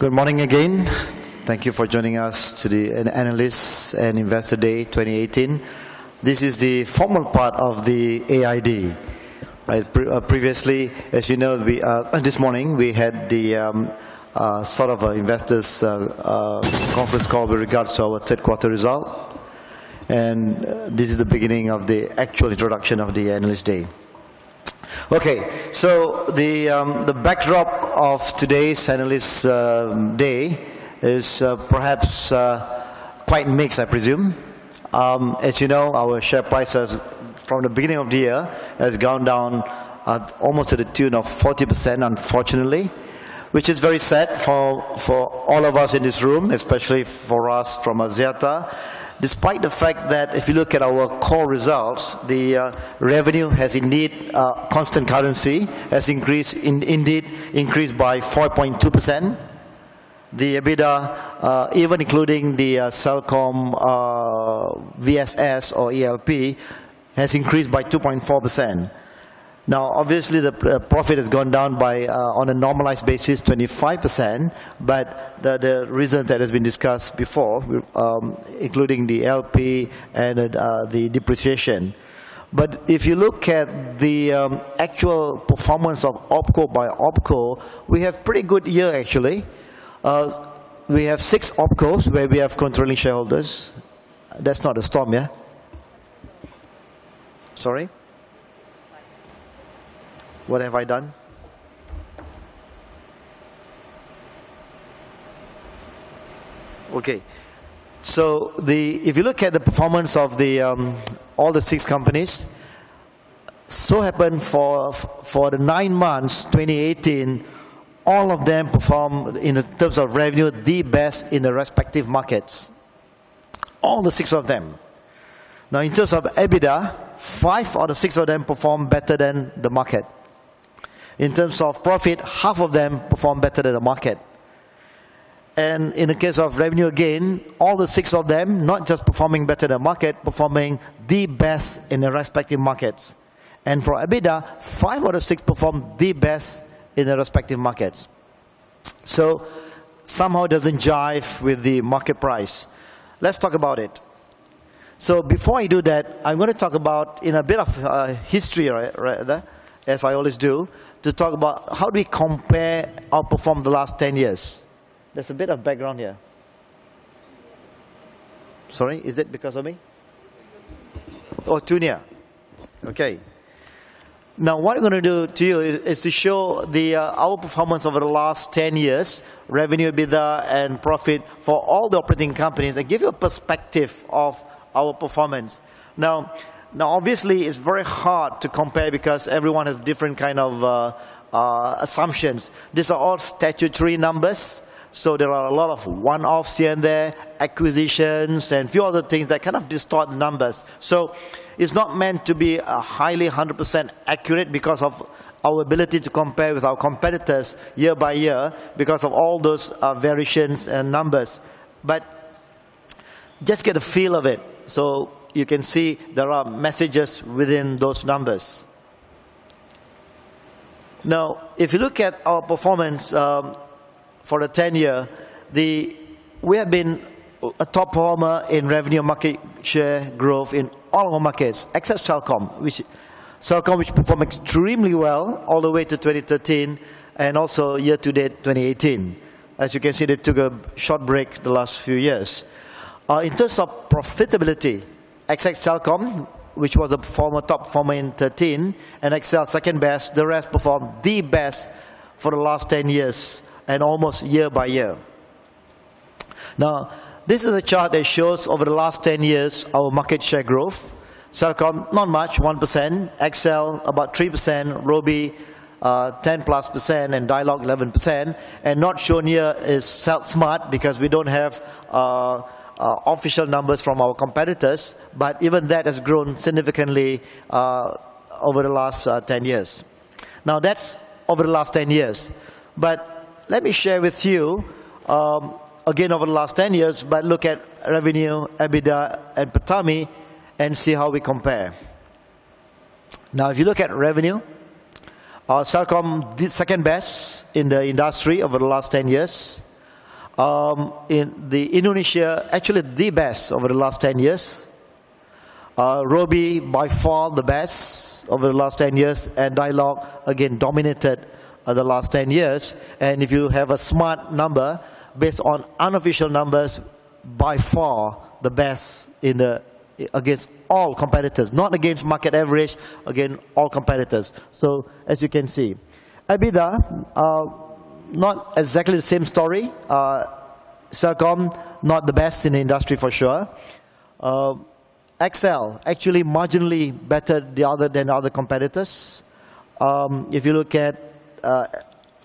Good morning again. Thank you for joining us to the Analysts and Investor Day 2018. This is the formal part of the AI Day. Previously, as you know, this morning we had the sort of investors' conference call with regards to our third quarter result, and this is the beginning of the actual introduction of the Analyst Day. Okay, so the backdrop of today's Analyst Day is perhaps quite mixed, I presume. As you know, our share prices from the beginning of the year have gone down almost to the tune of 40%, unfortunately, which is very sad for all of us in this room, especially for us from Axiata. Despite the fact that if you look at our core results, the revenue has indeed, constant currency has increased, indeed increased by 5.2%. The EBITDA, even including the Celcom VSS or ELP, has increased by 2.4%. Now, obviously, the profit has gone down by, on a normalized basis, 25%, but the reasons that have been discussed before, including the LP and the depreciation, but if you look at the actual performance of OpCo by OpCo, we have a pretty good year, actually. We have six OpCos where we have controlling shareholders. That's not the norm, yeah? Sorry? What have I done? Okay, so if you look at the performance of all the six companies, so for the nine months 2018, all of them performed in terms of revenue the best in their respective markets. All the six of them. Now, in terms of EBITDA, five out of six of them performed better than the market. In terms of profit, half of them performed better than the market. And in the case of revenue gain, all the six of them, not just performing better than the market, performing the best in their respective markets. And for EBITDA, five out of six performed the best in their respective markets. So somehow it doesn't jive with the market price. Let's talk about it. So before I do that, I'm going to talk about, in a bit of history, as I always do, to talk about how do we compare our performance the last 10 years. There's a bit of background here. Sorry, is it because of me? Oh, Tunia. Okay. Now, what I'm going to do to you is to show our performance over the last 10 years, revenue, EBITDA, and profit for all the operating companies and give you a perspective of our performance. Now, obviously, it's very hard to compare because everyone has different kind of assumptions. These are all statutory numbers, so there are a lot of one-offs here and there, acquisitions, and a few other things that kind of distort the numbers. So it's not meant to be highly 100% accurate because of our ability to compare with our competitors year by year because of all those variations and numbers. But just get a feel of it so you can see there are messages within those numbers. Now, if you look at our performance for the 10-year, we have been a top performer in revenue and market share growth in all of our markets, except Celcom, which performed extremely well all the way to 2013 and also year to date 2018. As you can see, they took a short break the last few years. In terms of profitability, except Celcom, which was a top performer in 2013 and XLled second best, the rest performed the best for the last 10 years and almost year by year. Now, this is a chart that shows over the last 10 years our market share growth. Celcom, not much, 1%. XL, about 3%. Robi, 10+%, and Dialog, 11%. And not shown here is Smart because we don't have official numbers from our competitors, but even that has grown significantly over the last 10 years. Now, that's over the last 10 years. But let me share with you, again, over the last 10 years, but look at revenue, EBITDA, and PATAMI, and see how we compare. Now, if you look at revenue, Celcom, second best in the industry over the last 10 years. In Indonesia, actually the best over the last 10 years. Robi, by far, the best over the last 10 years. And Dialog, again, dominated the last 10 years. And if you have a Smart number, based on unofficial numbers, by far, the best against all competitors. Not against market average, against all competitors. So, as you can see, EBITDA, not exactly the same story. Celcom, not the best in the industry for sure. XL, actually marginally better than other competitors. If you look at,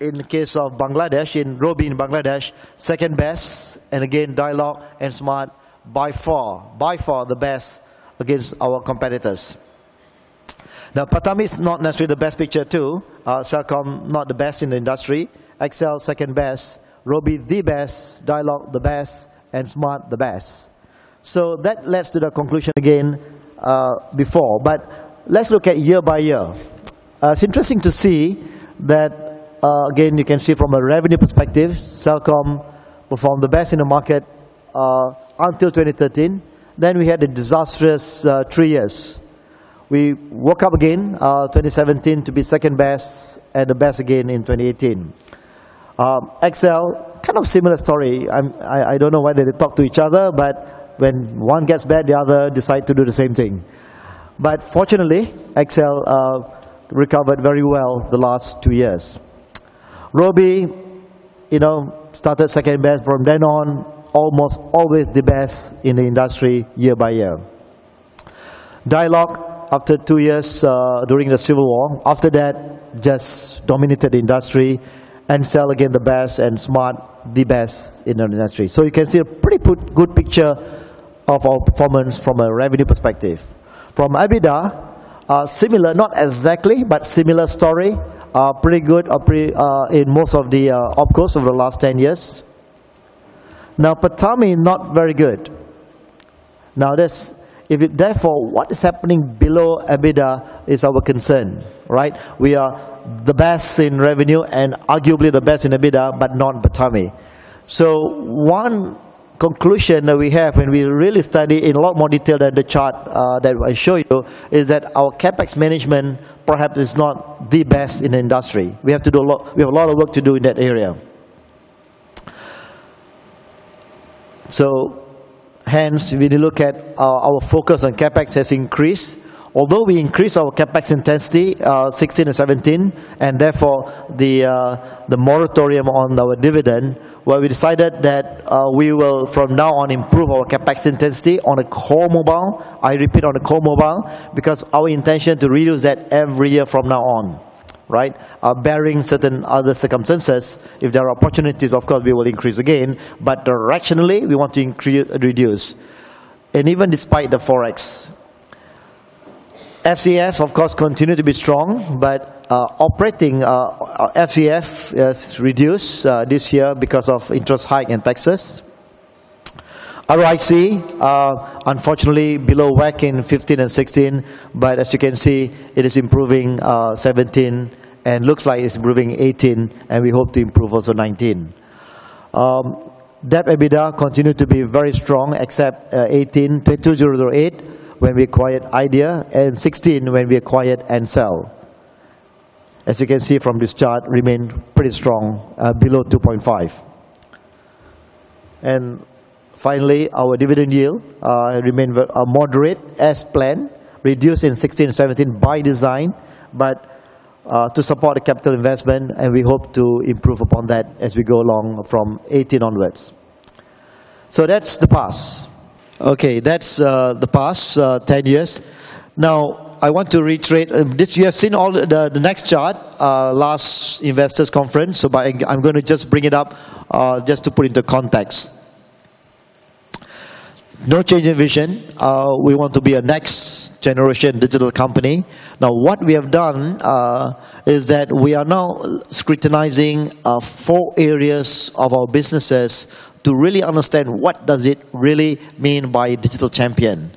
in the case of Bangladesh, in Robi in Bangladesh, second best. And again, Dialog and Smart, by far, by far the best against our competitors. Now, PATAMI is not necessarily the best picture too. Celcom, not the best in the industry. XL, second best. Robi, the best. Dialog, the best. And Smart, the best. So that led to the conclusion again before. But let's look at year by year. It's interesting to see that, again, you can see from a revenue perspective, Celcom performed the best in the market until 2013. Then we had a disastrous three years. We woke up again 2017 to be second best and the best again in 2018. XL, kind of SIMilar story. I don't know why they talk to each other, but when one gets bad, the other decides to do the same thing. But fortunately, XL recovered very well the last two years. Robi started second best from then on, almost always the best in the industry year by year. Dialog, after two years during the civil war, after that, just dominated the industry, and XL, again, the best, and Smart, the best in the industry. You can see a pretty good picture of our performance from a revenue perspective. From EBITDA, SIMilar, not exactly, but SIMilar story. Pretty good in most of the OpCos over the last 10 years. Now, PATAMI, not very good. Now, therefore, what is happening below EBITDA is our concern, right? We are the best in revenue and arguably the best in EBITDA, but not PATAMI. So one conclusion that we have when we really study in a lot more detail than the chart that I show you is that our CapEx management perhaps is not the best in the industry. We have to do a lot—we have a lot of work to do in that area. So, hence, when you look at our focus on CapEx has increased. Although we increased our CapEx intensity 2016 and 2017, and therefore the moratorium on our dividend, well, we decided that we will, from now on, improve our CapEx intensity on the core mobile. I repeat, on the core mobile, because our intention is to reduce that every year from now on, right? Bearing certain other circumstances, if there are opportunities, of course, we will increase again, but directionally, we want to reduce. And even despite the forex. FCF, of course, continued to be strong, but operating FCF has reduced this year because of interest hike and taxes. ROIC, unfortunately, below WACC in 2015 and 2016, but as you can see, it is improving 2017 and looks like it's improving 2018, and we hope to improve also 2019. Debt EBITDA continued to be very strong, except 2018, 2008, when we acquired Idea, and 2016, when we acquired Ncell. As you can see from this chart, remained pretty strong, below 2.5. Finally, our dividend yield remained moderate, as planned, reduced in 2016 and 2017 by design, but to support the capital investment, and we hope to improve upon that as we go along from 2018 onwards. So that's the past. Okay, that's the past 10 years. Now, I want to reiterate. You have seen the next chart, last investors' conference, so I'm going to just bring it up just to put into context. No change in vision. We want to be a next-generation digital company. Now, what we have done is that we are now scrutinizing four areas of our businesses to really understand what does it really mean by digital champion.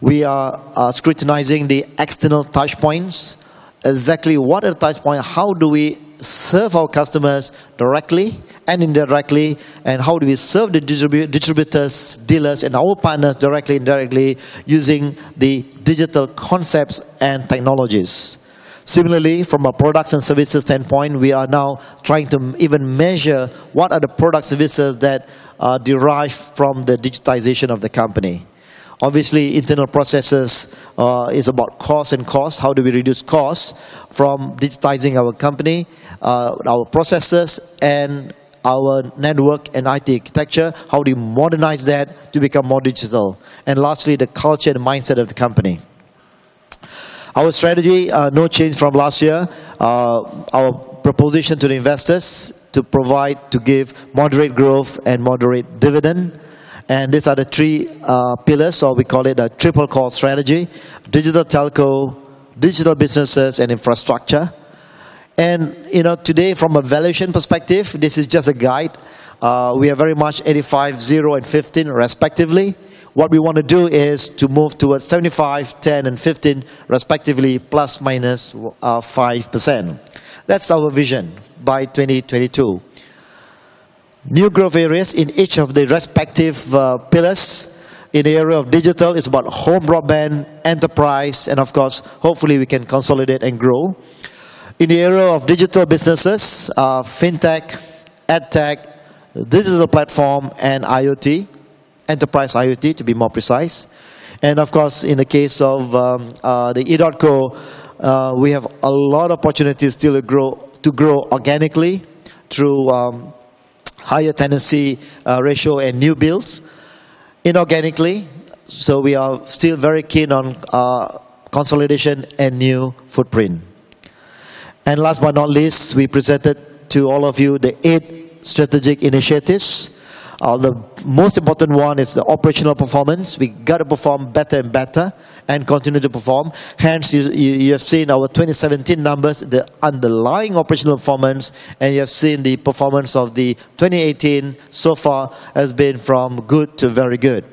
We are scrutinizing the external touchpoints, exactly what are the touchpoints, how do we serve our customers directly and indirectly, and how do we serve the distributors, dealers, and our partners directly using the digital concepts and technologies. Similarly, from a products and services standpoint, we are now trying to even measure what are the products and services that derive from the digitization of the company. Obviously, internal processes is about cost. How do we reduce cost from digitizing our company, our processes, and our network and IT architecture? How do we modernize that to become more digital? And lastly, the culture and mindset of the company. Our strategy, no change from last year. Our proposition to the investors to provide, to give moderate growth and moderate dividend. These are the three pillars, or we call it a triple-core strategy: digital telco, digital businesses, and infrastructure. Today, from a valuation perspective, this is just a guide. We are very much 85, 0, and 15, respectively. What we want to do is to move towards 75, 10, and 15, respectively, plus minus 5%. That's our vision by 2022. New growth areas in each of the respective pillars in the area of digital is about home, broadband, enterprise, and of course, hopefully we can consolidate and grow. In the area of digital businesses, fintech, edtech, digital platform, and IoT, enterprise IoT to be more precise. And of course, in the case of edotco, we have a lot of opportunities still to grow organically through higher tenancy ratio and new builds inorganically. So we are still very keen on consolidation and new footprint. And last but not least, we presented to all of you the eight strategic initiatives. The most important one is the operational performance. We got to perform better and better and continue to perform. Hence, you have seen our 2017 numbers, the underlying operational performance, and you have seen the performance of the 2018 so far has been from good to very good.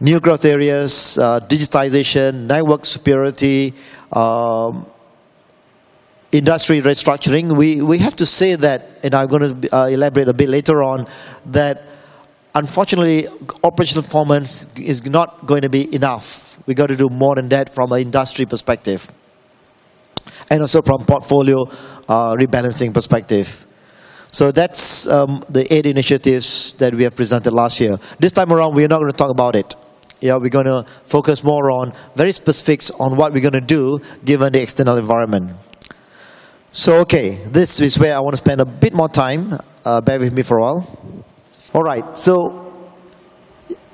New growth areas, digitization, network superiority, industry restructuring. We have to say that, and I'm going to elaborate a bit later on, that unfortunately, operational performance is not going to be enough. We got to do more than that from an industry perspective and also from portfolio rebalancing perspective. So that's the eight initiatives that we have presented last year. This time around, we are not going to talk about it. We're going to focus more on very specifics on what we're going to do given the external environment. So, okay, this is where I want to spend a bit more time. Bear with me for a while. All right. So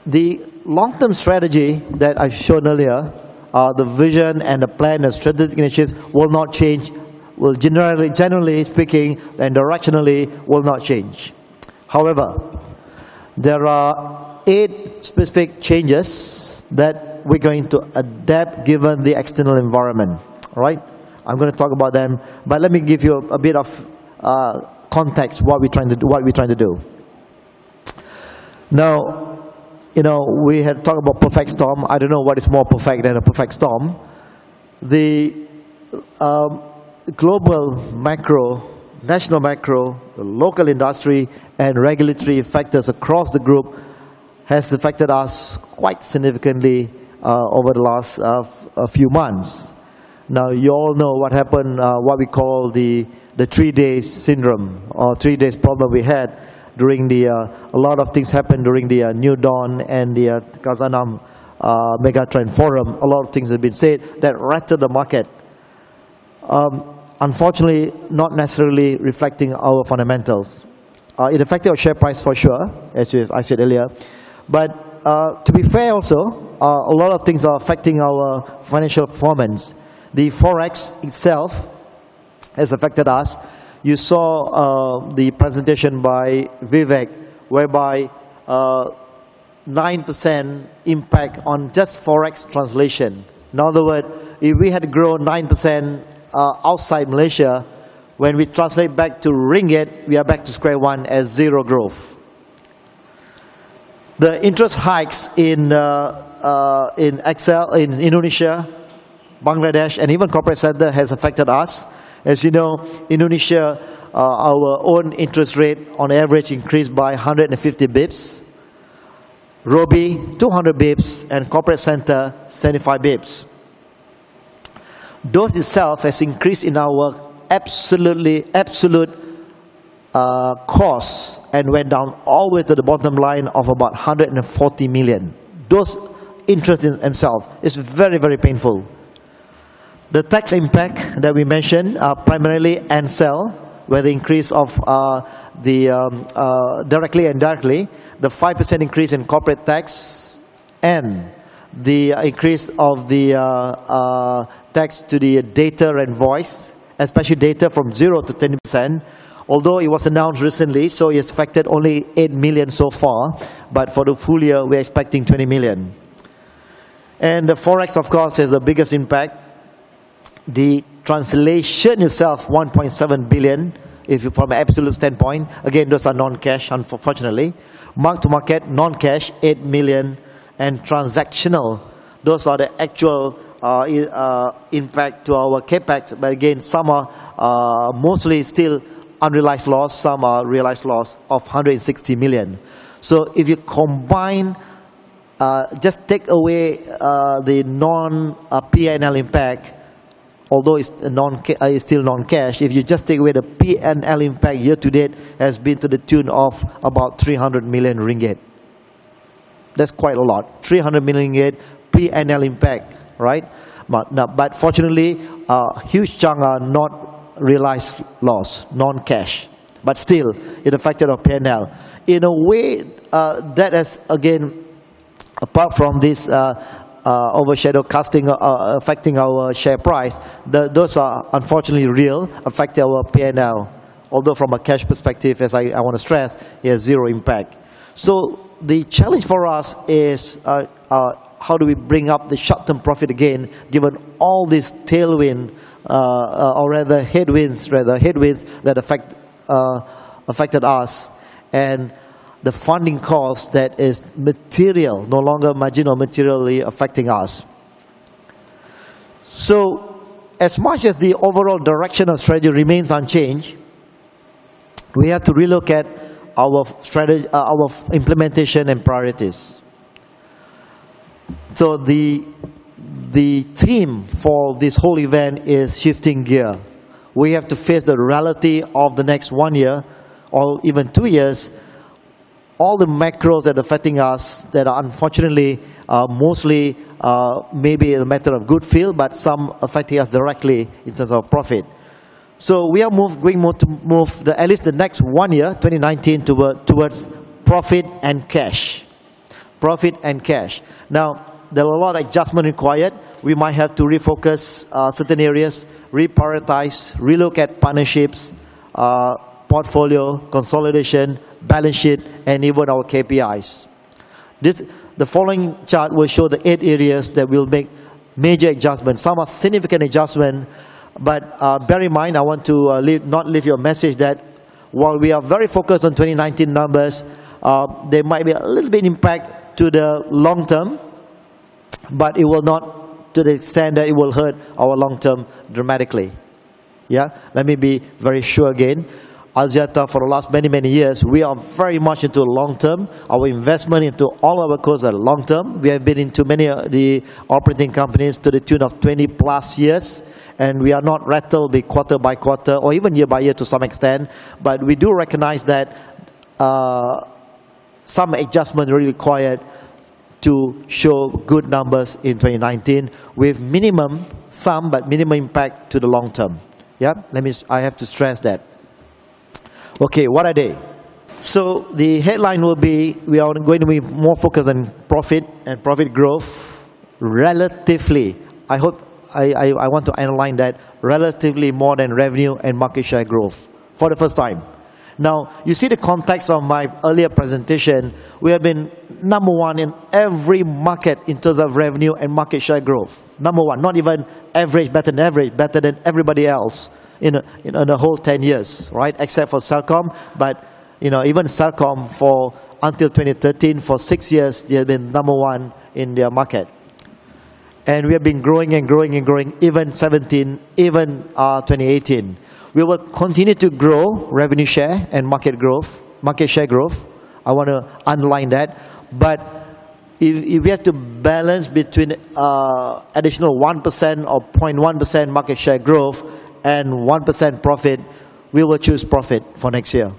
the long-term strategy that I've shown earlier, the vision and the plan and strategic initiatives will not change. Generally speaking and directionally, will not change. However, there are eight specific changes that we're going to adapt given the external environment. All right? I'm going to talk about them, but let me give you a bit of context what we're trying to do. Now, we had talked about perfect storm. I don't know what is more perfect than a perfect storm. The global macro, national macro, local industry, and regulatory factors across the group has affected us quite significantly over the last few months. Now, you all know what happened, what we call the three-day syndrome or three-day problem we had during a lot of things happened during the New Dawn and the Khazanah Megatrend Forum. A lot of things have been said that rattled the market. Unfortunately, not necessarily reflecting our fundamentals. It affected our share price for sure, as I said earlier. But to be fair also, a lot of things are affecting our financial performance. The forex itself has affected us. You saw the presentation by Vivek, whereby 9% impact on just forex translation. In other words, if we had grown 9% outside Malaysia, when we translate back to ringgit, we are back to square one at zero growth. The interest hikes in Indonesia, Bangladesh, and even corporate center has affected us. As you know, Indonesia, our own interest rate on average increased by 150 basis points. Robi, 200 basis points, and corporate center, 75 basis points. That itself has increased our absolute cost and went down all the way to the bottom line of about $140 million. Those items in themselves are very, very painful. The tax impact that we mentioned primarily Ncell, where the increase of the direct and indirect, the 5% increase in corporate tax and the increase of the tax on the data and voice, especially data from 0%-10%, although it was announced recently, so it has affected only $8 million so far, but for the full year, we're expecting $20 million. The forex, of course, has the biggest impact. The translation itself, $1.7 billion, if you're from an absolute standpoint. Again, those are non-cash, unfortunately. Mark-to-market, non-cash, $8 million. Transactional, those are the actual impact to our CapEx. But again, some are mostly still unrealized loss, some are realized loss of 160 million. So if you combine, just take away the non-P&L impact, although it's still non-cash, if you just take away the P&L impact, year to date has been to the tune of about 300 million ringgit. That's quite a lot. 300 million ringgit P&L impact, right? But fortunately, a huge chunk are not realized loss, non-cash. But still, it affected our P&L. In a way, that has again, apart from this overshadowing affecting our share price, those are unfortunately real, affecting our P&L. Although from a cash perspective, as I want to stress, it has zero impact. The challenge for us is how do we bring up the short-term profit again, given all this tailwind, or rather headwinds, rather, headwinds that affected us and the funding cost that is material, no longer marginal, materially affecting us. As much as the overall direction of strategy remains unchanged, we have to relook at our implementation and priorities. The theme for this whole event is shifting gear. We have to face the reality of the next one year or even two years, all the macros that are affecting us that are unfortunately mostly maybe a matter of good field, but some affecting us directly in terms of profit. We are going to move at least the next one year, 2019, towards profit and cash. Profit and cash. Now, there are a lot of adjustments required. We might have to refocus certain areas, reprioritize, relook at partnerships, portfolio, consolidation, balance sheet, and even our KPIs. The following chart will show the eight areas that will make major adjustments, some are significant adjustments. But bear in mind, I want to not leave you a message that while we are very focused on 2019 numbers, there might be a little bit of impact to the long term, but it will not to the extent that it will hurt our long term dramatically. Yeah? Let me be very sure again. As yet for the last many, many years, we are very much into long term. Our investment into all our goals are long term. We have been into many of the operating companies to the tune of 20 plus years, and we are not rattled by quarter by quarter or even yea- by-year to some extent, but we do recognize that some adjustment really required to show good numbers in 2019 with minimum some, but minimum impact to the long term. Yeah? I have to stress that. Okay, what are they? So the headline will be we are going to be more focused on profit and profit growth relatively. I want to underline that relatively more than revenue and market share growth for the first time. Now, you see the context of my earlier presentation. We have been number one in every market in terms of revenue and market share growth. Number one, not even average, better than average, better than everybody else in the whole 10 years, right? Except for Celcom, but even Celcom for until 2013, for six years, they have been number one in their market, and we have been growing and growing and growing even 2017, even 2018. We will continue to grow revenue share and market growth, market share growth. I want to underline that, but if we have to balance between additional 1% or 0.1% market share growth and 1% profit, we will choose profit for next year,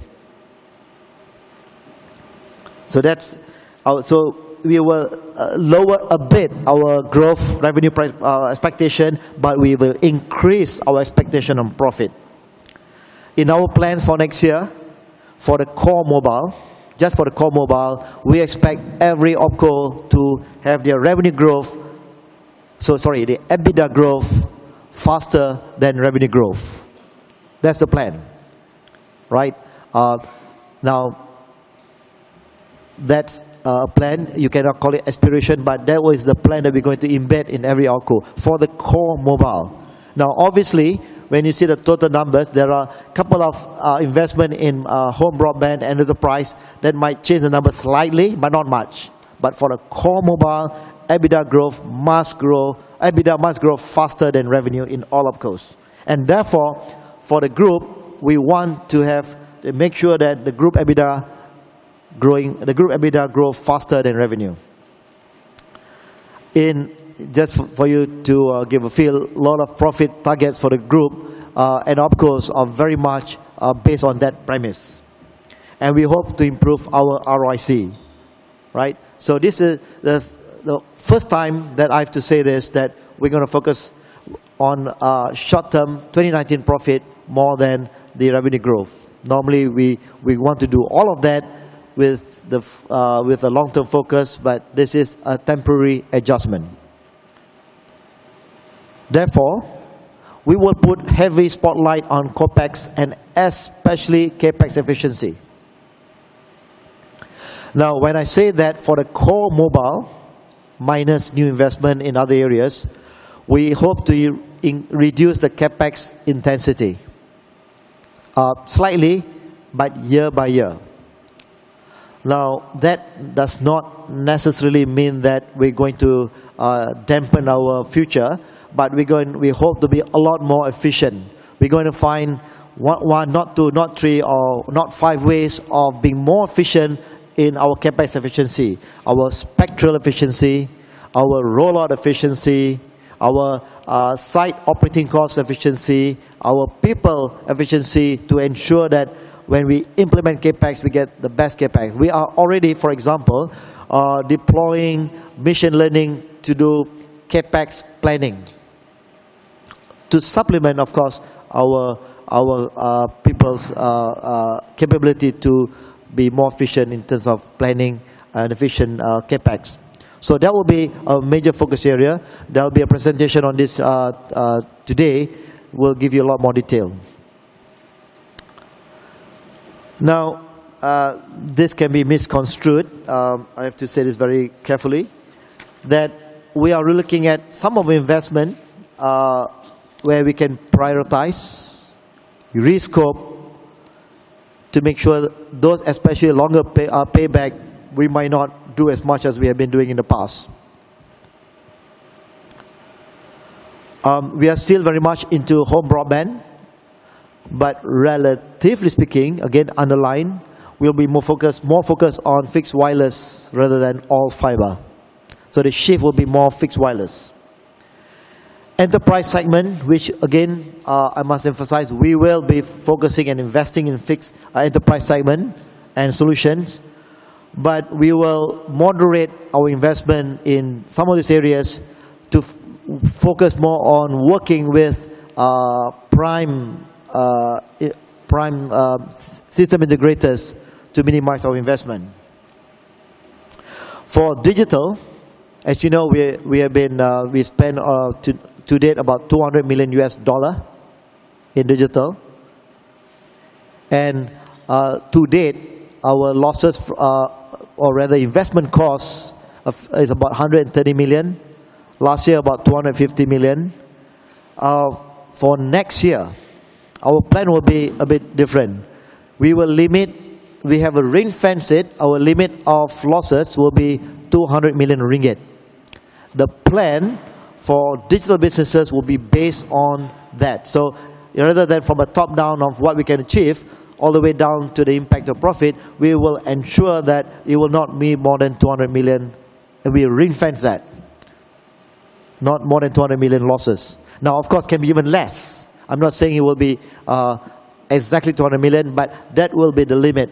so we will lower a bit our growth revenue price expectation, but we will increase our expectation on profit. In our plans for next year for the core mobile, just for the core mobile, we expect every OpCo to have their revenue growth, sorry, their EBITDA growth faster than revenue growth. That's the plan, right? Now, that's a plan. You cannot call it aspiration, but that was the plan that we're going to embed in every OpCo for the core mobile. Now, obviously, when you see the total numbers, there are a couple of investments in home, broadband, enterprise that might change the numbers slightly, but not much, but for the core mobile, EBITDA growth must grow, EBITDA must grow faster than revenue in all OpCos and therefore, for the group, we want to make sure that the group EBITDA growing the group EBITDA grow faster than revenue. Just for you to give a feel, a lot of profit targets for the group and OpCos are very much based on that premise and we hope to improve our ROIC, right? So this is the first time that I have to say this that we're going to focus on short-term 2019 profit more than the revenue growth. Normally, we want to do all of that with a long-term focus, but this is a temporary adjustment. Therefore, we will put heavy spotlight on CapEx and especially CapEx efficiency. Now, when I say that for the core mobile minus new investment in other areas, we hope to reduce the CapEx intensity slightly, but year-by-year. Now, that does not necessarily mean that we're going to dampen our future, but we hope to be a lot more efficient. We're going to find one, two, not three, or not five ways of being more efficient in our CapEx efficiency, our spectral efficiency, our rollout efficiency, our site operating cost efficiency, our people efficiency to ensure that when we implement CapEx, we get the best CapEx. We are already, for example, deploying machine learning to do CapEx planning to supplement, of course, our people's capability to be more efficient in terms of planning and efficient CapEx. So that will be a major focus area. There will be a presentation on this today. We'll give you a lot more detail. Now, this can be misconstrued. I have to say this very carefully that we are looking at some of the investment where we can prioritize, rescope to make sure those, especially longer payback, we might not do as much as we have been doing in the past. We are still very much into home broadband, but relatively speaking, again, underline, we'll be more focused on fixed wireless rather than all fiber. So the shift will be more fixed wireless. Enterprise segment, which again, I must emphasize, we will be focusing and investing in fixed enterprise segment and solutions, but we will moderate our investment in some of these areas to focus more on working with prime system integrators to minimize our investment. For digital, as you know, we have spent to date about $200 million in digital. And to date, our losses, or rather investment costs, is about $130 million. Last year, about $250 million. For next year, our plan will be a bit different. We will limit. We have a ring-fenced. Our limit of losses will be 200 million ringgit. The plan for digital businesses will be based on that. So rather than from a top-down of what we can achieve all the way down to the impact of profit, we will ensure that it will not be more than 200 million. We ring-fence that. Not more than 200 million losses. Now, of course, it can be even less. I'm not saying it will be exactly 200 million, but that will be the limit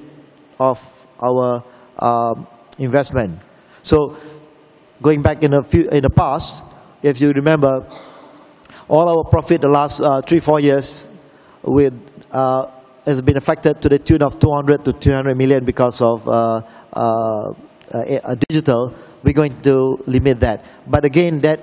of our investment. So going back in the past, if you remember, all our profit the last three, four years has been affected to the tune of 200 million-300 million because of digital. We're going to limit that. But again, that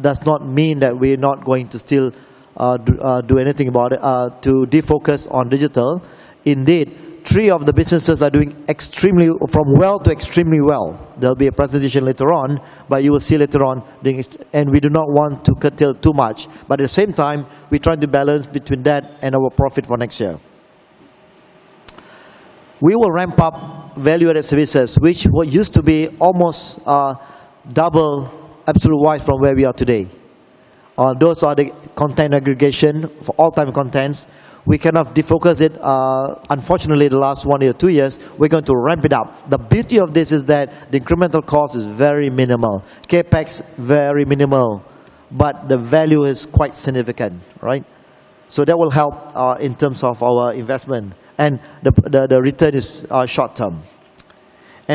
does not mean that we're not going to still do anything about it to defocus on digital. Indeed, three of the businesses are doing extremely from well to extremely well. There'll be a presentation later on, but you will see later on. And we do not want to curtail too much. But at the same time, we're trying to balance between that and our profit for next year. We will ramp up value-added services, which used to be almost double absolute wise from where we are today. Those are the content aggregation for all-time contents. We cannot defocus it. Unfortunately, the last one or two years, we're going to ramp it up. The beauty of this is that the incremental cost is very minimal. CapEx, very minimal, but the value is quite significant, right? So that will help in terms of our investment. The return is short-term.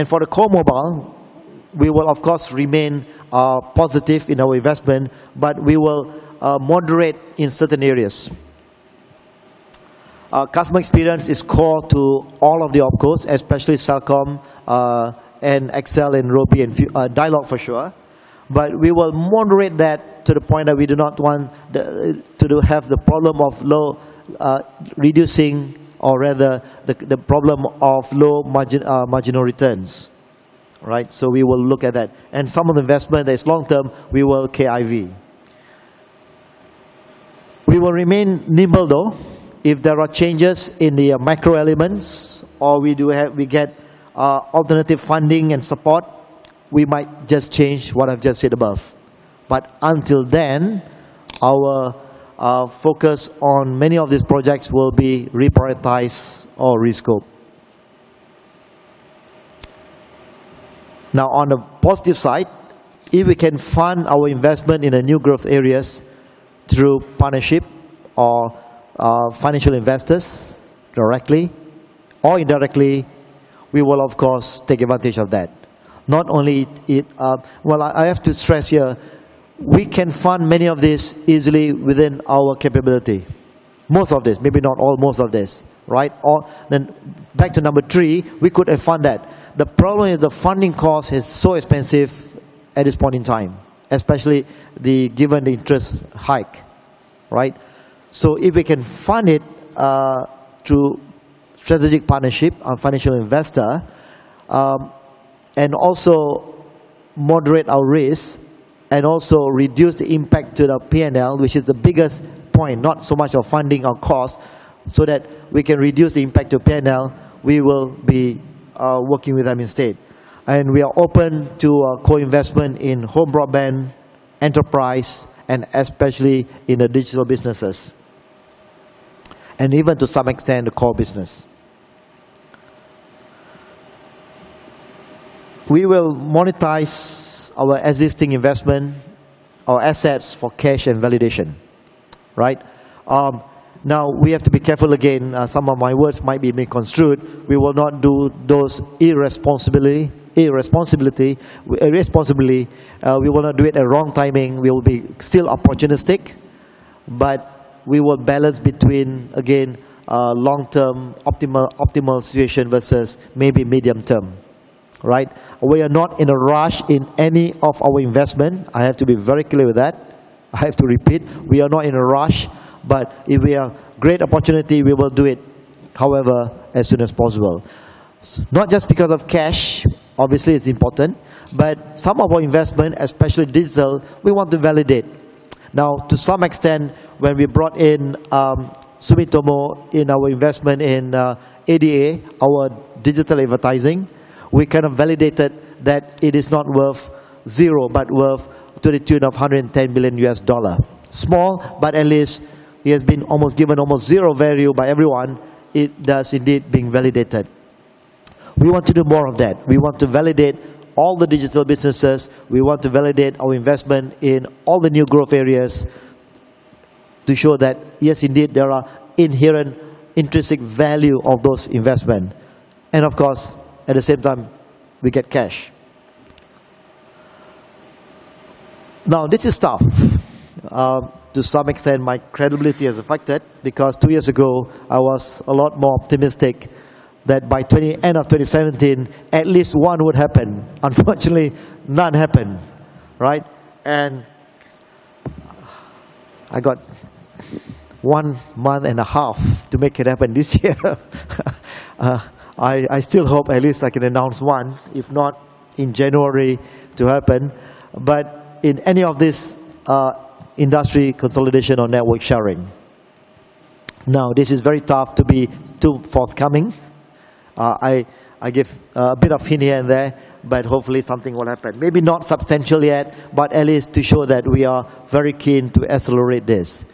For the core mobile, we will, of course, remain positive in our investment, but we will moderate in certain areas. Customer experience is core to all of the OpCos, especially Celcom and XL and Robi and Dialog, for sure. We will moderate that to the point that we do not want to have the problem of low reducing or rather the problem of low marginal returns, right? So we will look at that. And some of the investment that is long-term, we will KIV. We will remain nimble, though. If there are changes in the macro elements or we get alternative funding and support, we might just change what I've just said above. But until then, our focus on many of these projects will be reprioritized or rescoped. Now, on the positive side, if we can fund our investment in the new growth areas through partnership or financial investors directly or indirectly, we will, of course, take advantage of that. Not only that. Well, I have to stress here, we can fund many of these easily within our capability. Most of these, maybe not all, most of these, right? Then back to number three, we could have funded that. The problem is the funding cost is so expensive at this point in time, especially given the interest hike, right? So if we can fund it through strategic partnership, a financial investor, and also moderate our risk and also reduce the impact to the P&L, which is the biggest point, not so much our funding or cost, so that we can reduce the impact to P&L, we will be working with them instead. And we are open to co-investment in home, broadband, enterprise, and especially in the digital businesses. And even to some extent, the core business. We will monetize our existing investment, our assets for cash and validation, right? Now, we have to be careful again. Some of my words might be misconstrued. We will not do those irresponsibly. We will not do it at wrong timing. We will be still opportunistic, but we will balance between, again, long-term optimal situation versus maybe medium term, right? We are not in a rush in any of our investment. I have to be very clear with that. I have to repeat, we are not in a rush, but if we have great opportunity, we will do it, however, as soon as possible. Not just because of cash, obviously, it's important, but some of our investment, especially digital, we want to validate. Now, to some extent, when we brought in Sumitomo in our investment in ADA, our digital advertising, we kind of validated that it is not worth zero, but worth to the tune of $110 million. Small, but at least it has been almost given almost zero value by everyone. It does indeed being validated. We want to do more of that. We want to validate all the digital businesses. We want to validate our investment in all the new growth areas to show that, yes, indeed, there are inherent intrinsic value of those investments, and of course, at the same time, we get cash. Now, this is tough. To some extent, my credibility has affected because two years ago, I was a lot more optimistic that by end of 2017, at least one would happen. Unfortunately, none happened, right, and I got one month and a half to make it happen this year. I still hope at least I can announce one, if not in January, to happen, but in any of this industry consolidation or network sharing. Now, this is very tough to be too forthcoming. I give a bit of hint here and there, but hopefully something will happen. Maybe not substantial yet, but at least to show that we are very keen to accelerate this,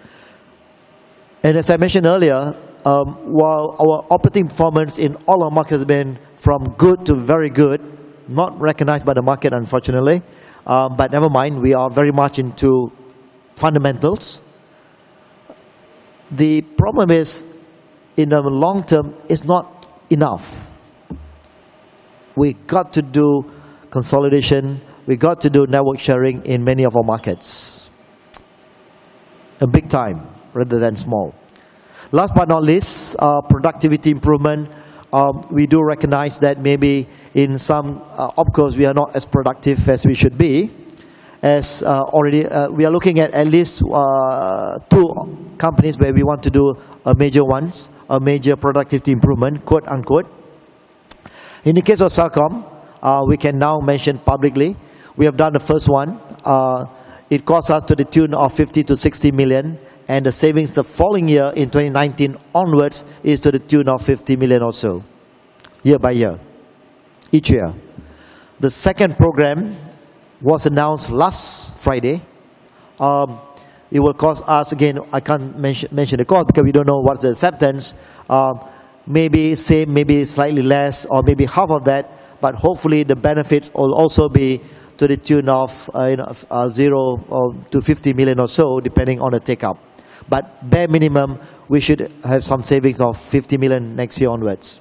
and as I mentioned earlier, while our operating performance in all our markets has been from good to very good, not recognized by the market, unfortunately, but never mind, we are very much into fundamentals. The problem is in the long term, it's not enough. We got to do consolidation. We got to do network sharing in many of our markets. A big time rather than small. Last but not least, productivity improvement. We do recognize that maybe in some OpCos, we are not as productive as we should be. As already, we are looking at at least two companies where we want to do a major one, a major productivity improvement, quote unquote. In the case of Celcom, we can now mention publicly. We have done the first one. It costs us to the tune of 50-60 million, and the savings the following year in 2019 onwards is to the tune of 50 million or so, year-by-year, each year. The second program was announced last Friday. It will cost us, again, I can't mention the cost because we don't know what's the acceptance. Maybe same, maybe slightly less, or maybe half of that, but hopefully the benefits will also be to the tune of 0-50 million or so, depending on the take-up. But bare minimum, we should have some savings of 50 million next year onwards.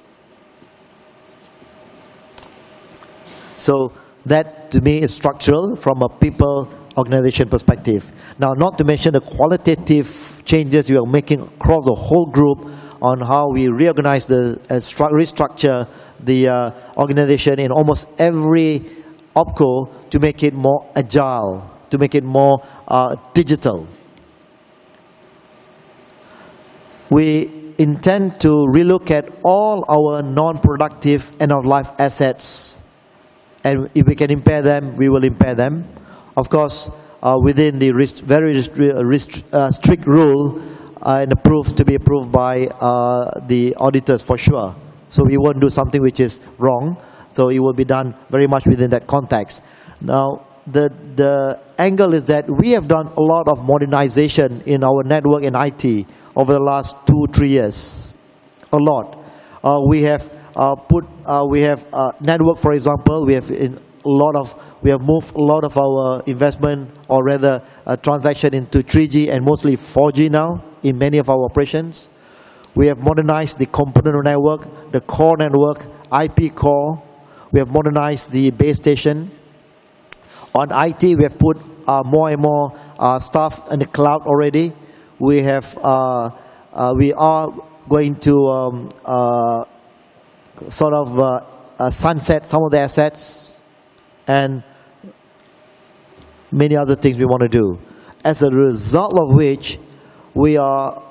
So that, to me, is structural from a people organization perspective. Now, not to mention the qualitative changes we are making across the whole group on how we reorganize, restructure the organization in almost every OpCo to make it more agile, to make it more digital. We intend to relook at all our non-productive end-of-life assets, and if we can impair them, we will impair them. Of course, within the very strict rule and to be approved by the auditors, for sure. We won't do something which is wrong, so it will be done very much within that context. Now, the angle is that we have done a lot of modernization in our network and IT over the last two, three years. A lot. For example, we have moved a lot of our investment or rather transition into 3G and mostly 4G now in many of our operations. We have modernized the component network, the core network, IP core. We have modernized the base station. On IT, we have put more and more stuff in the cloud already. We are going to sort of sunset some of the assets and many other things we want to do. As a result of which, we are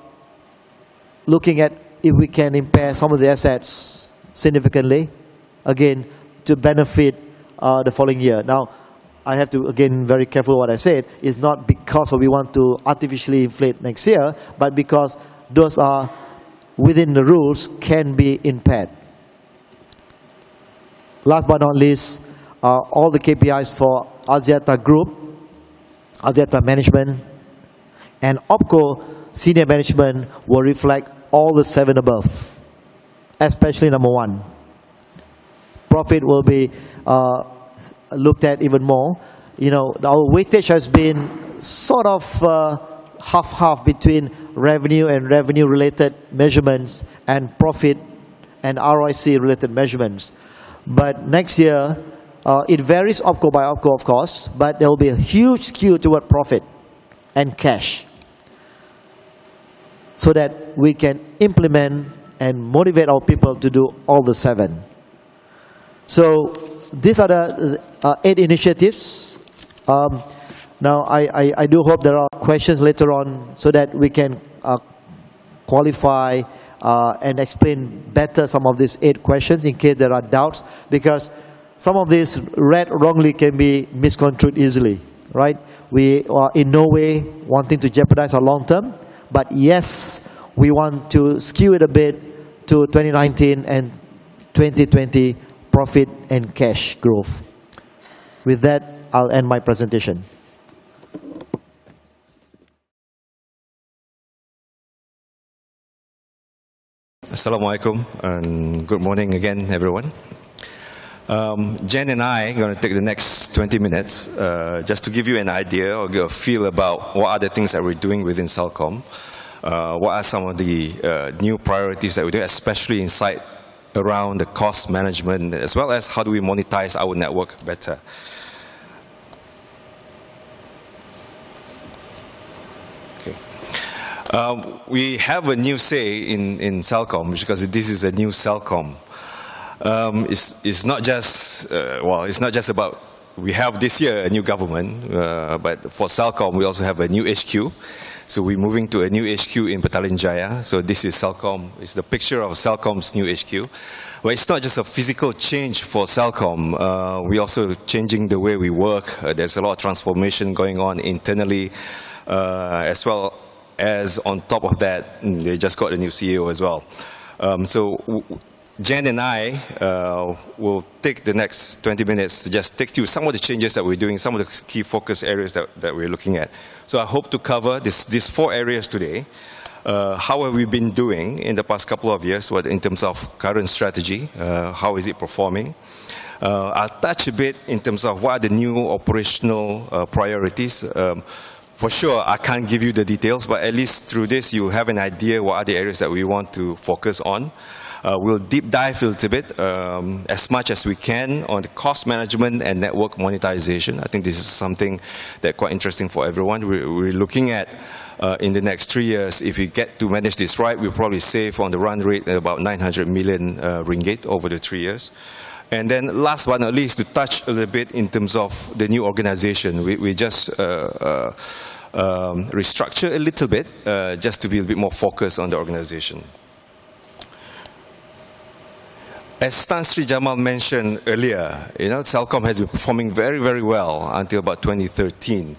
looking at if we can impair some of the assets significantly, again, to benefit the following year. Now, I have to, again, be very careful. What I said is not because we want to artificially inflate next year, but because those are within the rules can be impaired. Last but not least, all the KPIs for Axiata Group, Axiata Management, and OpCo Senior Management will reflect all the seven above, especially number one. Profit will be looked at even more. Our weightage has been sort of half-half between revenue and revenue-related measurements and profit and ROIC-related measurements. But next year, it varies OpCo by OpCo, of course, but there will be a huge skew toward profit and cash so that we can implement and motivate our people to do all the seven. So these are the eight initiatives. Now, I do hope there are questions later on so that we can qualify and explain better some of these eight questions in case there are doubts because some of these read wrongly can be misconstrued easily, right? We are in no way wanting to jeopardize our long term, but yes, we want to skew it a bit to 2019 and 2020 profit and cash growth. With that, I'll end my presentation. Assalamualaikum and good morning again, everyone. Jen and I are going to take the next 20 minutes just to give you an idea or give a feel about what are the things that we're doing within Celcom, what are some of the new priorities that we do, especially inside around the cost management, as well as how do we monetize our network better. Okay. We have a new CEO in Celcom because this is a new Celcom. It's not just, well, it's not just about we have this year a new government, but for Celcom, we also have a new HQ. So we're moving to a new HQ in Petaling Jaya. So this is Celcom. It's the picture of Celcom's new HQ. Well, it's not just a physical change for Celcom. We're also changing the way we work. There's a lot of transformation going on internally as well as on top of that, they just got a new CEO as well. So Jen and I will take the next 20 minutes to just take you some of the changes that we're doing, some of the key focus areas that we're looking at. So I hope to cover these four areas today. How have we been doing in the past couple of years in terms of current strategy? How is it performing? I'll touch a bit in terms of what are the new operational priorities. For sure, I can't give you the details, but at least through this, you have an idea what are the areas that we want to focus on. We'll deep dive a little bit as much as we can on cost management and network monetization. I think this is something that's quite interesting for everyone. We're looking at in the next three years, if we get to manage this right, we'll probably save on the run rate at about 900 million ringgit over the three years. And then last but not least, to touch a little bit in terms of the new organization, we just restructured a little bit just to be a bit more focused on the organization. As Tan Sri Jamal mentioned earlier, Celcom has been performing very, very well until about 2013.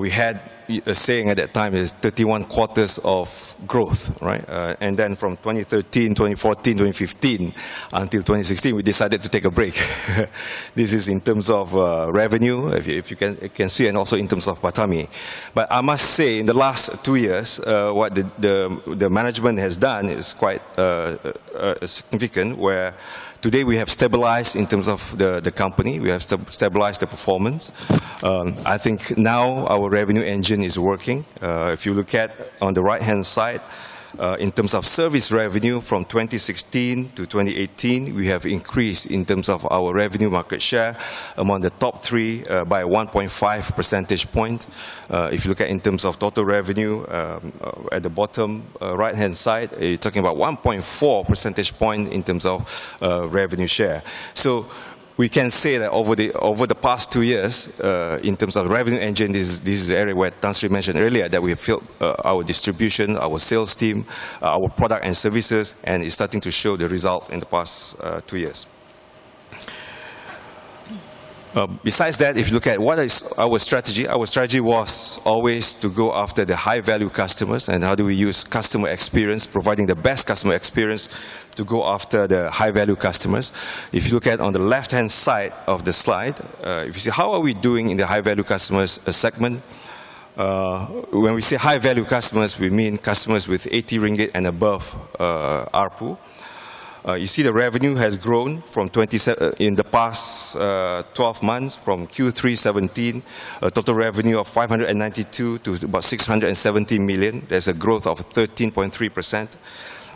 We had a saying at that time is 31 quarters of growth, right? And then from 2013, 2014, 2015, until 2016, we decided to take a break. This is in terms of revenue, if you can see, and also in terms of PATAMI. But I must say, in the last two years, what the management has done is quite significant, where today we have stabilized in terms of the company. We have stabilized the performance. I think now our revenue engine is working. If you look at on the right-hand side, in terms of service revenue from 2016 to 2018, we have increased in terms of our revenue market share among the top three by 1.5 percentage points. If you look at in terms of total revenue at the bottom right-hand side, you're talking about 1.4 percentage points in terms of revenue share. So we can say that over the past two years, in terms of revenue engine, this is the area where Tan Sri mentioned earlier that we've filled our distribution, our sales team, our product and services, and it's starting to show the results in the past two years. Besides that, if you look at what is our strategy, our strategy was always to go after the high-value customers and how do we use customer experience, providing the best customer experience to go after the high-value customers. If you look at on the left-hand side of the slide, if you see how are we doing in the high-value customers segment, when we say high-value customers, we mean customers with 80 ringgit and above RPU. You see the revenue has grown from 27 in the past 12 months from Q3 2017, a total revenue of 592 million to about 670 million. There's a growth of 13.3%.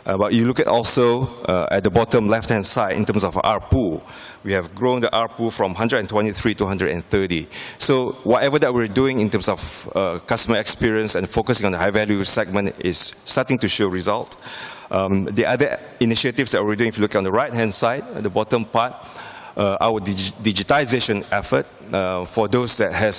But you look at also at the bottom left-hand side in terms of RPU, we have grown the RPU from 123 to 130. So whatever that we're doing in terms of customer experience and focusing on the high-value segment is starting to show results. The other initiatives that we're doing, if you look on the right-hand side, the bottom part, our digitization effort for those that have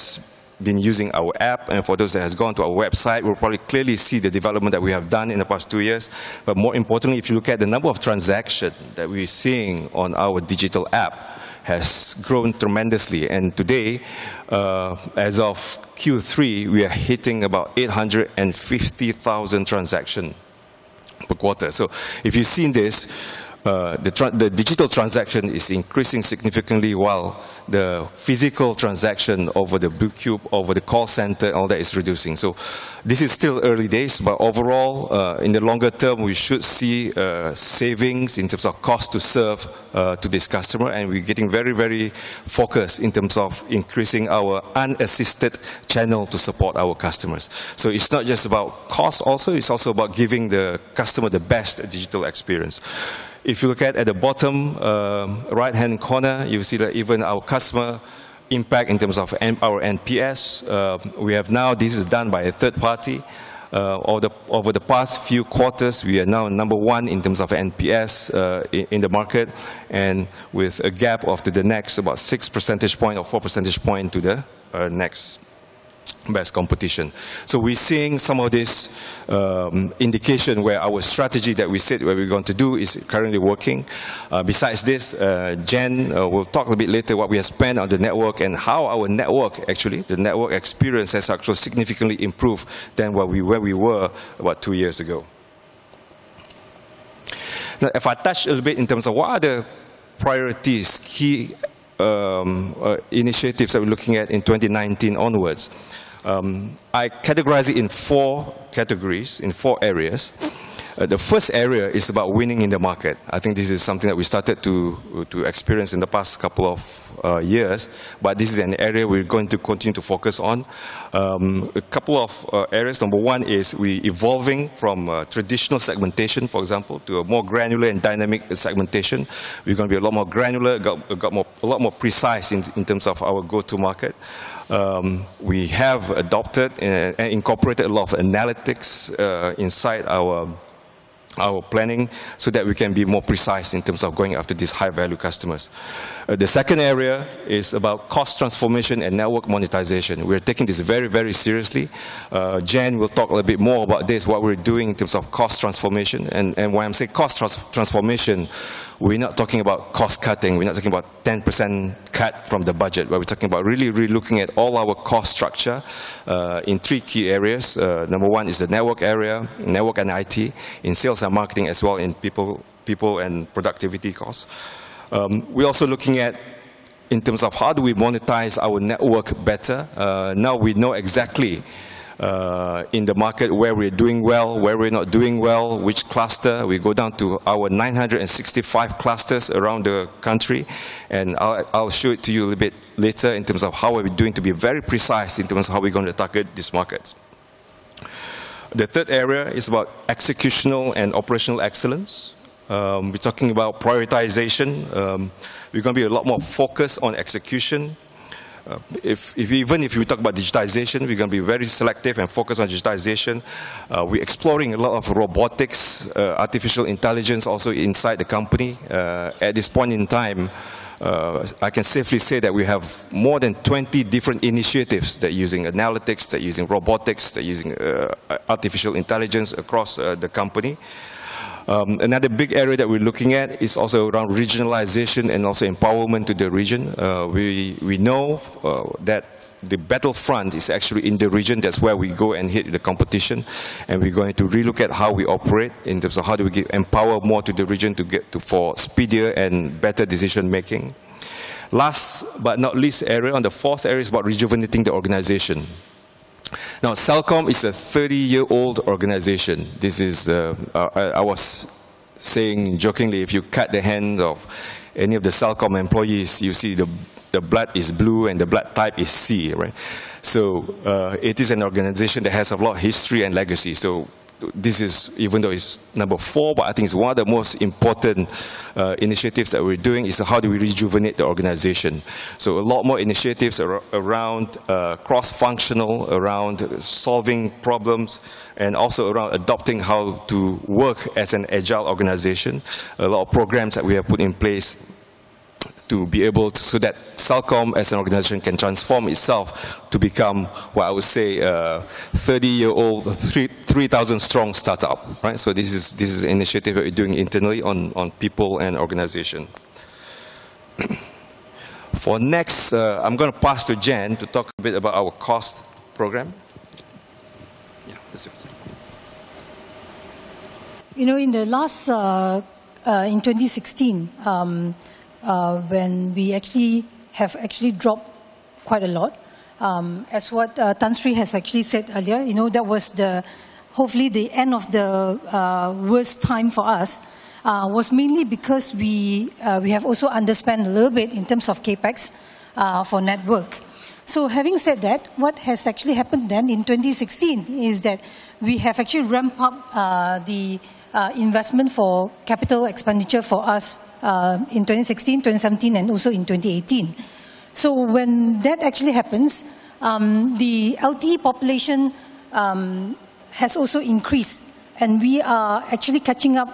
been using our app and for those that have gone to our website, we'll probably clearly see the development that we have done in the past two years. But more importantly, if you look at the number of transactions that we're seeing on our digital app has grown tremendously. And today, as of Q3, we are hitting about 850,000 transactions per quarter, so if you've seen this, the digital transaction is increasing significantly while the physical transaction over the counter, over the call center, all that is reducing, so this is still early days, but overall, in the longer term, we should see savings in terms of cost to serve to this customer. And we're getting very, very focused in terms of increasing our unassisted channel to support our customers. So it's not just about cost also, it's also about giving the customer the best digital experience. If you look at the bottom right-hand corner, you'll see that even our customer impact in terms of our NPS, we have now, this is done by a third party. Over the past few quarters, we are now number one in terms of NPS in the market and with a gap of the next about 6 percentage points or 4 percentage points to the next best competition. So we're seeing some of this indication where our strategy that we said where we're going to do is currently working. Besides this, Jen will talk a bit later what we have spent on the network and how our network, actually, the network experience has actually significantly improved than where we were about two years ago. Now, if I touch a little bit in terms of what are the priorities, key initiatives that we're looking at in 2019 onwards, I categorize it in four categories, in four areas. The first area is about winning in the market. I think this is something that we started to experience in the past couple of years, but this is an area we're going to continue to focus on. A couple of areas. Number one is we're evolving from traditional segmentation, for example, to a more granular and dynamic segmentation. We're going to be a lot more granular, a lot more precise in terms of our go-to market. We have adopted and incorporated a lot of analytics inside our planning so that we can be more precise in terms of going after these high-value customers. The second area is about cost transformation and network monetization. We're taking this very, very seriously. Jen will talk a little bit more about this, what we're doing in terms of cost transformation. And when I say cost transformation, we're not talking about cost cutting. We're not talking about a 10% cut from the budget, but we're talking about really, really looking at all our cost structure in three key areas. Number one is the network area, network and IT, in sales and marketing as well, in people and productivity costs. We're also looking at in terms of how do we monetize our network better. Now we know exactly in the market where we're doing well, where we're not doing well, which cluster. We go down to our 965 clusters around the country. And I'll show it to you a little bit later in terms of how are we doing to be very precise in terms of how we're going to target these markets. The third area is about executional and Operational Excellence. We're talking about prioritization. We're going to be a lot more focused on execution. Even if we talk about digitization, we're going to be very selective and focused on digitization. We're exploring a lot of robotics, artificial intelligence also inside the company. At this point in time, I can safely say that we have more than 20 different initiatives that are using analytics, that are using robotics, that are using artificial intelligence across the company. Another big area that we're looking at is also around regionalization and also empowerment to the region. We know that the battlefront is actually in the region. That's where we go and hit the competition. And we're going to relook at how we operate in terms of how do we empower more to the region for speedier and better decision-making. Last but not least area, the fourth area is about rejuvenating the organization. Now, Celcom is a 30-year-old organization. I was saying jokingly, if you cut the hands of any of the Celcom employees, you'll see the blood is blue and the blood type is C, right? So it is an organization that has a lot of history and legacy. So this is, even though it's number four, but I think it's one of the most important initiatives that we're doing is how do we rejuvenate the organization. A lot more initiatives around cross-functional, around solving problems, and also around adopting how to work as an agile organization. A lot of programs that we have put in place to be able to so that Celcom as an organization can transform itself to become what I would say a 30-year-old, 3,000-strong startup, right? This is an initiative that we're doing internally on people and organization. Next, I'm going to pass to Jen to talk a bit about our cost program. Yeah, that's it. You know, in the last, in 2016, when we actually have dropped quite a lot, as what Tan Sri has actually said earlier, you know, that was hopefully the end of the worst time for us was mainly because we have also underspent a little bit in terms of CapEx for network. Having said that, what has actually happened then in 2016 is that we have actually ramped up the investment for capital expenditure for us in 2016, 2017, and also in 2018. When that actually happens, the LTE population has also increased, and we are actually catching up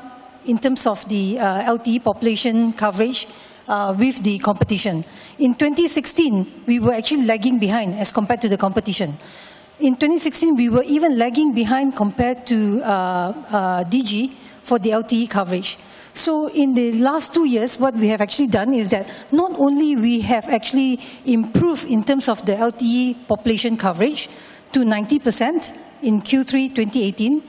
in terms of the LTE population coverage with the competition. In 2016, we were actually lagging behind as compared to the competition. In 2016, we were even lagging behind compared to Digi for the LTE coverage. In the last two years, what we have actually done is that not only we have actually improved in terms of the LTE population coverage to 90% in Q3 2018,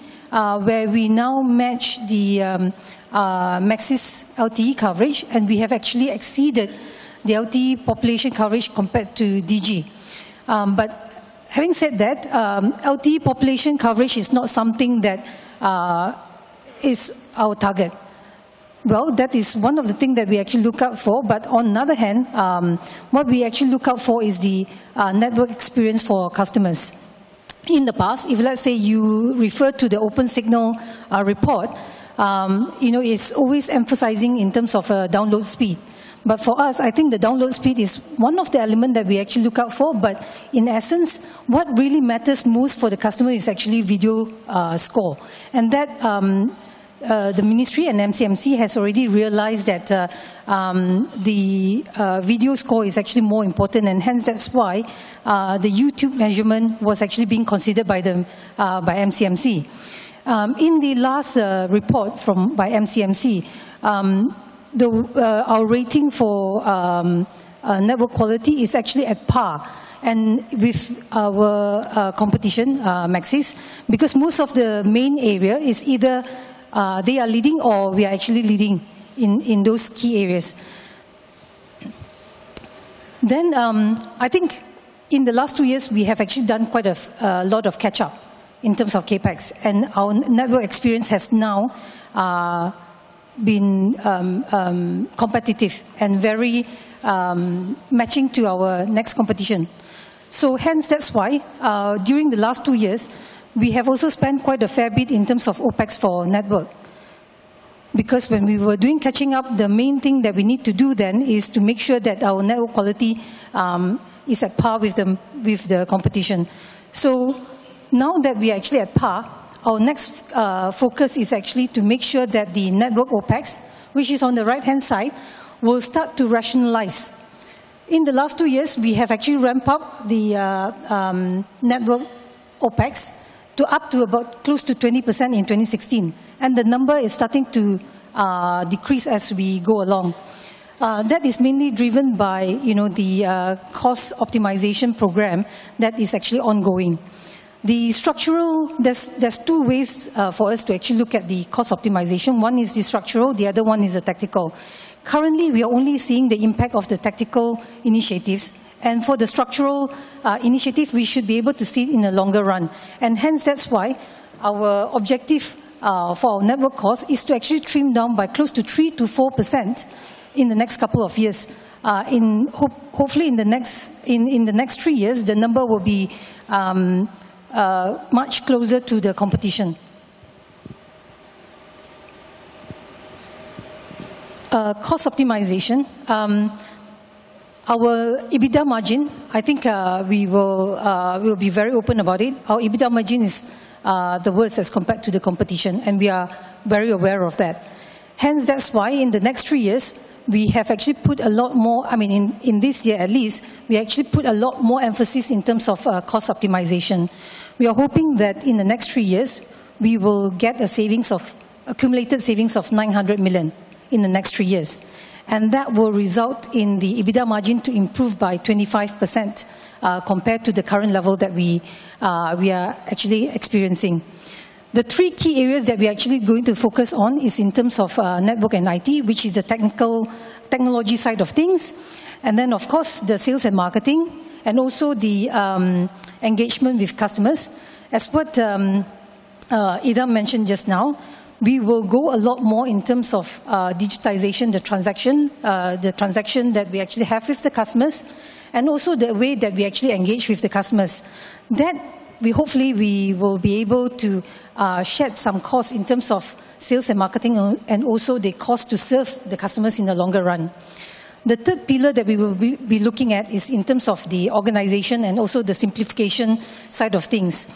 where we now match the Maxis LTE coverage, and we have actually exceeded the LTE population coverage compared to Digi. Having said that, LTE population coverage is not something that is our target. Well, that is one of the things that we actually look out for. But on the other hand, what we actually look out for is the network experience for our customers. In the past, if let's say you refer to the OpenSignal report, it's always emphasizing in terms of download speed. But for us, I think the download speed is one of the elements that we actually look out for. But in essence, what really matters most for the customer is actually video score. And that the ministry and MCMC has already realized that the video score is actually more important. And hence, that's why the YouTube measurement was actually being considered by MCMC. In the last report from MCMC, our rating for network quality is actually at par with our competition, Maxis, because most of the main area is either they are leading or we are actually leading in those key areas, then I think in the last two years, we have actually done quite a lot of catch-up in terms of CapEx, and our network experience has now been competitive and very matching to our next competition. So hence, that's why during the last two years, we have also spent quite a fair bit in terms of OpEx for network, because when we were doing catching up, the main thing that we need to do then is to make sure that our network quality is at par with the competition. Now that we are actually at par, our next focus is actually to make sure that the network OpEx, which is on the right-hand side, will start to rationalize. In the last two years, we have actually ramped up the network OpEx to up to about close to 20% in 2016, and the number is starting to decrease as we go along. That is mainly driven by the cost optimization program that is actually ongoing. There are two ways for us to actually look at the cost optimization. One is the structural, the other one is the tactical. Currently, we are only seeing the impact of the tactical initiatives, and for the structural initiative, we should be able to see it in the longer run. And hence, that's why our objective for our network cost is to actually trim down by close to 3%-4% in the next couple of years. Hopefully, in the next three years, the number will be much closer to the competition. Cost optimization, our EBITDA margin, I think we will be very open about it. Our EBITDA margin is the worst as compared to the competition, and we are very aware of that. Hence, that's why in the next three years, we have actually put a lot more, I mean, in this year at least, we actually put a lot more emphasis in terms of cost optimization. We are hoping that in the next three years, we will get a savings of accumulated savings of 900 million in the next three years. and that will result in the EBITDA margin to improve by 25% compared to the current level that we are actually experiencing. The three key areas that we are actually going to focus on is in terms of network and IT, which is the technical technology side of things. And then, of course, the sales and marketing, and also the engagement with customers. As what Idham mentioned just now, we will go a lot more in terms of digitization, the transaction that we actually have with the customers, and also the way that we actually engage with the customers. That hopefully we will be able to shed some cost in terms of sales and marketing and also the cost to serve the customers in the longer run. The third pillar that we will be looking at is in terms of the organization and also the Simplification side of things.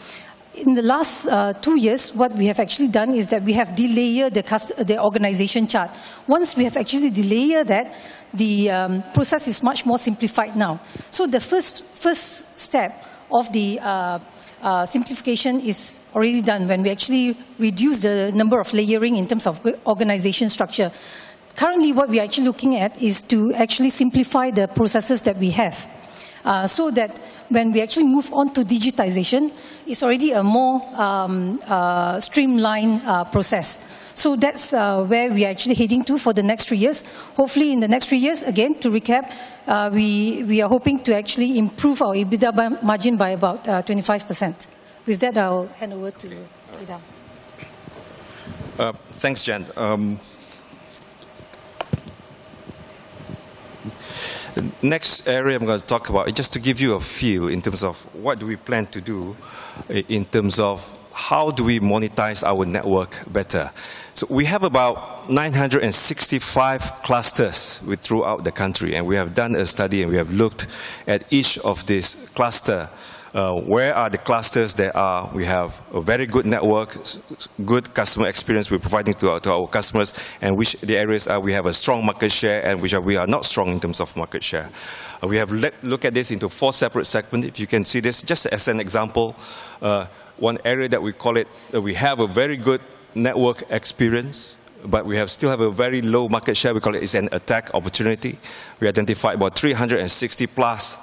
In the last two years, what we have actually done is that we have delayered the organization chart. Once we have actually delayered that, the process is much more SIMplified now. So the first step of the Simplification is already done when we actually reduce the number of layering in terms of organization structure. Currently, what we are actually looking at is to actually SIMplify the processes that we have so that when we actually move on to digitization, it's already a more streamlined process. So that's where we are actually heading to for the next three years. Hopefully, in the next three years, again, to recap, we are hoping to actually improve our EBITDA margin by about 25%. With that, I'll hand over to Idham. Thanks, Jen. Next area I'm going to talk about is just to give you a feel in terms of what do we plan to do in terms of how do we monetize our network better. So we have about 965 clusters throughout the country, and we have done a study, and we have looked at each of these clusters. Where are the clusters that we have a very good network, good customer experience we're providing to our customers, and which areas we have a strong market share and which we are not strong in terms of market share. We have looked at this into four separate segments. If you can see this, just as an example, one area that we call it, we have a very good network experience, but we still have a very low market share. We call it it's an attack opportunity. We identified about 360 plus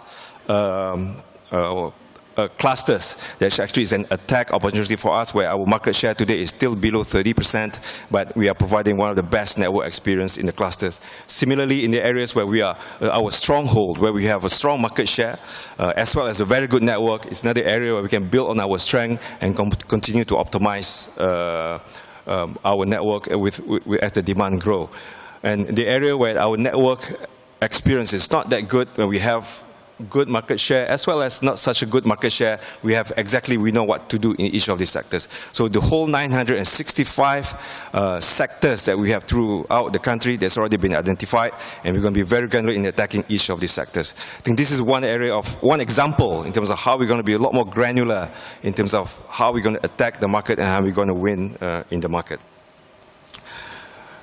clusters. That actually is an attack opportunity for us where our market share today is still below 30%, but we are providing one of the best network experiences in the clusters. Similarly, in the areas where we are our stronghold, where we have a strong market share as well as a very good network, is another area where we can build on our strength and continue to optimize our network as the demand grows. And the area where our network experience is not that good, where we have good market share as well as not such a good market share, we have, exactly, we know what to do in each of these sectors. So the whole 965 sectors that we have throughout the country, there's already been identified, and we're going to be very granular in attacking each of these sectors. I think this is one area of one example in terms of how we're going to be a lot more granular in terms of how we're going to attack the market and how we're going to win in the market.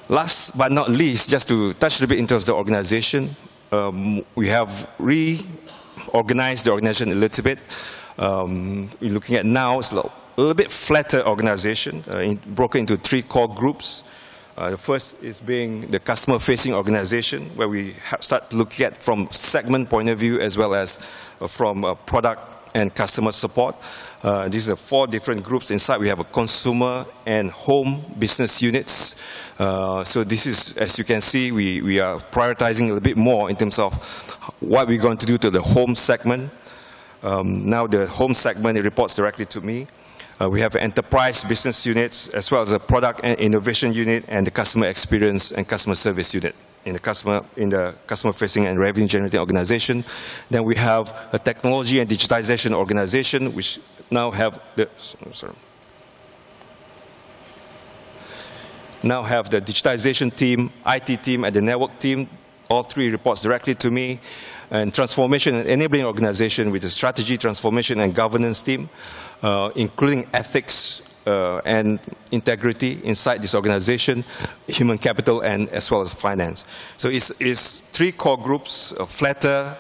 Last but not least, just to touch a little bit in terms of the organization, we have reorganized the organization a little bit. We're looking at now it's a little bit flatter organization broken into three core groups. The first is being the customer-facing organization where we start looking at from a segment point of view as well as from product and customer support. These are four different groups inside. We have a consumer and home business units. So this is, as you can see, we are prioritizing a little bit more in terms of what we're going to do to the home segment. Now, the home segment, it reports directly to me. We have enterprise business units as well as a product and innovation unit and the customer experience and customer service unit in the customer-facing and revenue-generating organization. Then we have a technology and digitization organization, which now have the digitization team, IT team, and the network team. All three reports directly to me and transformation and enabling organization with the strategy, transformation, and governance team, including ethics and integrity inside this organization, human capital, and as well as finance, so it's three core groups: a flatter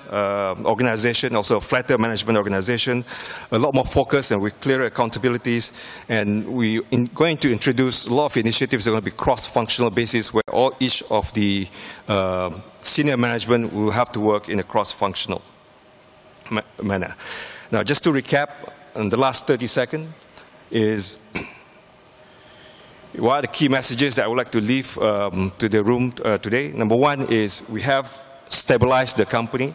organization, also a flatter management organization, a lot more focus, and with clearer accountabilities and we are going to introduce a lot of initiatives that are going to be cross-functional basis where each of the senior management will have to work in a cross-functional manner. Now, just to recap, in the last 30 seconds, what are the key messages that I would like to leave to the room today? Number one is we have stabilized the company.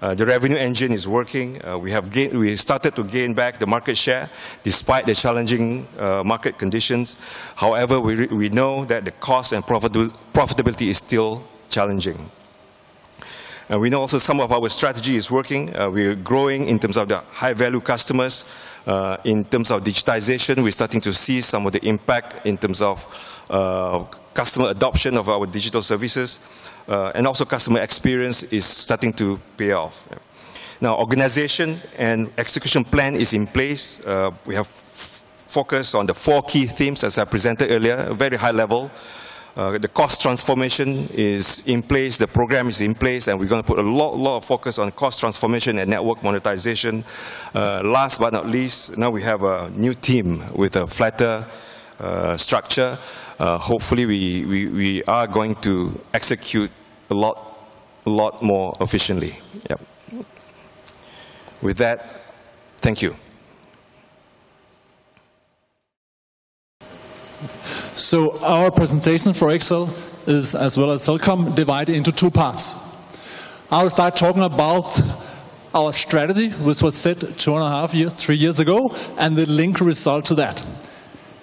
The revenue engine is working. We started to gain back the market share despite the challenging market conditions. However, we know that the cost and profitability is still challenging. We know also some of our strategy is working. We are growing in terms of the high-value customers. In terms of digitization, we're starting to see some of the impact in terms of customer adoption of our digital services. And also, customer experience is starting to pay off. Now, organization and execution plan is in place. We have focused on the four key themes as I presented earlier, very high level. The cost transformation is in place. The program is in place, and we're going to put a lot of focus on cost transformation and network monetization. Last but not least, now we have a new team with a flatter structure. Hopefully, we are going to execute a lot more efficiently. With that, thank you. Our presentation for XL Axiata, as well as Celcom, is divided into two parts. I'll start talking about our strategy, which was set two and a half years, three years ago, and the link result to that.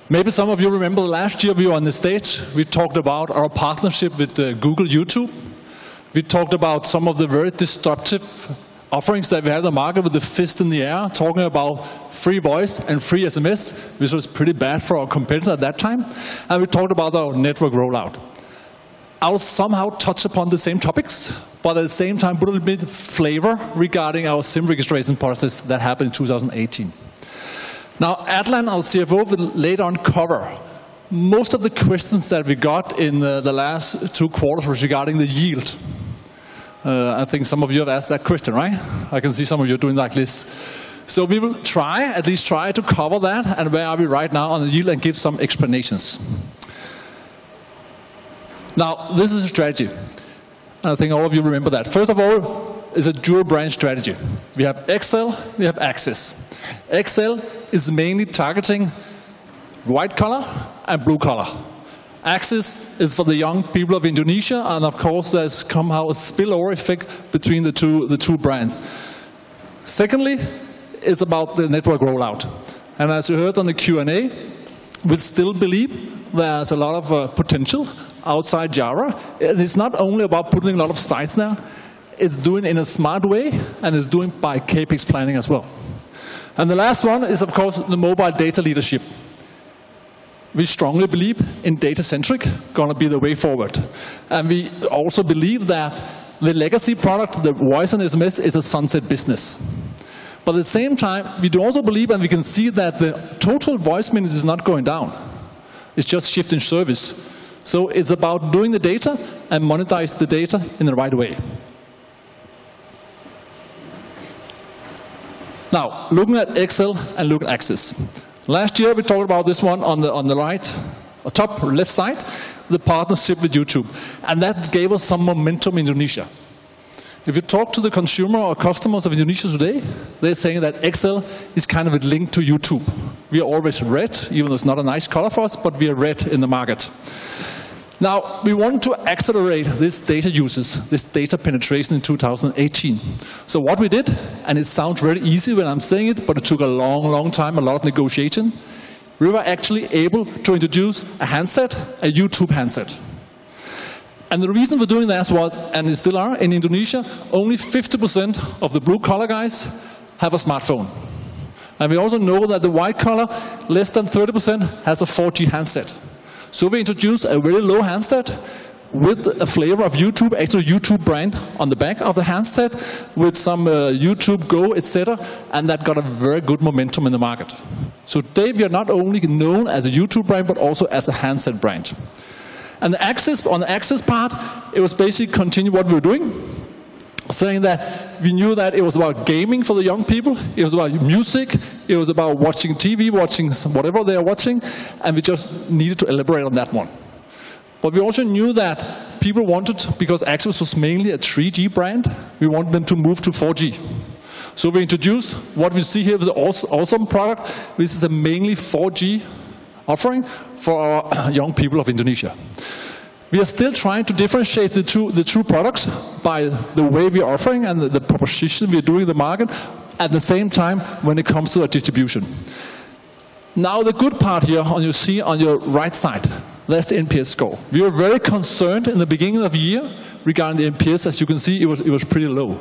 Maybe some of you remember last year we were on the stage. We talked about our partnership with Google YouTube. We talked about some of the very disruptive offerings that we had on the market with the fist in the air, talking about free voice and free SMS, which was pretty bad for our competitors at that time. And we talked about our network rollout. I'll somehow touch upon the same topics, but at the same time, put a little bit of flavor regarding our SIM registration process that happened in 2018. Now, Adlan, our CFO, will later on cover most of the questions that we got in the last two quarters regarding the yield. I think some of you have asked that question, right? I can see some of you are doing like this. So we will try, at least try to cover that and where are we right now on the yield and give some explanations. Now, this is a strategy. I think all of you remember that. First of all, it's a dual-brand strategy. We have XL, we have Axis. XL is mainly targeting white-collar and blue-collar. Axis is for the young people of Indonesia, and of course, there's somehow a spillover effect between the two brands. Secondly, it's about the network rollout. And as you heard on the Q&A, we still believe there's a lot of potential outside Java. It's not only about putting a lot of sites now. It's doing it in a Smart way, and it's doing it by CapEx planning as well. And the last one is, of course, the mobile data leadership. We strongly believe in data-centric going to be the way forward. And we also believe that the legacy product, the voice and SMS, is a sunset business. But at the same time, we also believe, and we can see that the total voice minutes is not going down. It's just shifting service. So it's about doing the data and monetizing the data in the right way. Now, looking at XL and looking at Axis. Last year, we talked about this one on the right, top left side, the partnership with YouTube, and that gave us some momentum in Indonesia. If you talk to the consumer or customers of Indonesia today, they're saying that XL is kind of a link to YouTube. We are always red, even though it's not a nice color for us, but we are red in the market. Now, we want to accelerate this data usage, this data penetration in 2018, so what we did, and it sounds very easy when I'm saying it, but it took a long, long time, a lot of negotiation, we were actually able to introduce a handset, a YouTube handset. The reason for doing this was, and they still are in Indonesia, only 50% of the blue-collar guys have a smartphone. We also know that the white-collar, less than 30%, has a 4G handset. We introduced a very low handset with a flavor of YouTube, XL YouTube brand on the back of the handset with some YouTube Go, etc. That got a very good momentum in the market. Today, we are not only known as a YouTube brand, but also as a handset brand. On the Axis part, it was basically continuing what we were doing, saying that we knew that it was about gaming for the young people. It was about music. It was about watching TV, watching whatever they are watching. We just needed to elaborate on that one. We also knew that people wanted, because Axis was mainly a 3G brand, we wanted them to move to 4G. We introduced what we see here is an awesome product. This is a mainly 4G offering for our young people of Indonesia. We are still trying to differentiate the two products by the way we are offering and the proposition we are doing in the market at the same time when it comes to our distribution. Now, the good part here on your screen on your right side, that's the NPS score. We were very concerned in the beginning of the year regarding the NPS. As you can see, it was pretty low.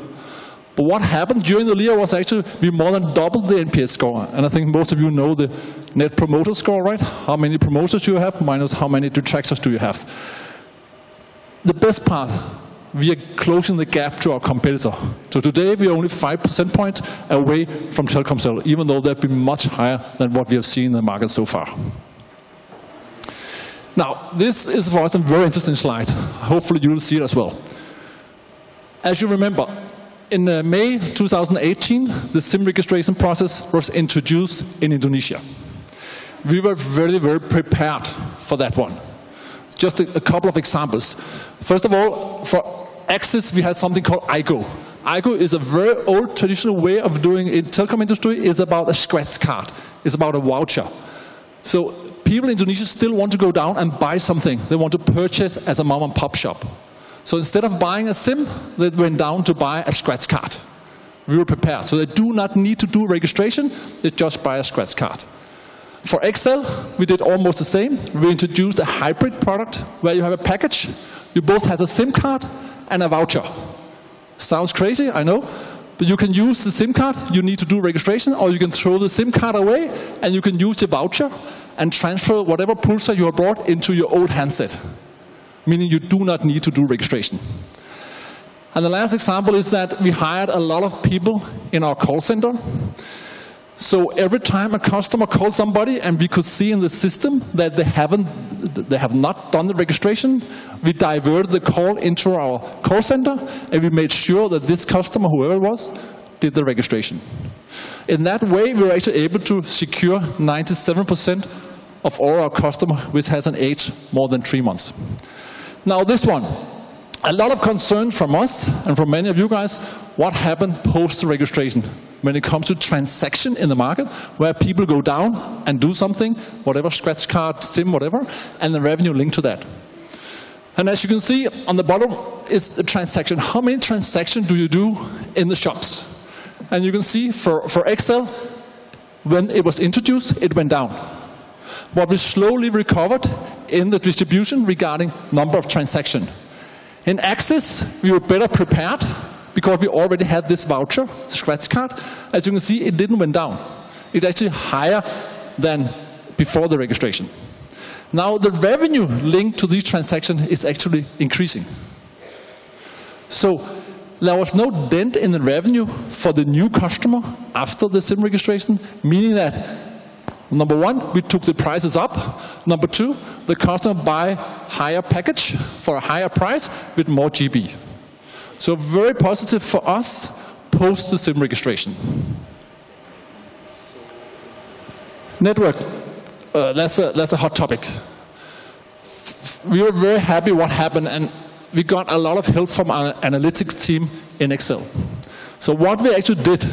But what happened during the year was actually we more than doubled the NPS score. And I think most of you know the net promoter score, right? How many promoters do you have minus how many detractors do you have? The best part, we are closing the gap to our competitor. So today, we are only 5 percentage points away from Telkomsel, even though that'd be much higher than what we have seen in the market so far. Now, this is for us a very interesting slide. Hopefully, you'll see it as well. As you remember, in May 2018, the SIM registration process was introduced in Indonesia. We were very, very prepared for that one. Just a couple of examples. First of all, for Axis, we had something called AIGO. AIGO is a very old traditional way of doing it. The SIM card industry is about a scratch card. It's about a voucher. So people in Indonesia still want to go down and buy something. They want to purchase at a mom-and-pop shop. So instead of buying a SIM, they went down to buy a scratch card. We were prepared. So they do not need to do registration. They just buy a scratch card. For XL, we did almost the same. We introduced a hybrid product where you have a package. You both have a SIM card and a voucher. Sounds crazy, I know. But you can use the SIM card. You need to do registration, or you can throw the SIM card away, and you can use the voucher and transfer whatever proofs that you have brought into your old handset, meaning you do not need to do registration. And the last example is that we hired a lot of people in our call center. So every time a customer called somebody and we could see in the system that they have not done the registration, we diverted the call into our call center, and we made sure that this customer, whoever it was, did the registration. In that way, we were actually able to secure 97% of all our customers, which hasn't aged more than three months. Now, this one, a lot of concern from us and from many of you guys, what happened post-registration when it comes to transaction in the market where people go down and do something, whatever scratch card, SIM, whatever, and the revenue linked to that, and as you can see on the bottom, it's a transaction. How many transactions do you do in the shops, and you can see for XL, when it was introduced, it went down, but we slowly recovered in the distribution regarding number of transactions. In Axis, we were better prepared because we already had this voucher, scratch card. As you can see, it didn't went down. It's actually higher than before the registration. Now, the revenue linked to these transactions is actually increasing. There was no dent in the revenue for the new customer after the SIM registration, meaning that number one, we took the prices up. Number two, the customer buys a higher package for a higher price with more GB. It was very positive for us post the SIM registration. Network, that's a hot topic. We were very happy what happened, and we got a lot of help from our analytics team in XL Axiata. What we actually did,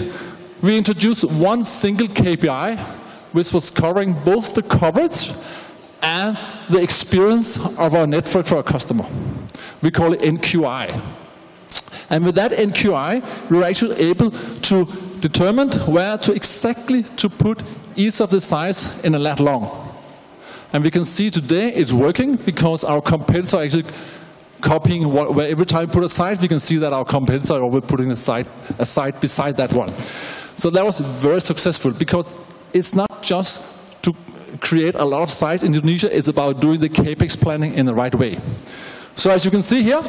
we introduced one single KPI, which was covering both the coverage and the experience of our network for our customer. We call it NQI. With that NQI, we were actually able to determine where to exactly put each of the sites in a lat-long. And we can see today it's working because our competitors are actually copying what every time we put a site, we can see that our competitors are always putting a site beside that one. So that was very successful because it's not just to create a lot of sites in Indonesia. It's about doing the CapEx planning in the right way. So as you can see here,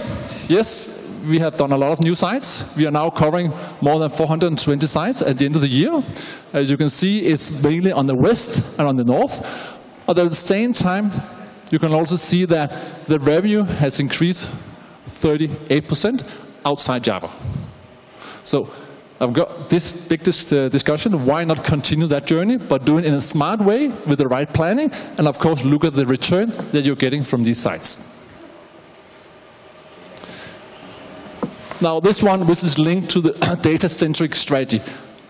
yes, we have done a lot of new sites. We are now covering more than 420 sites at the end of the year. As you can see, it's mainly on the west and on the north. At the same time, you can also see that the revenue has increased 38% outside Java. So I've got this big discussion. Why not continue that journey, but do it in a Smart way with the right planning? Of course, look at the return that you're getting from these sites. Now, this one, which is linked to the data-centric strategy.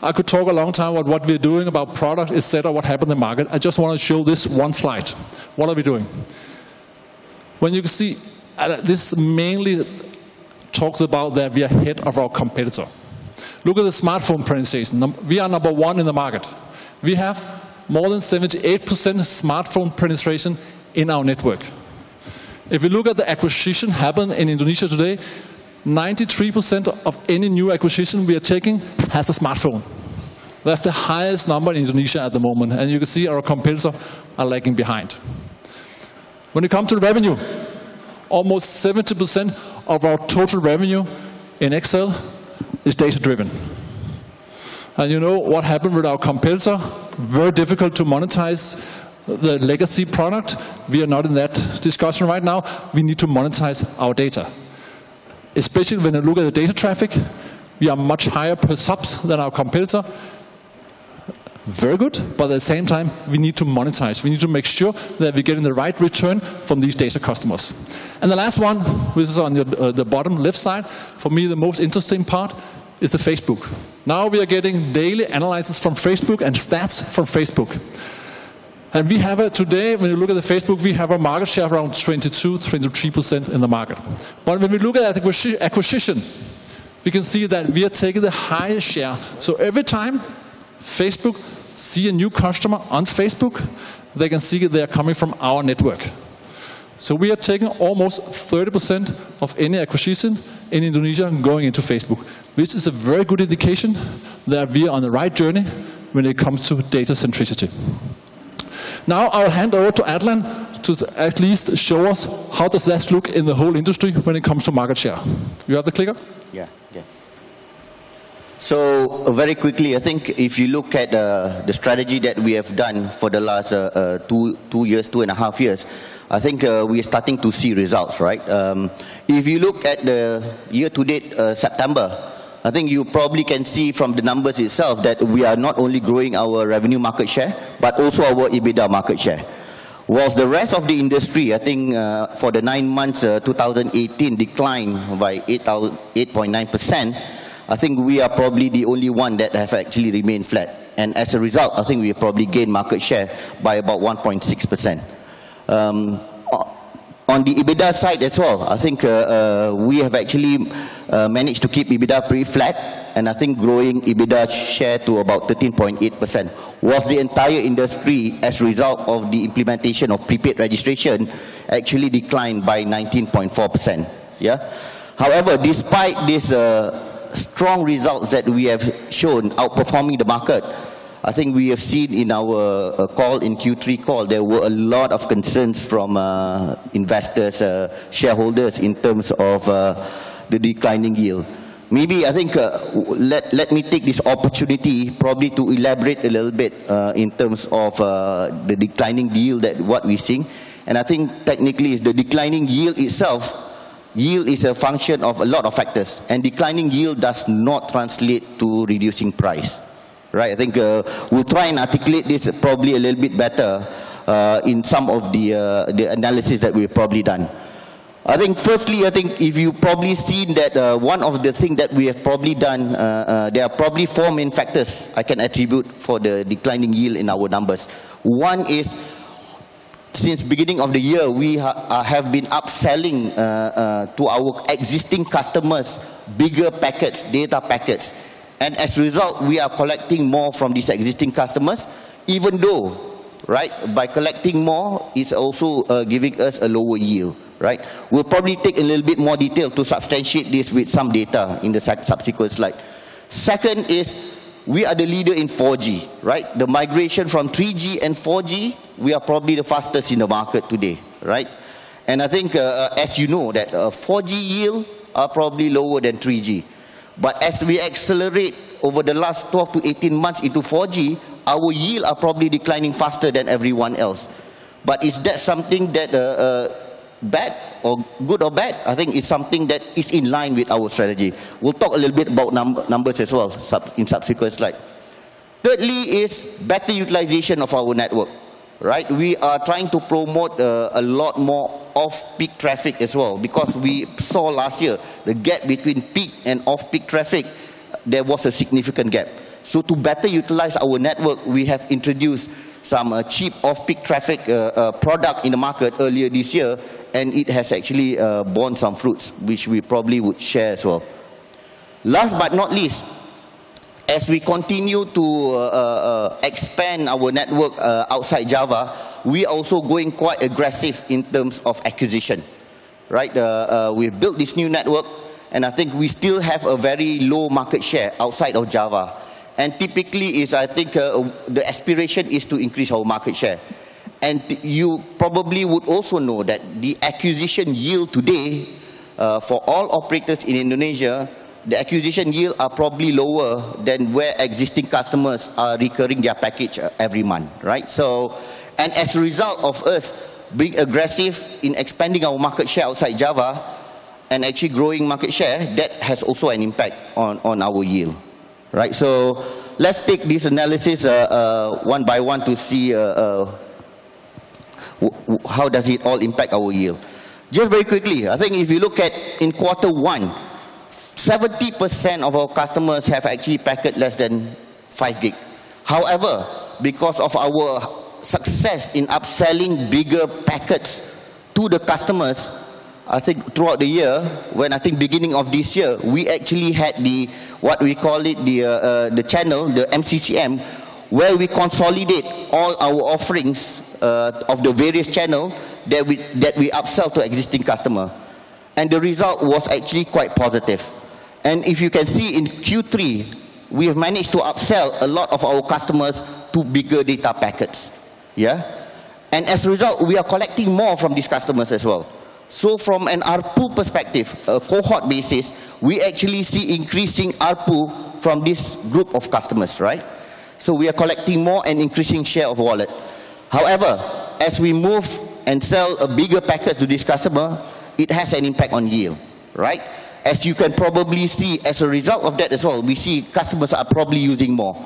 I could talk a long time about what we're doing about product, etc., what happened in the market. I just want to show this one slide. What are we doing? When you can see this mainly talks about that we are ahead of our competitor. Look at the smartphone penetration. We are number one in the market. We have more than 78% smartphone penetration in our network. If you look at the acquisition happened in Indonesia today, 93% of any new acquisition we are taking has a smartphone. That's the highest number in Indonesia at the moment, and you can see our competitors are lagging behind. When it comes to revenue, almost 70% of our total revenue in XL Axiata is data-driven. And you know what happened with our competitor? Very difficult to monetize the legacy product. We are not in that discussion right now. We need to monetize our data. Especially when you look at the data traffic, we are much higher per subs than our competitor. Very good, but at the same time, we need to monetize. We need to make sure that we're getting the right return from these data customers. And the last one, which is on the bottom left side, for me, the most interesting part is the Facebook. Now we are getting daily analysis from Facebook and stats from Facebook. And we have it today. When you look at the Facebook, we have a market share of around 22-23% in the market. But when we look at acquisition, we can see that we are taking the highest share. Every time Facebook sees a new customer on Facebook, they can see that they are coming from our network. So we are taking almost 30% of any acquisition in Indonesia going into Facebook. This is a very good indication that we are on the right journey when it comes to data centricity. Now I'll hand over to Adlan to at least show us how does that look in the whole industry when it comes to market share. You have the clicker? Yeah, yeah. So very quickly, I think if you look at the strategy that we have done for the last two years, two and a half years, I think we are starting to see results, right? If you look at the year-to-date September, I think you probably can see from the numbers itself that we are not only growing our revenue market share, but also our EBITDA market share. While the rest of the industry, I think for the nine months of 2018, declined by 8.9%, I think we are probably the only one that has actually remained flat, and as a result, I think we have probably gained market share by about 1.6%. On the EBITDA side as well, I think we have actually managed to keep EBITDA pretty flat, and I think growing EBITDA share to about 13.8%. While the entire industry, as a result of the implementation of prepaid registration, actually declined by 19.4%. Yeah. However, despite these strong results that we have shown outperforming the market, I think we have seen in our call, in Q3 call, there were a lot of concerns from investors, shareholders in terms of the declining yield. Maybe I think let me take this opportunity probably to elaborate a little bit in terms of the declining yield that what we're seeing. And I think technically the declining yield itself, yield is a function of a lot of factors. And declining yield does not translate to reducing price, right? I think we'll try and articulate this probably a little bit better in some of the analysis that we've probably done. I think firstly, I think if you probably seen that one of the things that we have probably done, there are probably four main factors I can attribute for the declining yield in our numbers. One is since beginning of the year, we have been upselling to our existing customers bigger packets, data packets. And as a result, we are collecting more from these existing customers, even though, right, by collecting more, it's also giving us a lower yield, right? We'll probably take a little bit more detail to substantiate this with some data in the subsequent slide. Second is we are the leader in 4G, right? The migration from 3G and 4G, we are probably the fastest in the market today, right? And I think, as you know, that 4G yields are probably lower than 3G. But as we accelerate over the last 12-18 months into 4G, our yields are probably declining faster than everyone else. But is that something that bad or good or bad? I think it's something that is in line with our strategy. We'll talk a little bit about numbers as well in subsequent slides. Thirdly is better utilization of our network, right? We are trying to promote a lot more off-peak traffic as well because we saw last year the gap between peak and off-peak traffic, there was a significant gap. So to better utilize our network, we have introduced some cheap off-peak traffic product in the market earlier this year, and it has actually borne some fruits, which we probably would share as well. Last but not least, as we continue to expand our network outside Java, we are also going quite aggressive in terms of acquisition, right? We've built this new network, and I think we still have a very low market share outside of Java. And typically, I think the aspiration is to increase our market share. And you probably would also know that the acquisition yield today for all operators in Indonesia, the acquisition yields are probably lower than where existing customers are recurring their package every month, right? So, and as a result of us being aggressive in expanding our market share outside Java and actually growing market share, that has also an impact on our yield, right? So let's take this analysis one by one to see how does it all impact our yield. Just very quickly, I think if you look at in quarter one, 70% of our customers have actually packaged less than 5G. However, because of our success in upselling bigger packets to the customers, I think throughout the year, when I think beginning of this year, we actually had the, what we call it, the channel, the MCCM, where we consolidate all our offerings of the various channels that we upsell to existing customers. And the result was actually quite positive. And if you can see in Q3, we have managed to upsell a lot of our customers to bigger data packets. Yeah. And as a result, we are collecting more from these customers as well. So from an ARPU perspective, a cohort basis, we actually see increasing ARPU from this group of customers, right? So we are collecting more and increasing share of wallet. However, as we move and sell a bigger package to this customer, it has an impact on yield, right? As you can probably see as a result of that as well, we see customers are probably using more.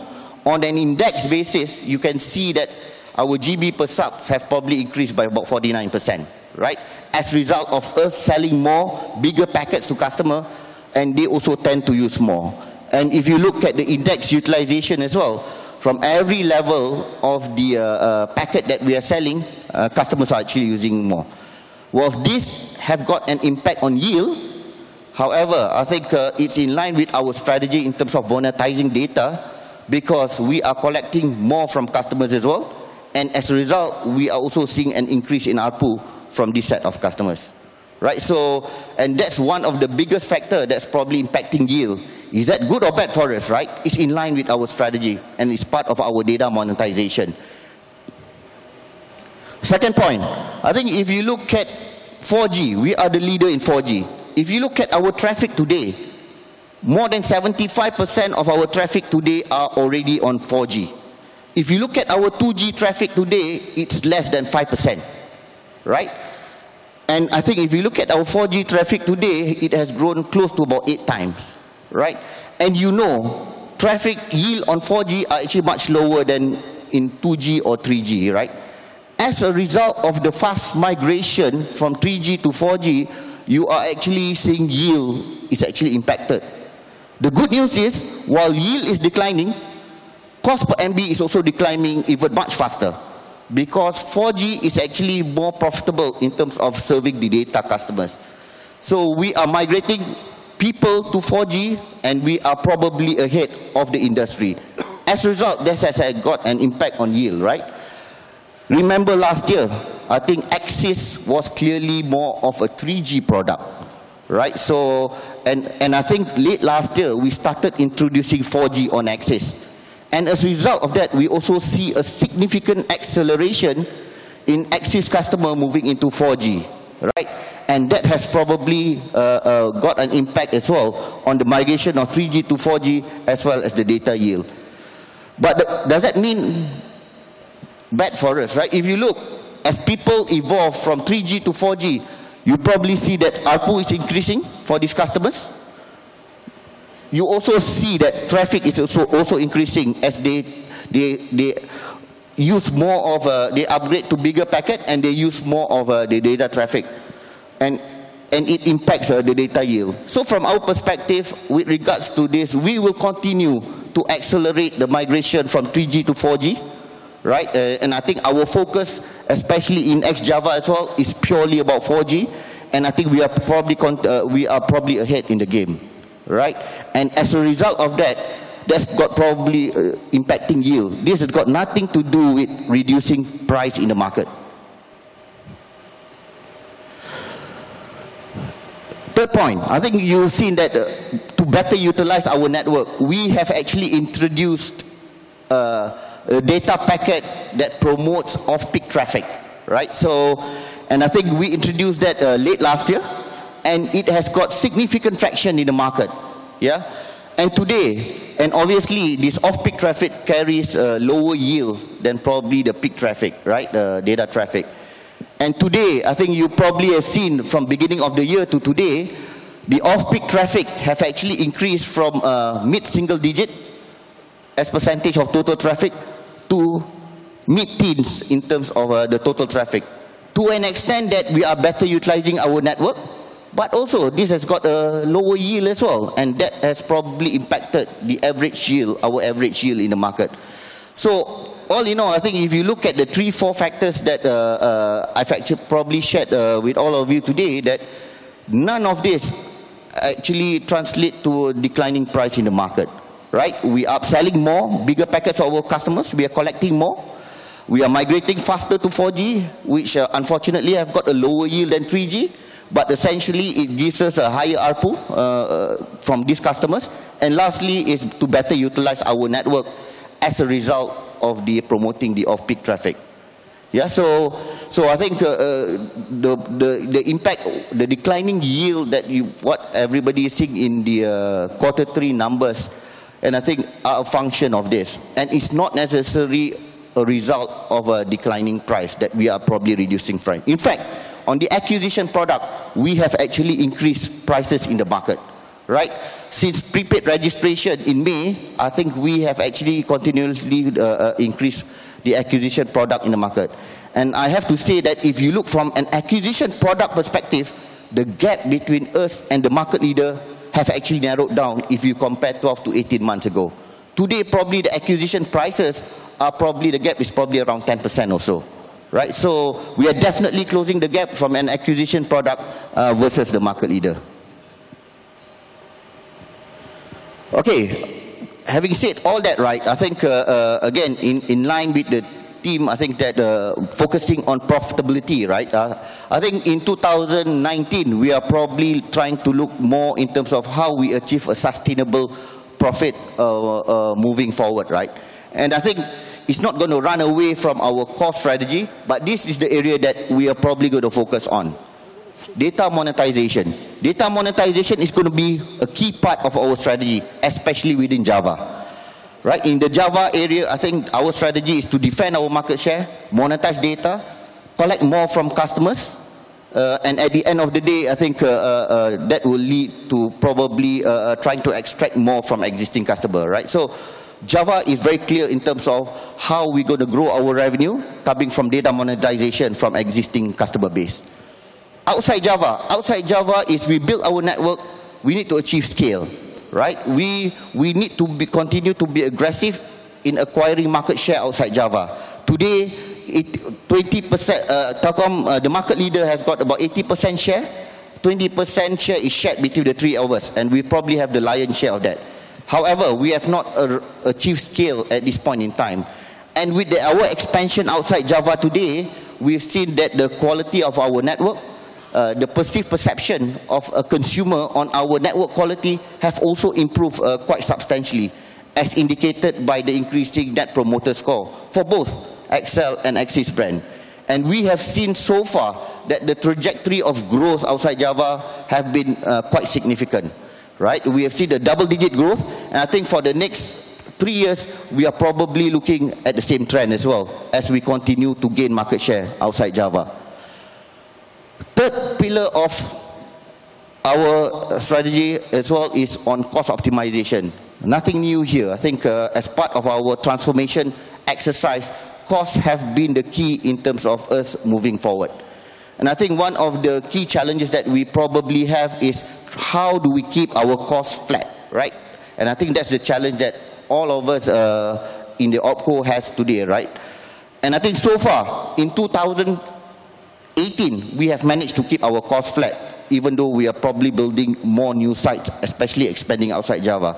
On an index basis, you can see that our GB per subs have probably increased by about 49%, right? As a result of us selling more bigger packets to customers, and they also tend to use more. And if you look at the index utilization as well, from every level of the packet that we are selling, customers are actually using more. Whilst this has got an impact on yield, however, I think it's in line with our strategy in terms of monetizing data because we are collecting more from customers as well. And as a result, we are also seeing an increase in ARPU from this set of customers, right? So, and that's one of the biggest factors that's probably impacting yield. Is that good or bad for us, right? It's in line with our strategy, and it's part of our data monetization. Second point, I think if you look at 4G, we are the leader in 4G. If you look at our traffic today, more than 75% of our traffic today are already on 4G. If you look at our 2G traffic today, it's less than 5%, right? And I think if you look at our 4G traffic today, it has grown close to about eight times, right? And you know traffic yield on 4G is actually much lower than in 2G or 3G, right? As a result of the fast migration from 3G to 4G, you are actually seeing yield is actually impacted. The good news is while yield is declining, cost per MB is also declining even much faster because 4G is actually more profitable in terms of serving the data customers. So we are migrating people to 4G, and we are probably ahead of the industry. As a result, this has got an impact on yield, right? Remember last year, I think Axis was clearly more of a 3G product, right? So, and I think late last year, we started introducing 4G on Axis. And as a result of that, we also see a significant acceleration in Axis customers moving into 4G, right? And that has probably got an impact as well on the migration of 3G-4G as well as the data yield. But does that mean bad for us, right? If you look, as people evolve from 3G-4G, you probably see that ARPU is increasing for these customers. You also see that traffic is also increasing as they use more of a, they upgrade to bigger packet and they use more of the data traffic. It impacts the data yield. So from our perspective, with regards to this, we will continue to accelerate the migration from 3G-4G, right? And I think our focus, especially in Java as well, is purely about 4G. And I think we are probably ahead in the game, right? And as a result of that, that's got probably impacting yield. This has got nothing to do with reducing price in the market. Third point, I think you've seen that to better utilize our network, we have actually introduced a data packet that promotes off-peak traffic, right? So, and I think we introduced that late last year, and it has got significant traction in the market, yeah? And today, obviously this off-peak traffic carries a lower yield than probably the peak traffic, right? The data traffic. Today, I think you probably have seen from beginning of the year to today, the off-peak traffic has actually increased from mid-single digit as percentage of total traffic to mid-teens in terms of the total traffic. To an extent that we are better utilizing our network, but also this has got a lower yield as well, and that has probably impacted the average yield, our average yield in the market. So, all in all, I think if you look at the three, four factors that I've actually probably shared with all of you today, that none of this actually translates to a declining price in the market, right? We are upselling more bigger packets of our customers, we are collecting more, we are migrating faster to 4G, which unfortunately has got a lower yield than 3G, but essentially it gives us a higher ARPU from these customers. Lastly is to better utilize our network as a result of promoting the off-peak traffic. Yeah, so I think the impact, the declining yield that you, what everybody is seeing in the quarter three numbers, and I think are a function of this. It's not necessarily a result of a declining price that we are probably reducing price. In fact, on the acquisition product, we have actually increased prices in the market, right? Since prepaid registration in May, I think we have actually continuously increased the acquisition product in the market. I have to say that if you look from an acquisition product perspective, the gap between us and the market leader has actually narrowed down if you compare 12-18 months ago. Today, probably the acquisition prices are probably the gap is probably around 10% or so, right? So we are definitely closing the gap from an acquisition product versus the market leader. Okay, having said all that, right? I think again in line with the team, I think that focusing on profitability, right? I think in 2019, we are probably trying to look more in terms of how we achieve a sustainable profit moving forward, right? And I think it's not going to run away from our core strategy, but this is the area that we are probably going to focus on. Data monetization. Data monetization is going to be a key part of our strategy, especially within Java, right? In the Java area, I think our strategy is to defend our market share, monetize data, collect more from customers. And at the end of the day, I think that will lead to probably trying to extract more from existing customers, right? So Java is very clear in terms of how we're going to grow our revenue coming from data monetization from existing customer base. Outside Java, outside Java is we build our network, we need to achieve scale, right? We need to continue to be aggressive in acquiring market share outside Java. Today, 20% Telkom, the market leader has got about 80% share. 20% share is shared between the three of us, and we probably have the lion's share of that. However, we have not achieved scale at this point in time. And with our expansion outside Java today, we've seen that the quality of our network, the perceived perception of a consumer on our network quality has also improved quite substantially, as indicated by the increasing net promoter score for both XL and Axis brand. We have seen so far that the trajectory of growth outside Java has been quite significant, right? We have seen the double-digit growth, and I think for the next three years, we are probably looking at the same trend as well as we continue to gain market share outside Java. Third pillar of our strategy as well is on cost optimization. Nothing new here. I think as part of our transformation exercise, costs have been the key in terms of us moving forward. And I think one of the key challenges that we probably have is how do we keep our costs flat, right? And I think that's the challenge that all of us in the industry have today, right? And I think so far in 2018, we have managed to keep our costs flat, even though we are probably building more new sites, especially expanding outside Java.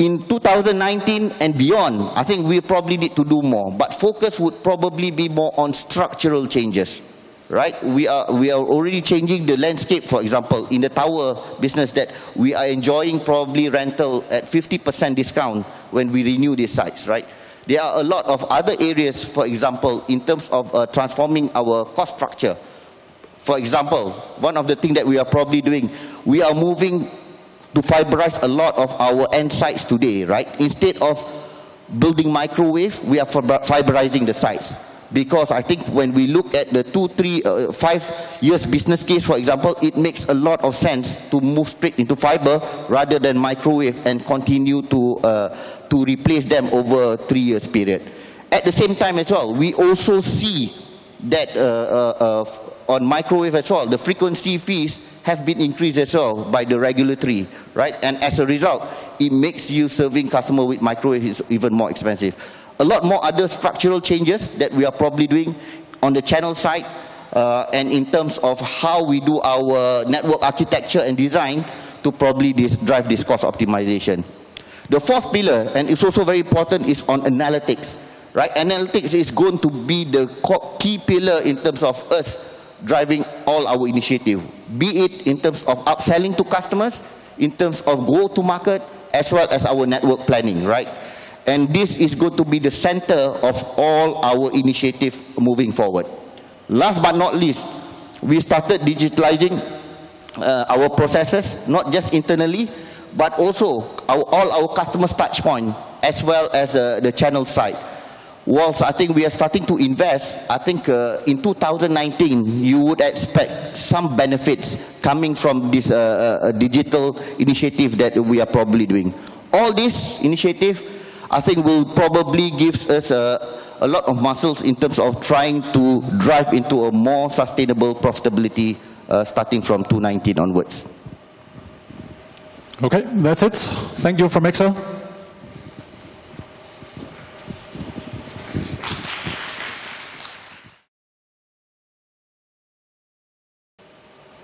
In 2019 and beyond, I think we probably need to do more, but focus would probably be more on structural changes, right? We are already changing the landscape, for example, in the tower business that we are enjoying probably rental at 50% discount when we renew these sites, right? There are a lot of other areas, for example, in terms of transforming our cost structure. For example, one of the things that we are probably doing, we are moving to fiberize a lot of our end sites today, right? Instead of building microwaves, we are fiberizing the sites. Because I think when we look at the two, three, five years business case, for example, it makes a lot of sense to move straight into fiber rather than microwave and continue to replace them over a three-year period. At the same time as well, we also see that on microwave as well, the frequency fees have been increased as well by the regulatory, right? And as a result, it makes you serving customers with microwaves even more expensive. A lot more other structural changes that we are probably doing on the channel side and in terms of how we do our network architecture and design to probably drive this cost optimization. The fourth pillar, and it's also very important, is on analytics, right? Analytics is going to be the key pillar in terms of us driving all our initiative, be it in terms of upselling to customers, in terms of growth to market, as well as our network planning, right? And this is going to be the center of all our initiatives moving forward. Last but not least, we started digitalizing our processes, not just internally, but also all our customers' touchpoints as well as the channel side. While I think we are starting to invest, I think in 2019, you would expect some benefits coming from this digital initiative that we are probably doing. All this initiative, I think, will probably give us a lot of muscles in terms of trying to drive into a more sustainable profitability starting from 2019 onwards. Okay, that's it. Thank you for making sure.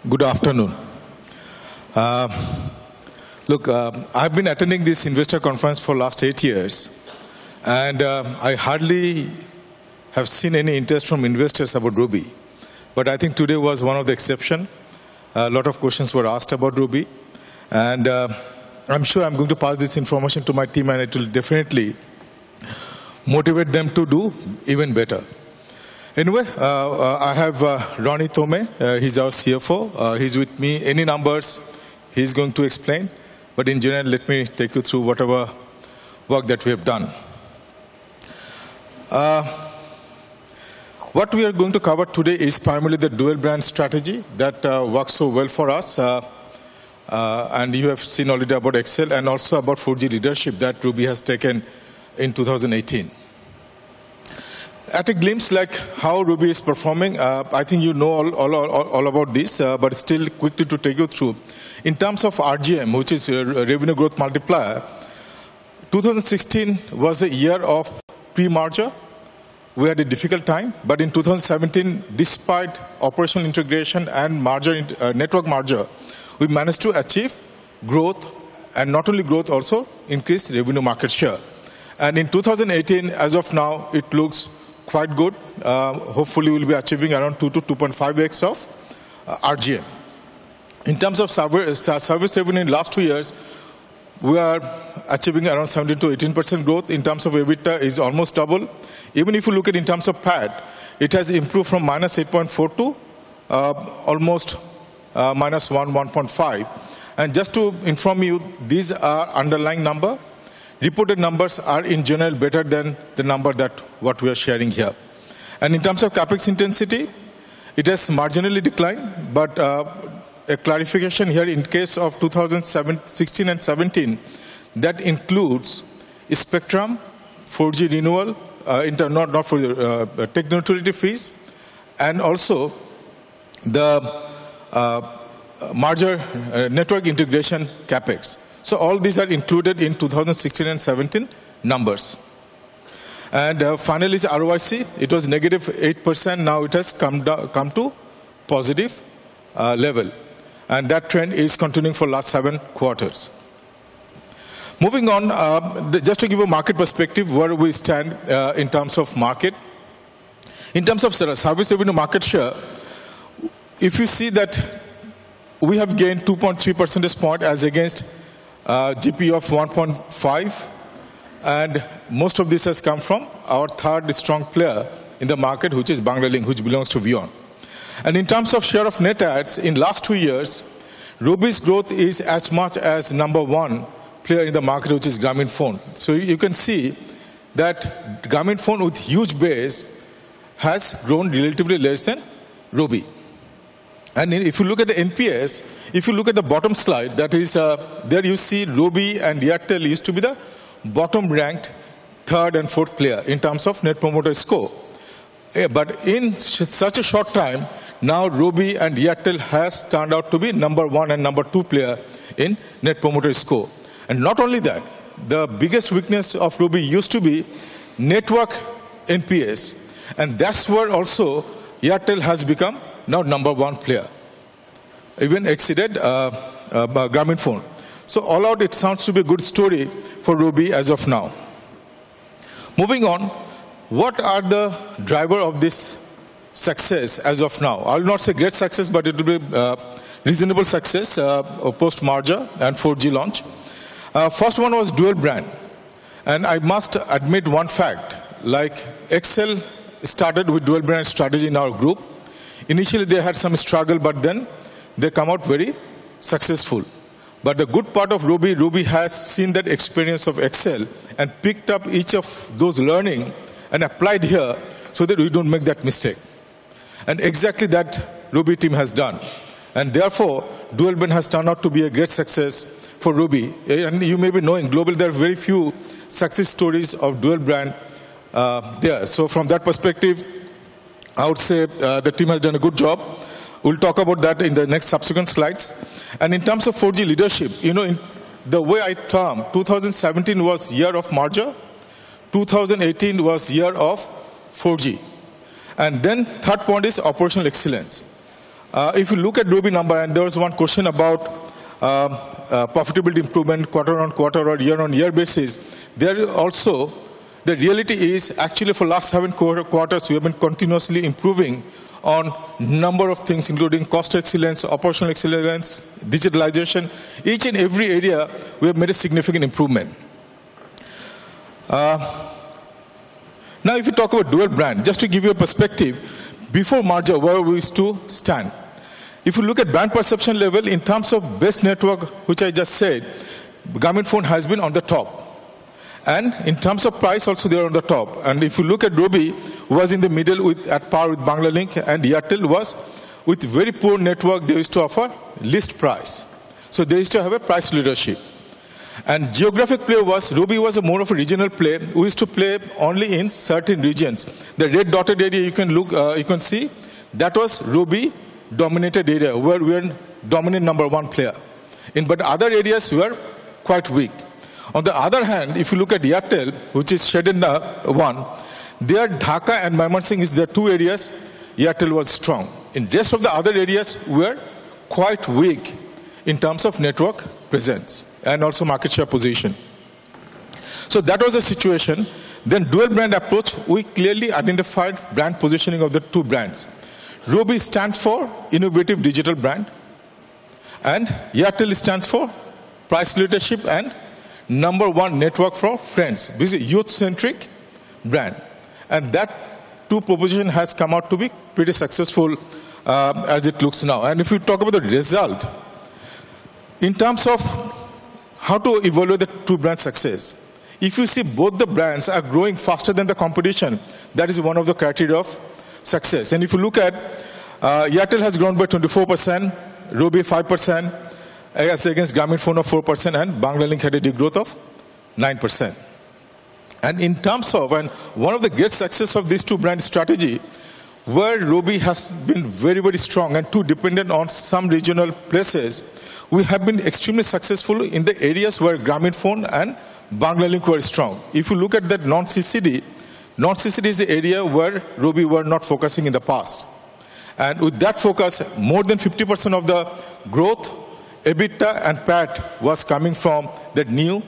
Good afternoon. Look, I've been attending this investor conference for the last eight years, and I hardly have seen any interest from investors about Robi. But I think today was one of the exceptions. A lot of questions were asked about Robi, and I'm sure I'm going to pass this information to my team, and it will definitely motivate them to do even better. Anyway, I have Roni Tohme. He's our CFO. He's with me. Any numbers, he's going to explain. But in general, let me take you through whatever work that we have done. What we are going to cover today is primarily the dual-brand strategy that works so well for us, and you have seen already about XL and also about 4G leadership that Robi has taken in 2018. At a glance like how Robi is performing, I think you know all about this, but still quickly to take you through. In terms of RGM, which is revenue growth multiplier, 2016 was a year of pre-merger. We had a difficult time, but in 2017, despite operational integration and network merger, we managed to achieve growth, and not only growth, also increased revenue market share. In 2018, as of now, it looks quite good. Hopefully, we'll be achieving around 2-2.5x of RGM. In terms of service revenue in the last two years, we are achieving around 17%-18% growth. In terms of EBITDA, it is almost double. Even if you look at it in terms of PAT, it has improved from minus 8.4 to almost minus 1, 1.5. Just to inform you, these are underlying numbers. Reported numbers are in general better than the number that what we are sharing here. In terms of CapEx intensity, it has marginally declined, but a clarification here in case of 2016 and 2017, that includes spectrum 4G renewal, not for the technology royalty fees, and also the merger network integration CapEx. So all these are included in 2016 and 2017 numbers. And finally, ROIC, it was negative 8%. Now it has come to a positive level, and that trend is continuing for the last seven quarters. Moving on, just to give a market perspective where we stand in terms of market. In terms of service revenue market share, if you see that we have gained 2.3 percentage points as against GP of 1.5, and most of this has come from our third strong player in the market, which is Banglalink, which belongs to VEON. In terms of share of net adds in the last two years, Robi's growth is as much as number one player in the market, which is Grameenphone. So you can see that Grameenphone, with a huge base, has grown relatively less than Robi. And if you look at the NPS, if you look at the bottom slide, that is there you see Robi and Airtel used to be the bottom-ranked third and fourth player in terms of net promoter score. But in such a short time, now Robi and Airtel have turned out to be number one and number two player in net promoter score. And not only that, the biggest weakness of Robi used to be network NPS, and that's where also Airtel has become now number one player, even exceeded Grameenphone. So overall, it sounds to be a good story for Robi as of now. Moving on, what are the drivers of this success as of now? I'll not say great success, but it will be a reasonable success post-merger and 4G launch. First one was dual-brand, and I must admit one fact, like XL started with dual-brand strategy in our group. Initially, they had some struggle, but then they came out very successful. But the good part of Robi, Robi has seen that experience of XL and picked up each of those learnings and applied here so that we don't make that mistake. And exactly that Robi team has done. And therefore, dual-brand has turned out to be a great success for Robi. And you may be knowing globally, there are very few success stories of dual-brand there. So from that perspective, I would say the team has done a good job. We'll talk about that in the next subsequent slides. In terms of 4G leadership, you know the way I term, 2017 was the year of merger, 2018 was the year of 4G. The third point is Operational Excellence. If you look at Robi number, and there was one question about profitability improvement quarter on quarter or year-on-year basis, there also the reality is actually for the last seven quarters, we have been continuously improving on a number of things, including Cost Excellence, Operational Excellence, digitalization. Each and every area, we have made a significant improvement. Now, if you talk about dual-brand, just to give you a perspective, before merger, where we used to stand. If you look at brand perception level in terms of best network, which I just said, Grameenphone has been on the top. In terms of price, also they are on the top. If you look at Robi, it was in the middle at par with Banglalink, and Airtel was with very poor network. They used to offer least price. So they used to have a price leadership. The geographic play was Robi was more of a regional play who used to play only in certain regions. The red dotted area, you can see that was Robi dominated area, where we were dominant number one player. But other areas were quite weak. On the other hand, if you look at Airtel, which is shaded one, there are Dhaka and Mymensingh; there are two areas Airtel was strong. In the rest of the other areas, we were quite weak in terms of network presence and also market share position. So that was the situation. Then dual-brand approach, we clearly identified brand positioning of the two brands. Robi stands for innovative digital brand, and Airtel stands for price leadership and number one network for friends. This is a youth-centric brand. And those two propositions have come out to be pretty successful as it looks now. And if you talk about the result, in terms of how to evaluate the two brand success, if you see both the brands are growing faster than the competition, that is one of the criteria of success. And if you look at Airtel has grown by 24%, Robi five%, as against Grameenphone of four%, and Banglalink had a growth of nine%. And in terms of one of the great successes of this two-brand strategy, where Robi has been very, very strong and not too dependent on some regional places, we have been extremely successful in the areas where Grameenphone and Banglalink were strong. If you look at that non-CCD, non-CCD is the area where Robi was not focusing in the past. And with that focus, more than 50% of the growth, EBITDA and PAT was coming from the new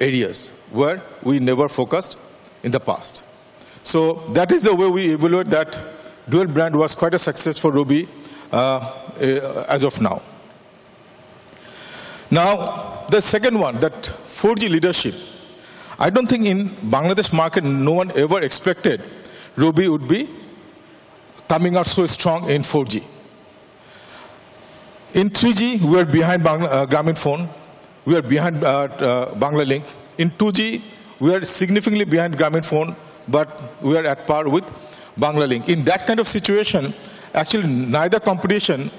areas where we never focused in the past. So that is the way we evaluate that dual-brand was quite a success for Robi as of now. Now, the second one, that 4G leadership, I don't think in Bangladesh market, no one ever expected Robi would be coming out so strong in 4G. In 3G, we were behind Grameenphone. We were behind Banglalink. In 2G, we were significantly behind Grameenphone, but we were at par with Banglalink. In that kind of situation, actually, neither competition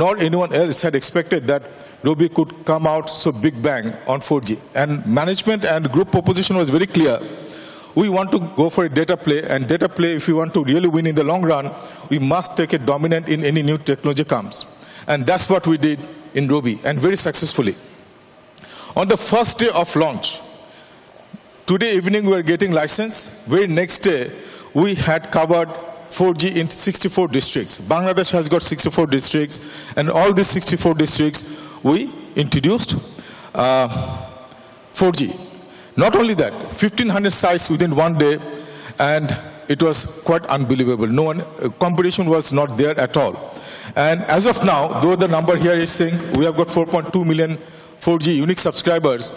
nor anyone else had expected that Robi could come out so big bang on 4G. And management and group proposition was very clear. We want to go for a data play. Data play, if we want to really win in the long run, we must take it dominant in any new technology comes. That's what we did in Robi and very successfully. On the first day of launch, that evening, we were getting license, the next day we had covered 4G in 64 districts. Bangladesh has got 64 districts, and all these 64 districts, we introduced 4G. Not only that, 1,500 sites within one day, and it was quite unbelievable. No one competition was not there at all. As of now, though the number here is saying we have got 4.2 million 4G unique subscribers,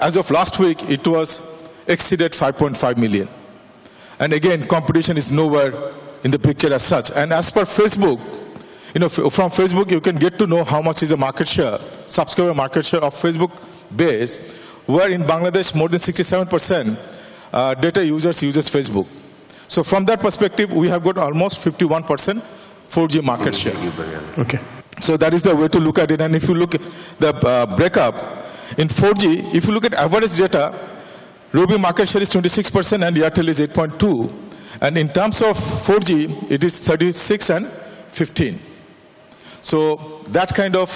as of last week, it was exceeded 5.5 million. Again, competition is nowhere in the picture as such. As per Facebook, from Facebook, you can get to know how much is the market share, subscriber market share of Facebook base, where in Bangladesh, more than 67% data users use Facebook. So from that perspective, we have got almost 51% 4G market share. Okay. So that is the way to look at it. And if you look at the breakup in 4G, if you look at average data, Robi market share is 26% and Airtel is 8.2%. And in terms of 4G, it is 36% and 15%. So that kind of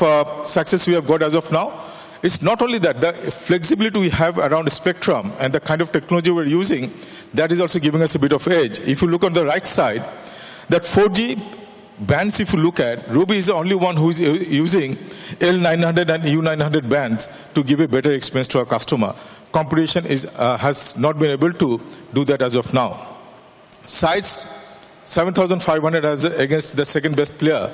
success we have got as of now is not only that, the flexibility we have around the spectrum and the kind of technology we're using, that is also giving us a bit of an edge. If you look on the right side, that 4G bands, if you look at, Robi is the only one who is using L900 and U900 bands to give a better experience to our customer. Competition has not been able to do that as of now. Sites, 7,500 against the second best player,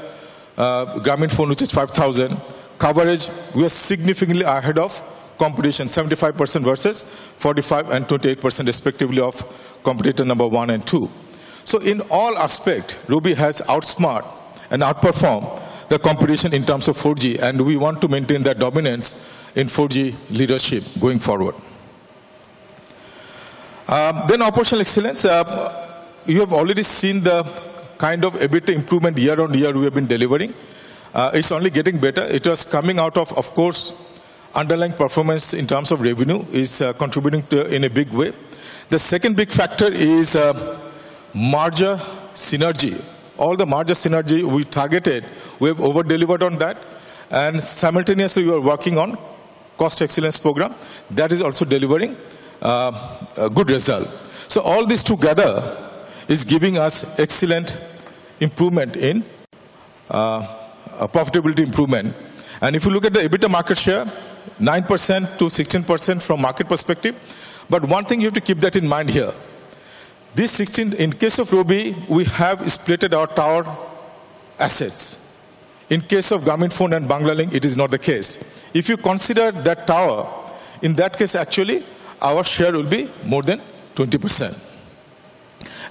Grameenphone, which is 5,000. Coverage, we are significantly ahead of competition, 75% versus 45% and 28% respectively of competitor number one and two. So in all aspects, Robi has outSmarted and outperformed the competition in terms of 4G, and we want to maintain that dominance in 4G leadership going forward. Then Operational Excellence, you have already seen the kind of EBITDA improvement year-on-year we have been delivering. It's only getting better. It was coming out of, of course, underlying performance in terms of revenue is contributing to in a big way. The second big factor is margin synergy. All the margin synergy we targeted, we have over-delivered on that. And SIMultaneously, we are working on Cost Excellence program that is also delivering a good result. So all this together is giving us XLlent improvement in profitability improvement. And if you look at the EBITDA market share, 9%-16% from market perspective. But one thing you have to keep that in mind here. In case of Robi, we have split our tower assets. In case of Grameenphone and Banglalink, it is not the case. If you consider that tower, in that case, actually, our share will be more than 20%.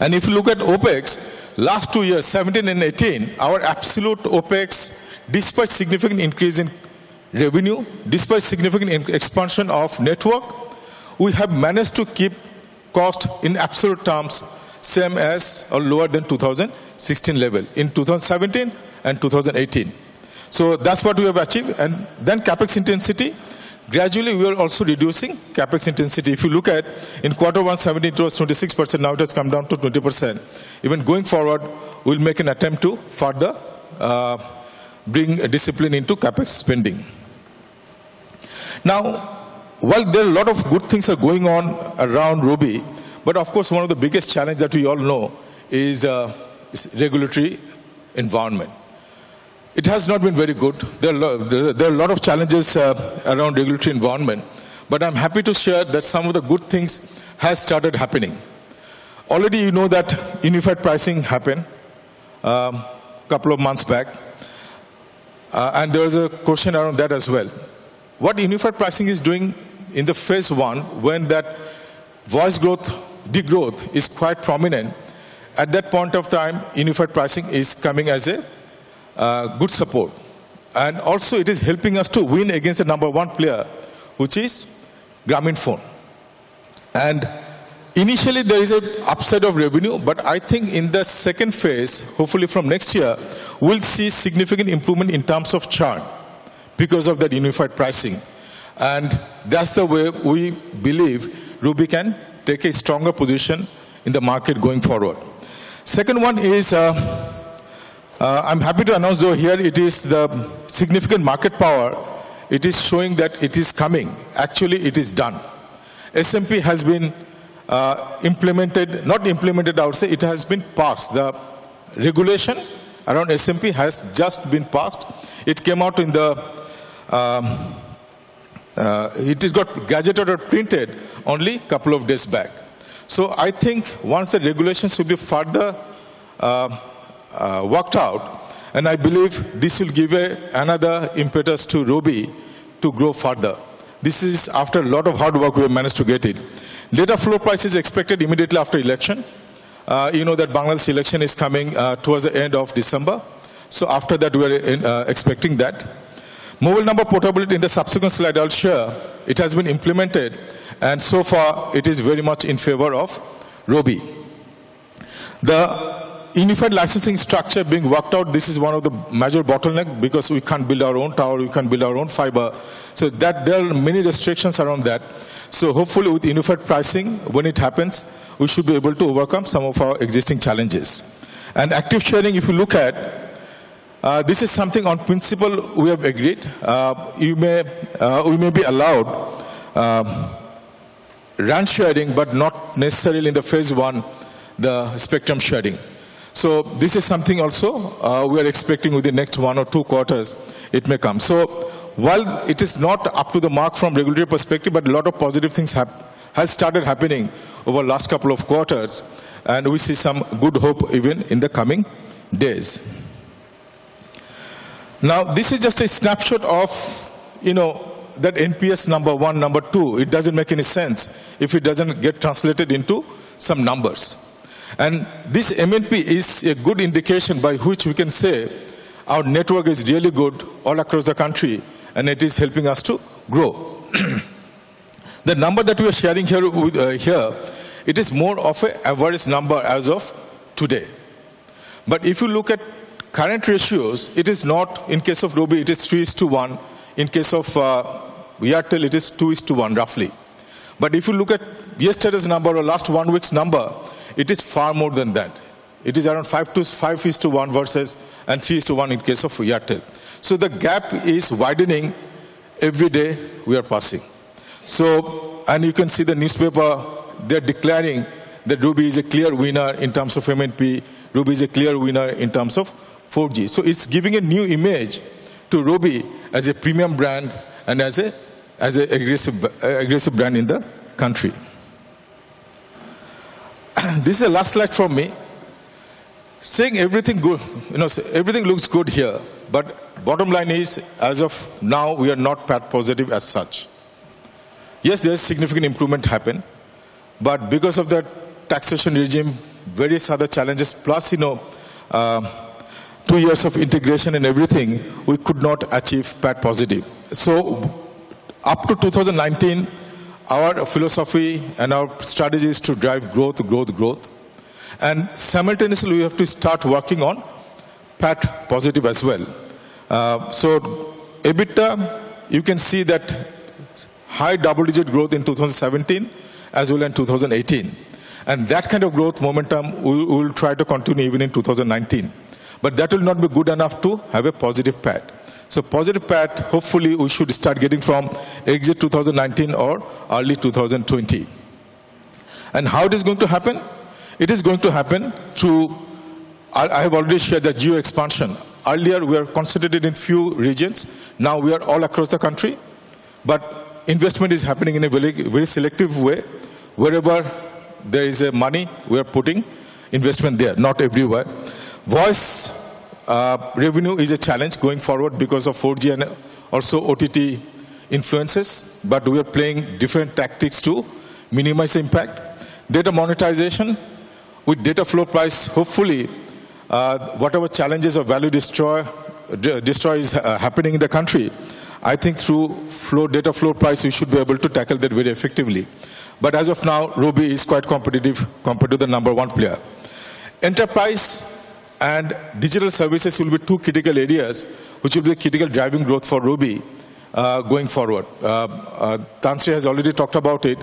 If you look at OpEx, last two years, 2017 and 2018, our absolute OpEx, despite significant increase in revenue, despite significant expansion of network, we have managed to keep cost in absolute terms same as or lower than 2016 level in 2017 and 2018. That's what we have achieved. CapEx intensity, gradually we are also reducing CapEx intensity. If you look at in quarter one, 2017, it was 26%. Now it has come down to 20%. Even going forward, we'll make an attempt to further bring discipline into CapEx spending. Now, while there are a lot of good things going on around Robi, but of course, one of the biggest challenges that we all know is regulatory environment. It has not been very good. There are a lot of challenges around regulatory environment, but I'm happy to share that some of the good things have started happening. Already, you know that unified pricing happened a couple of months back, and there was a question around that as well. What unified pricing is doing in the phase one when that voice growth, degrowth is quite prominent, at that point of time, unified pricing is coming as a good support, and also, it is helping us to win against the number one player, which is Grameenphone. And initially, there is an upside of revenue, but I think in the second phase, hopefully from next year, we'll see significant improvement in terms of churn because of that unified pricing, and that's the way we believe Robi can take a stronger position in the market going forward. Second one is I'm happy to announce though here, it is the significant market power. It is showing that it is coming. Actually, it is done. SMP has been implemented, not implemented, I would say it has been passed. The regulation around SMP has just been passed. It came out in the Gazette or printed only a couple of days back. So I think once the regulations will be further worked out, and I believe this will give another impetus to Robi to grow further. This is after a lot of hard work we have managed to get it. Data floor price is expected immediately after election. You know that Bangladesh election is coming towards the end of December. So after that, we are expecting that. Mobile number portability in the subsequent slide I'll share, it has been implemented, and so far, it is very much in favor of Robi. The unified licensing structure being worked out, this is one of the major bottlenecks because we can't build our own tower, we can't build our own fiber. So there are many restrictions around that. So hopefully, with unified pricing, when it happens, we should be able to overcome some of our existing challenges. And active sharing, if you look at, this is something on principle we have agreed. We may be allowed RAN sharing, but not necessarily in the phase one, the spectrum sharing. So this is something also we are expecting within the next one or two quarters, it may come. So while it is not up to the mark from regulatory perspective, but a lot of positive things have started happening over the last couple of quarters, and we see some good hope even in the coming days. Now, this is just a snapshot of that NPS number one, number two. It doesn't make any sense if it doesn't get translated into some numbers. And this MNP is a good indication by which we can say our network is really good all across the country, and it is helping us to grow. The number that we are sharing here, it is more of an average number as of today. But if you look at current ratios, it is not in case of Robi, it is 3:1. In case of Airtel, it is 2:1 roughly. But if you look at yesterday's number or last one week's number, it is far more than that. It is around 5:1 versus and 3:1 in case of Airtel. So the gap is widening every day we are passing. And you can see the newspaper, they're declaring that Robi is a clear winner in terms of MNP. Robi is a clear winner in terms of 4G. So it's giving a new image to Robi as a premium brand and as an aggressive brand in the country. This is the last slide from me. Saying everything looks good here, but bottom line is, as of now, we are not that positive as such. Yes, there's significant improvement happened, but because of that taxation regime, various other challenges, plus two years of integration and everything, we could not achieve PAT positive. So up to 2019, our philosophy and our strategy is to drive growth, growth, growth. And SIMultaneously, we have to start working on PAT positive as well. So EBITDA, you can see that high double-digit growth in 2017 as well as in 2018. And that kind of growth momentum, we will try to continue even in 2019. But that will not be good enough to have a positive PAT. So positive PAT, hopefully, we should start getting from exit 2019 or early 2020. And how it is going to happen? It is going to happen through, I have already shared that geo-expansion. Earlier, we were concentrated in few regions. Now, we are all across the country, but investment is happening in a very selective way. Wherever there is money, we are putting investment there, not everywhere. Voice revenue is a challenge going forward because of 4G and also OTT influences, but we are playing different tactics to minimize impact. Data monetization with data floor price, hopefully, whatever challenges or value destroy is happening in the country, I think through data floor price, we should be able to tackle that very effectively. But as of now, Robi is quite competitive compared to the number one player. Enterprise and digital services will be two critical areas which will be the critical driving growth for Robi going forward. Tan Sri has already talked about it,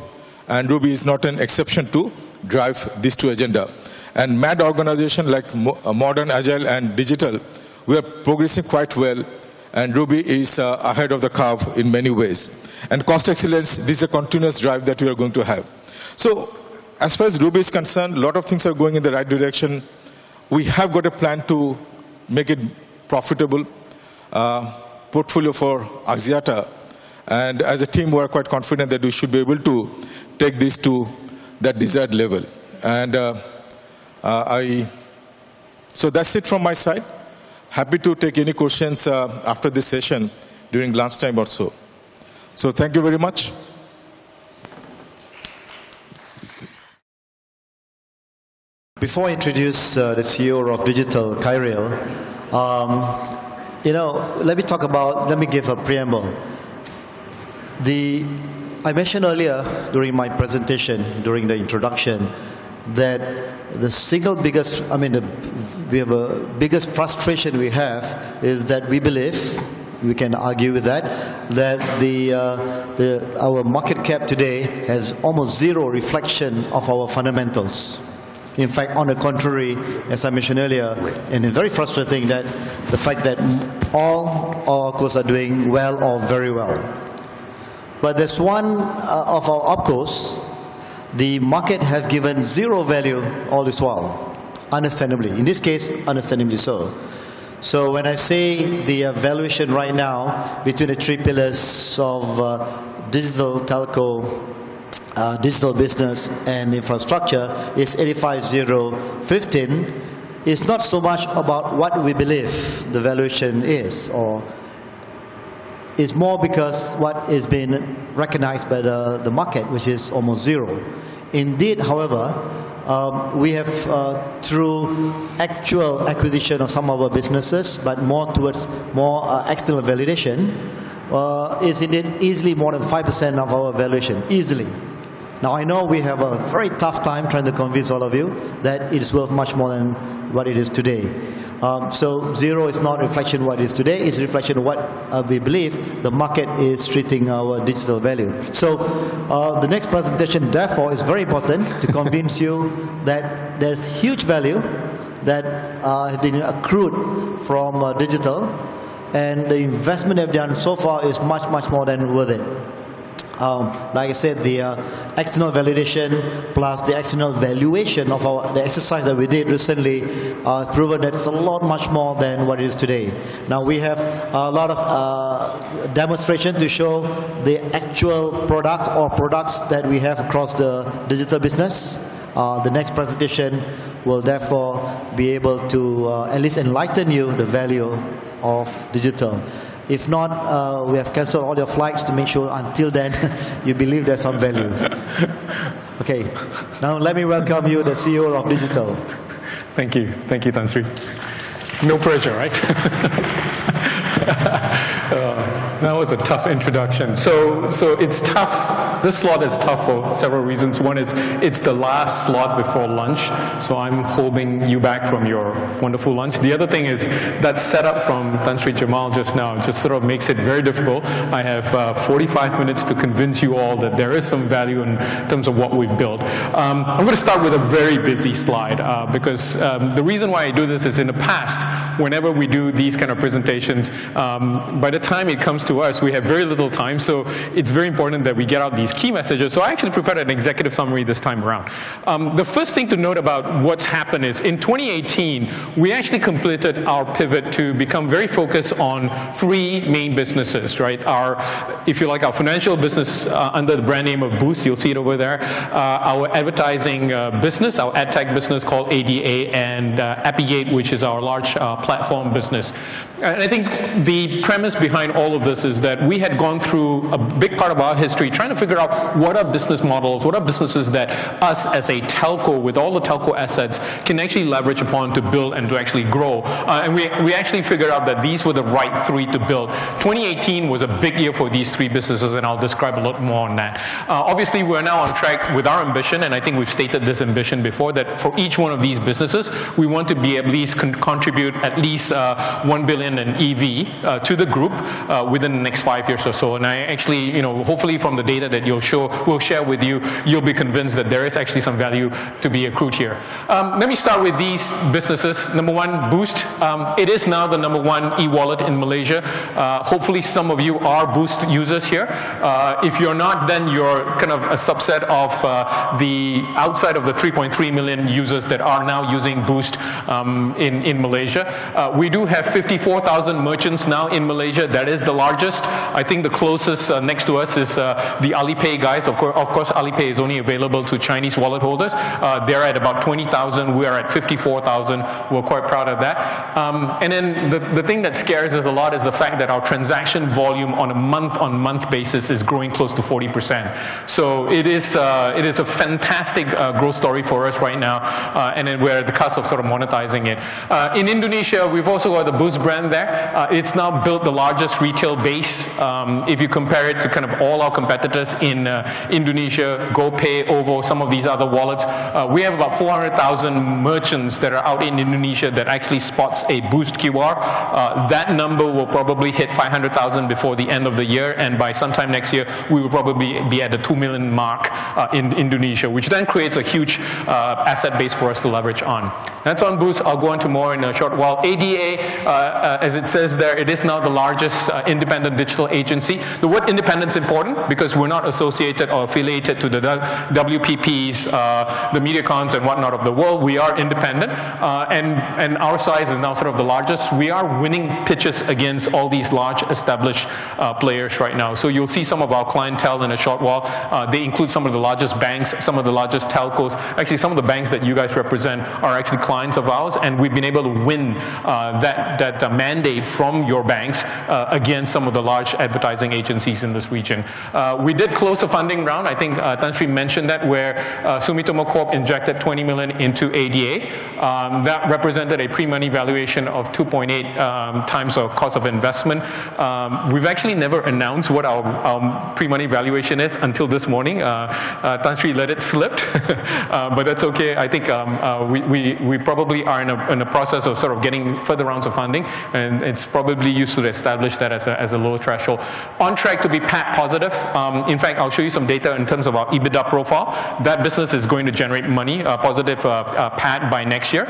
and Robi is not an exception to drive these two agendas. And MAD organization like Modern, Agile, and Digital, we are progressing quite well, and Robi is ahead of the curve in many ways. And Cost Excellence, this is a continuous drive that we are going to have. So as far as Robi is concerned, a lot of things are going in the right direction. We have got a plan to make it profitable portfolio for Axiata. And as a team, we are quite confident that we should be able to take this to that desired level. So that's it from my side. Happy to take any questions after this session during lunchtime or so. So thank you very much. Before I introduce the CEO of Digital, Khairil, let me talk about, let me give a preamble. I mentioned earlier during my presentation, during the introduction, that the single biggest, I mean, we have a biggest frustration we have is that we believe, we can argue with that, that our market cap today has almost zero reflection of our fundamentals. In fact, on the contrary, as I mentioned earlier, and it's very frustrating that the fact that all our OpCos are doing well or very well. But there's one of our OpCos, the market has given zero value all this while, understandably. In this case, understandably so. So when I say the valuation right now between the three pillars of digital telco, digital business, and infrastructure is 85, 0, 15, it's not so much about what we believe the valuation is, or it's more because what is being recognized by the market, which is almost zero. Indeed, however, we have through actual acquisition of some of our businesses, but more towards more external validation, is indeed easily more than 5% of our valuation, easily. Now, I know we have a very tough time trying to convince all of you that it is worth much more than what it is today. So zero is not a reflection of what it is today. It's a reflection of what we believe the market is treating our digital value. So the next presentation, therefore, is very important to convince you that there's huge value that has been accrued from digital, and the investment they have done so far is much, much more than worth it. Like I said, the external validation plus the external valuation of the exercise that we did recently has proven that it's a lot much more than what it is today. Now, we have a lot of demonstrations to show the actual products or products that we have across the digital business. The next presentation will therefore be able to at least enlighten you the value of digital. If not, we have canceled all your flights to make sure until then you believe there's some value. Okay. Now, let me welcome you, the CEO of Digital. Thank you. Thank you, Tan Sri. No pressure, right? That was a tough introduction. So it's tough. This slot is tough for several reasons. One is it's the last slot before lunch, so I'm holding you back from your wonderful lunch. The other thing is that setup from Tan Sri Jamal just now just sort of makes it very difficult. I have 45 minutes to convince you all that there is some value in terms of what we've built. I'm going to start with a very busy slide because the reason why I do this is in the past, whenever we do these kind of presentations, by the time it comes to us, we have very little time, so it's very important that we get out these key messages. So I actually prepared an executive summary this time around. The first thing to note about what's happened is in 2018, we actually completed our pivot to become very focused on three main businesses, right? If you like our financial business under the brand name of Boost, you'll see it over there, our advertising business, our ad tech business called ADA, and Apigate, which is our large platform business. And I think the premise behind all of this is that we had gone through a big part of our history trying to figure out what are business models, what are businesses that us as a telco with all the telco assets can actually leverage upon to build and to actually grow. And we actually figured out that these were the right three to build. 2018 was a big year for these three businesses, and I'll describe a lot more on that. Obviously, we're now on track with our ambition, and I think we've stated this ambition before that for each one of these businesses, we want to be able to contribute at least one billion in EV to the group within the next five years or so. And I actually, hopefully from the data that we'll share with you, you'll be convinced that there is actually some value to be accrued here. Let me start with these businesses. Number one, Boost. It is now the number one e-wallet in Malaysia. Hopefully, some of you are Boost users here. If you're not, then you're kind of a subset of the outside of the 3.3 million users that are now using Boost in Malaysia. We do have 54,000 merchants now in Malaysia. That is the largest. I think the closest next to us is the Alipay guys. Of course, Alipay is only available to Chinese wallet holders. They're at about 20,000. We are at 54,000. We're quite proud of that, and then the thing that scares us a lot is the fact that our transaction volume on a month-on-month basis is growing close to 40%, so it is a fantastic growth story for us right now, and then we're at the cusp of sort of monetizing it. In Indonesia, we've also got the Boost brand there. It's now built the largest retail base. If you compare it to kind of all our competitors in Indonesia, GoPay, OVO, some of these other wallets, we have about 400,000 merchants that are out in Indonesia that actually sport a Boost QR. That number will probably hit 500,000 before the end of the year, and by sometime next year, we will probably be at the 2 million mark in Indonesia, which then creates a huge asset base for us to leverage on. That's on Boost. I'll go on to more in a short while. ADA, as it says there, it is now the largest independent digital agency. The word independence is important because we're not associated or affiliated to the WPPs, the MediaComs, and whatnot of the world. We are independent, and our size is now sort of the largest. We are winning pitches against all these large established players right now. So you'll see some of our clientele in a short while. They include some of the largest banks, some of the largest telcos. Actually, some of the banks that you guys represent are actually clients of ours, and we've been able to win that mandate from your banks against some of the large advertising agencies in this region. We did close the funding round. I think Tan Sri mentioned that where Sumitomo Corporation injected 20 million into ADA. That represented a pre-money valuation of 2.8 times our cost of investment. We've actually never announced what our pre-money valuation is until this morning. Tan Sri let it slip, but that's okay. I think we probably are in the process of sort of getting further rounds of funding, and it's probably useful to establish that as a lower threshold. On track to be PAT positive. In fact, I'll show you some data in terms of our EBITDA profile. That business is going to generate money, a positive PAT by next year.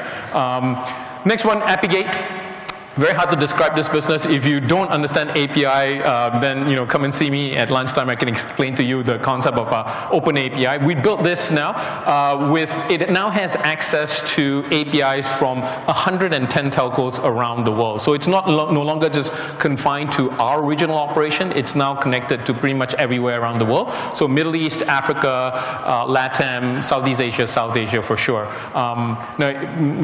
Next one, Apigate. Very hard to describe this business. If you don't understand API, then come and see me at lunchtime. I can explain to you the concept of an open API. We built this now. It now has access to APIs from 110 telcos around the world. So it's no longer just confined to our regional operation. It's now connected to pretty much everywhere around the world. So Middle East, Africa, Latam, Southeast Asia, South Asia for sure.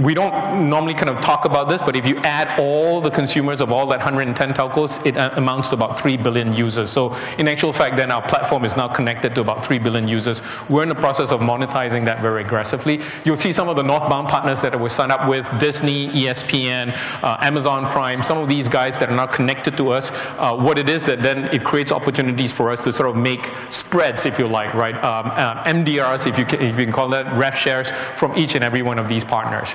We don't normally kind of talk about this, but if you add all the consumers of all that 110 telcos, it amounts to about 3 billion users. So in actual fact, then our platform is now connected to about 3 billion users. We're in the process of monetizing that very aggressively. You'll see some of the northbound partners that we signed up with, Disney, ESPN, Amazon Prime, some of these guys that are now connected to us. What it is that then it creates opportunities for us to sort of make spreads, if you like, right? MDRs, if you can call that, rev shares from each and every one of these partners.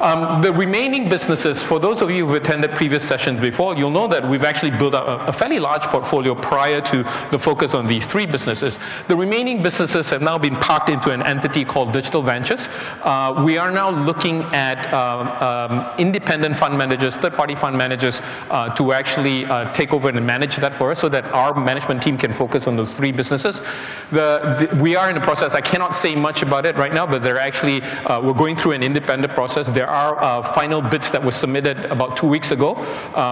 The remaining businesses, for those of you who've attended previous sessions before, you'll know that we've actually built up a fairly large portfolio prior to the focus on these three businesses. The remaining businesses have now been parked into an entity called Digital Ventures. We are now looking at independent fund managers, third-party fund managers to actually take over and manage that for us so that our management team can focus on those three businesses. We are in the process. I cannot say much about it right now, but we're going through an independent process. There are final bits that were submitted about two weeks ago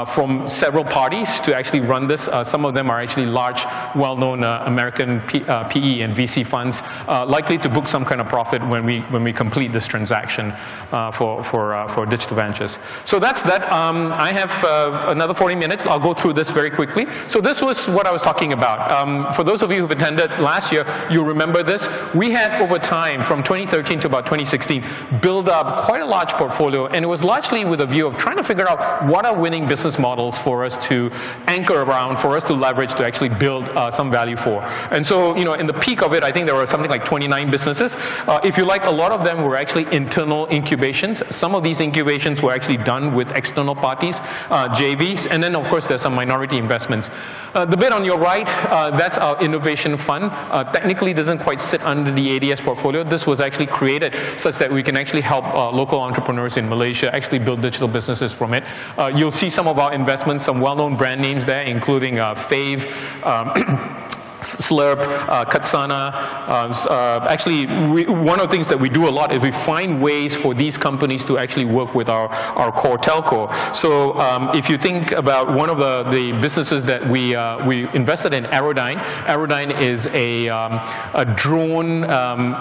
from several parties to actually run this. Some of them are actually large, well-known American PE and VC funds likely to book some kind of profit when we complete this transaction for Digital Ventures. So that's that. I have another 40 minutes. I'll go through this very quickly. So this was what I was talking about. For those of you who've attended last year, you'll remember this. We had, over time, from 2013 to about 2016, built up quite a large portfolio, and it was largely with a view of trying to figure out what are winning business models for us to anchor around, for us to leverage, to actually build some value for. And so in the peak of it, I think there were something like 29 businesses. If you like, a lot of them were actually internal incubations. Some of these incubations were actually done with external parties, JVs, and then, of course, there's some minority investments. The bit on your right, that's our innovation fund. Technically, it doesn't quite sit under the ADS portfolio. This was actually created such that we can actually help local entrepreneurs in Malaysia actually build digital businesses from it. You'll see some of our investments, some well-known brand names there, including Fave, Slurp, Katsana. Actually, one of the things that we do a lot is we find ways for these companies to actually work with our core telco. So if you think about one of the businesses that we invested in, Aerodyne, Aerodyne is a drone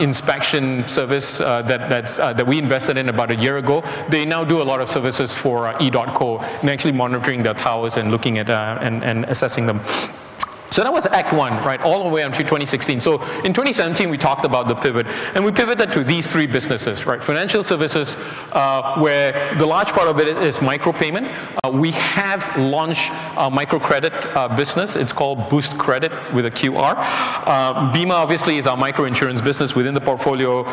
inspection service that we invested in about a year ago. They now do a lot of services for edotco and actually monitoring their towers and looking at and assessing them. So that was Act One, right, all the way until 2016. So in 2017, we talked about the pivot, and we pivoted to these three businesses, right? Financial services, where the large part of it is micropayment. We have launched a microcredit business. It's called Boost Credit with a QR. Bima, obviously, is our microinsurance business within the portfolio.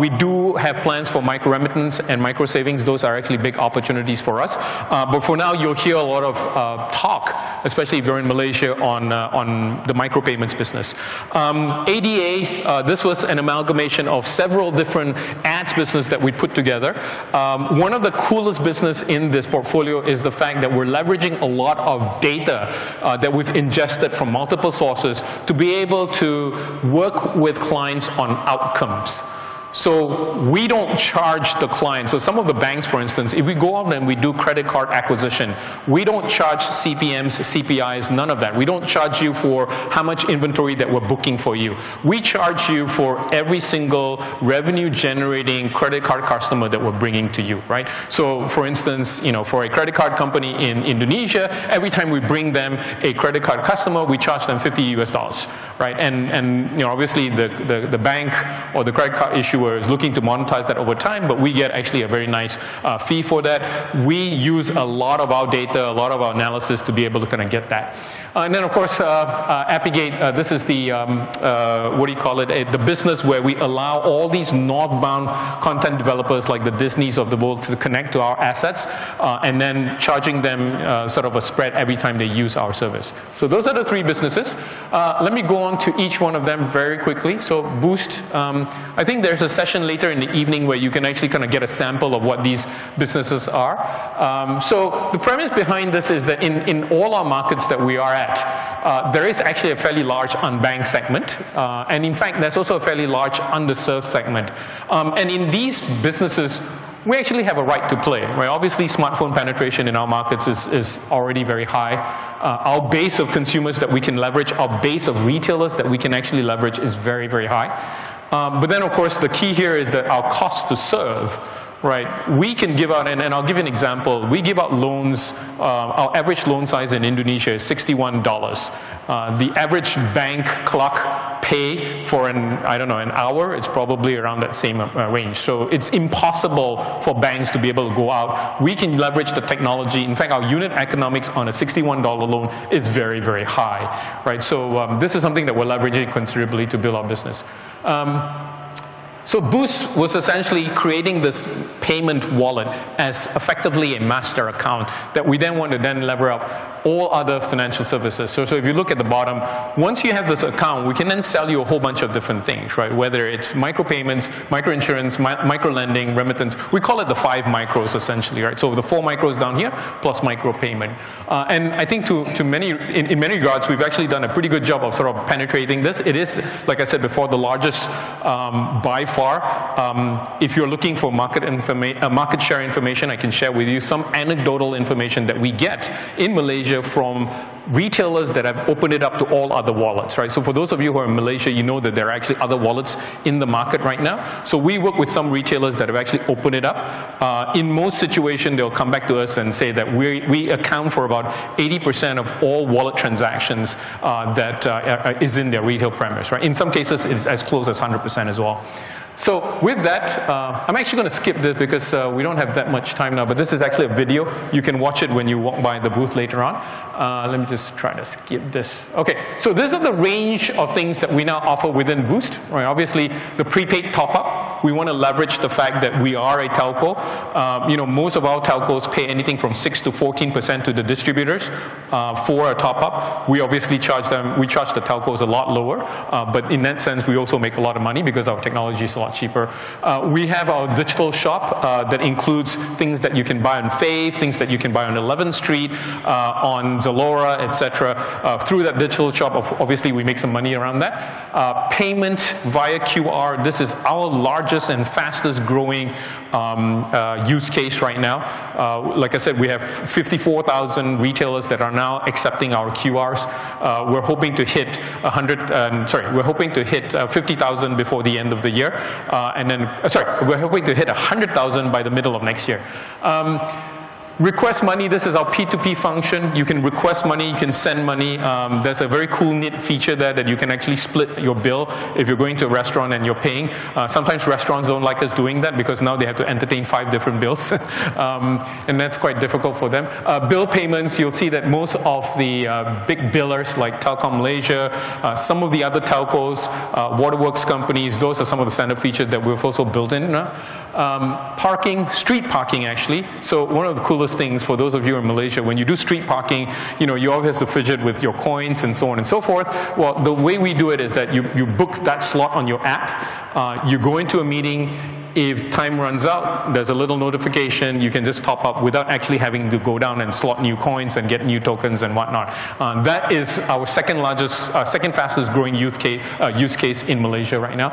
We do have plans for micro-remittance and micro-savings. Those are actually big opportunities for us. But for now, you'll hear a lot of talk, especially if you're in Malaysia, on the micropayments business. ADA, this was an amalgamation of several different ads businesses that we put together. One of the coolest businesses in this portfolio is the fact that we're leveraging a lot of data that we've ingested from multiple sources to be able to work with clients on outcomes. So we don't charge the clients. So some of the banks, for instance, if we go out and we do credit card acquisition, we don't charge CPMs, CPIs, none of that. We don't charge you for how much inventory that we're booking for you. We charge you for every single revenue-generating credit card customer that we're bringing to you, right? So for instance, for a credit card company in Indonesia, every time we bring them a credit card customer, we charge them $50, right? And obviously, the bank or the credit card issuer is looking to monetize that over time, but we get actually a very nice fee for that. We use a lot of our data, a lot of our analysis to be able to kind of get that. And then, of course, Apigate, this is the, what do you call it, the business where we allow all these northbound content developers like the Disneys of the world to connect to our assets and then charging them sort of a spread every time they use our service. So those are the three businesses. Let me go on to each one of them very quickly. So Boost, I think there's a session later in the evening where you can actually kind of get a sample of what these businesses are. So the premise behind this is that in all our markets that we are at, there is actually a fairly large unbanked segment. And in fact, there's also a fairly large underserved segment. In these businesses, we actually have a right to play, right? Obviously, smartphone penetration in our markets is already very high. Our base of consumers that we can leverage, our base of retailers that we can actually leverage is very, very high. But then, of course, the key here is that our cost to serve, right? We can give out, and I'll give you an example. We give out loans. Our average loan size in Indonesia is $61. The average bank clerk pay for an, I don't know, an hour, it's probably around that same range. So it's impossible for banks to be able to go out. We can leverage the technology. In fact, our unit economics on a $61 loan is very, very high, right? So this is something that we're leveraging considerably to build our business. So Boost was essentially creating this payment wallet as effectively a master account that we then want to then lever up all other financial services. So if you look at the bottom, once you have this account, we can then sell you a whole bunch of different things, right? Whether it's micropayments, microinsurance, microlending, remittance. We call it the five micros, essentially, right? So the four micros down here plus micropayment. And I think in many regards, we've actually done a pretty good job of sort of penetrating this. It is, like I said before, the largest by far. If you're looking for market share information, I can share with you some anecdotal information that we get in Malaysia from retailers that have opened it up to all other wallets, right? For those of you who are in Malaysia, you know that there are actually other wallets in the market right now. We work with some retailers that have actually opened it up. In most situations, they'll come back to us and say that we account for about 80% of all wallet transactions that are in their retail premise, right? In some cases, it's as close as 100% as well. With that, I'm actually going to skip this because we don't have that much time now, but this is actually a video. You can watch it when you walk by the booth later on. Let me just try to skip this. Okay. This is the range of things that we now offer within Boost, right? Obviously, the prepaid top-up. We want to leverage the fact that we are a telco. Most of our telcos pay anything from 6%-14% to the distributors for a top-up. We obviously charge them. We charge the telcos a lot lower. But in that sense, we also make a lot of money because our technology is a lot cheaper. We have our digital shop that includes things that you can buy on Fave, things that you can buy on 11street, on Zalora, etc. Through that digital shop, obviously, we make some money around that. Payment via QR. This is our largest and fastest-growing use case right now. Like I said, we have 54,000 retailers that are now accepting our QRs. We're hoping to hit 100. Sorry, we're hoping to hit 50,000 before the end of the year. Then, sorry, we're hoping to hit 100,000 by the middle of next year. Request money. This is our P2P function. You can request money, you can send money. There's a very cool neat feature there that you can actually split your bill if you're going to a restaurant and you're paying. Sometimes restaurants don't like us doing that because now they have to entertain five different bills, and that's quite difficult for them. Bill payments, you'll see that most of the big billers like Telekom Malaysia, some of the other telcos, waterworks companies, those are some of the standard features that we've also built in. Parking, street parking, actually. So one of the coolest things for those of you in Malaysia, when you do street parking, you always have to fiDigiet with your coins and so on and so forth, well, the way we do it is that you book that slot on your app. You go into a meeting. If time runs out, there's a little notification. You can just top up without actually having to go down and slot new coins and get new tokens and whatnot. That is our second fastest-growing use case in Malaysia right now.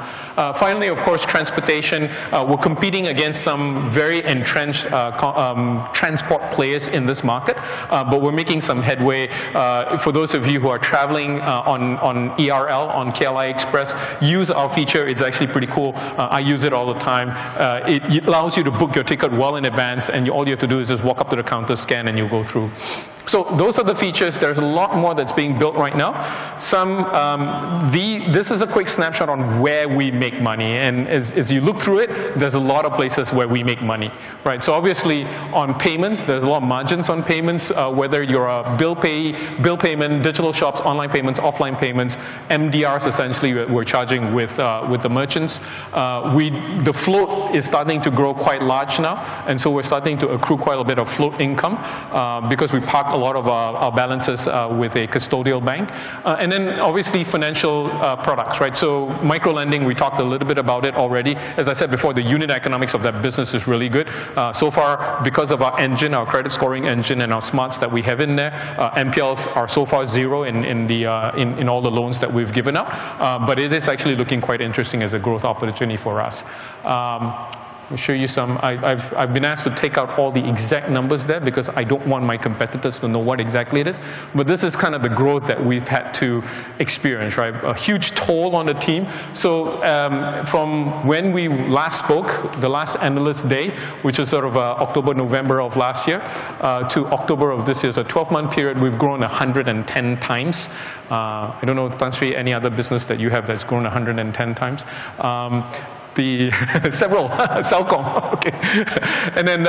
Finally, of course, transportation. We're competing against some very entrenched transport players in this market, but we're making some headway. For those of you who are traveling on ERL, on KLIA Ekspres, use our feature. It's actually pretty cool. I use it all the time. It allows you to book your ticket well in advance, and all you have to do is just walk up to the counter, scan, and you'll go through. So those are the features. There's a lot more that's being built right now. This is a quick snapshot on where we make money. And as you look through it, there's a lot of places where we make money, right? So obviously, on payments, there's a lot of margins on payments, whether you're a bill payment, digital shops, online payments, offline payments, MDRs, essentially, we're charging with the merchants. The float is starting to grow quite large now, and so we're starting to accrue quite a bit of float income because we parked a lot of our balances with a custodial bank. And then, obviously, financial products, right? So microlending, we talked a little bit about it already. As I said before, the unit economics of that business is really good. So far, because of our engine, our credit scoring engine and our smarts that we have in there, NPLs are so far zero in all the loans that we've given up, but it is actually looking quite interesting as a growth opportunity for us. I'll show you some. I've been asked to take out all the exact numbers there because I don't want my competitors to know what exactly it is. But this is kind of the growth that we've had to experience, right? A huge toll on the team. So from when we last spoke, the last analyst day, which was sort of October, November of last year to October of this year, so 12-month period, we've grown 110 times. I don't know, Tan Sri, any other business that you have that's grown 110 times? Several, Celcom, okay. And then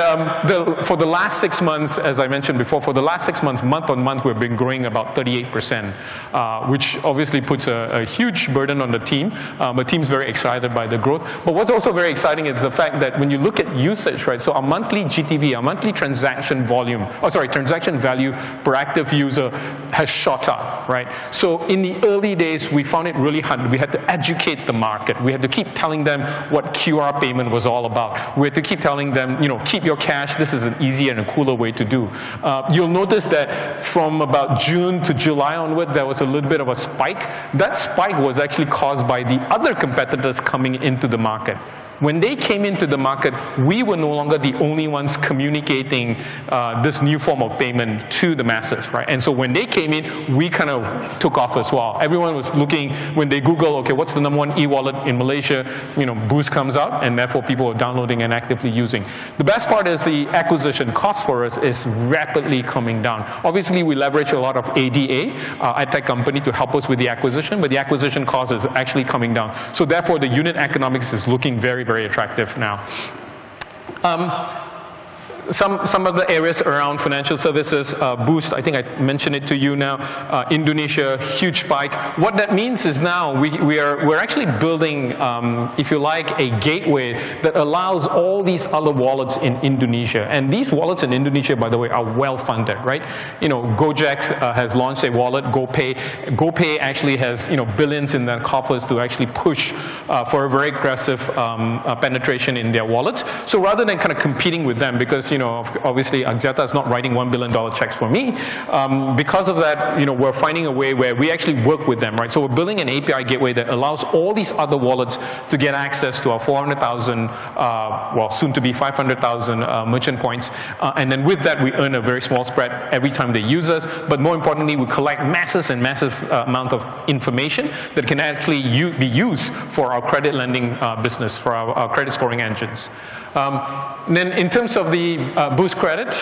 for the last six months, as I mentioned before, for the last six months, month on month, we've been growing about 38%, which obviously puts a huge burden on the team. The team's very excited by the growth. But what's also very exciting is the fact that when you look at usage, right? So our monthly GTV, our monthly transaction volume, or sorry, transaction value per active user has shot up, right? So in the early days, we found it really hard. We had to educate the market. We had to keep telling them what QR payment was all about. We had to keep telling them, "Keep your cash. This is an easier and a cooler way to do." You'll notice that from about June-July onward, there was a little bit of a spike. That spike was actually caused by the other competitors coming into the market. When they came into the market, we were no longer the only ones communicating this new form of payment to the masses, right? And so when they came in, we kind of took off as well. Everyone was looking when they Google, "Okay, what's the number one e-wallet in Malaysia?" Boost comes up, and therefore people are downloading and actively using. The best part is the acquisition cost for us is rapidly coming down. Obviously, we leverage a lot of ADA, AdTech company, to help us with the acquisition, but the acquisition cost is actually coming down. So therefore, the unit economics is looking very, very attractive now. Some of the areas around financial services, Boost, I think I mentioned it to you now, Indonesia, huge spike. What that means is now we're actually building, if you like, a gateway that allows all these other wallets in Indonesia. And these wallets in Indonesia, by the way, are well-funded, right? Gojek has launched a wallet, GoPay. GoPay actually has billions in their coffers to actually push for a very aggressive penetration in their wallets. So rather than kind of competing with them, because obviously, Axiata is not writing $1 billion checks for me, because of that, we're finding a way where we actually work with them, right? So we're building an API gateway that allows all these other wallets to get access to our 400,000, well, soon to be 500,000 merchant points. And then with that, we earn a very small spread every time they use us. But more importantly, we collect massive and massive amounts of information that can actually be used for our credit lending business, for our credit scoring engines. Then in terms of the Boost Credit,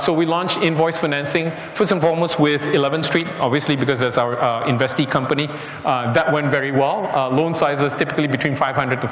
so we launched invoice financing, first and foremost with 11street, obviously, because that's our investee company. That went very well. Loan sizes typically between 500-5,000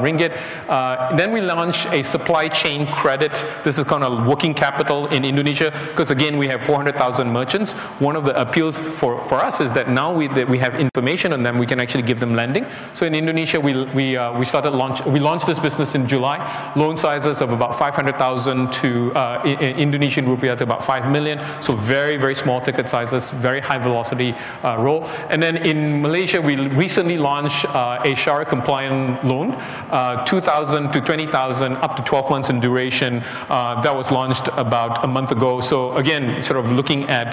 ringgit. Then we launched a supply chain credit. This is kind of working capital in Indonesia because, again, we have 400,000 merchants. One of the appeals for us is that now we have information on them, we can actually give them lending. So in Indonesia, we launched this business in July. Loan sizes of about 500,000-5 million rupiah. So very, very small ticket sizes, very high velocity, right. And then in Malaysia, we recently launched a Shariah-compliant loan, 2,000-20,000, up to 12 months in duration. That was launched about a month ago. So again, sort of looking at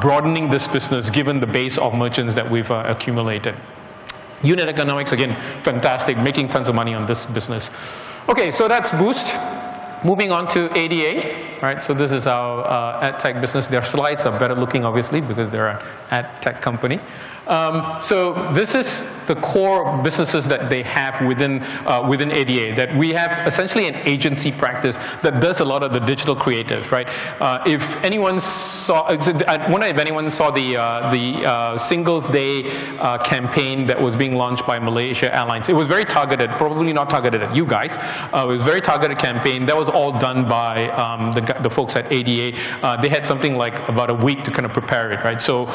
broadening this business given the base of merchants that we've accumulated. Unit economics, again, fantastic, making tons of money on this business. Okay, so that's Boost. Moving on to ADA, right? So this is our AdTech business. Their slides are better looking, obviously, because they're an AdTech company. So this is the core businesses that they have within ADA, that we have essentially an agency practice that does a lot of the digital creatives, right? If anyone saw, I wonder if anyone saw the Singles Day campaign that was being launched by Malaysia Airlines. It was very targeted, probably not targeted at you guys. It was a very targeted campaign. That was all done by the folks at ADA. They had something like about a week to kind of prepare it, right? So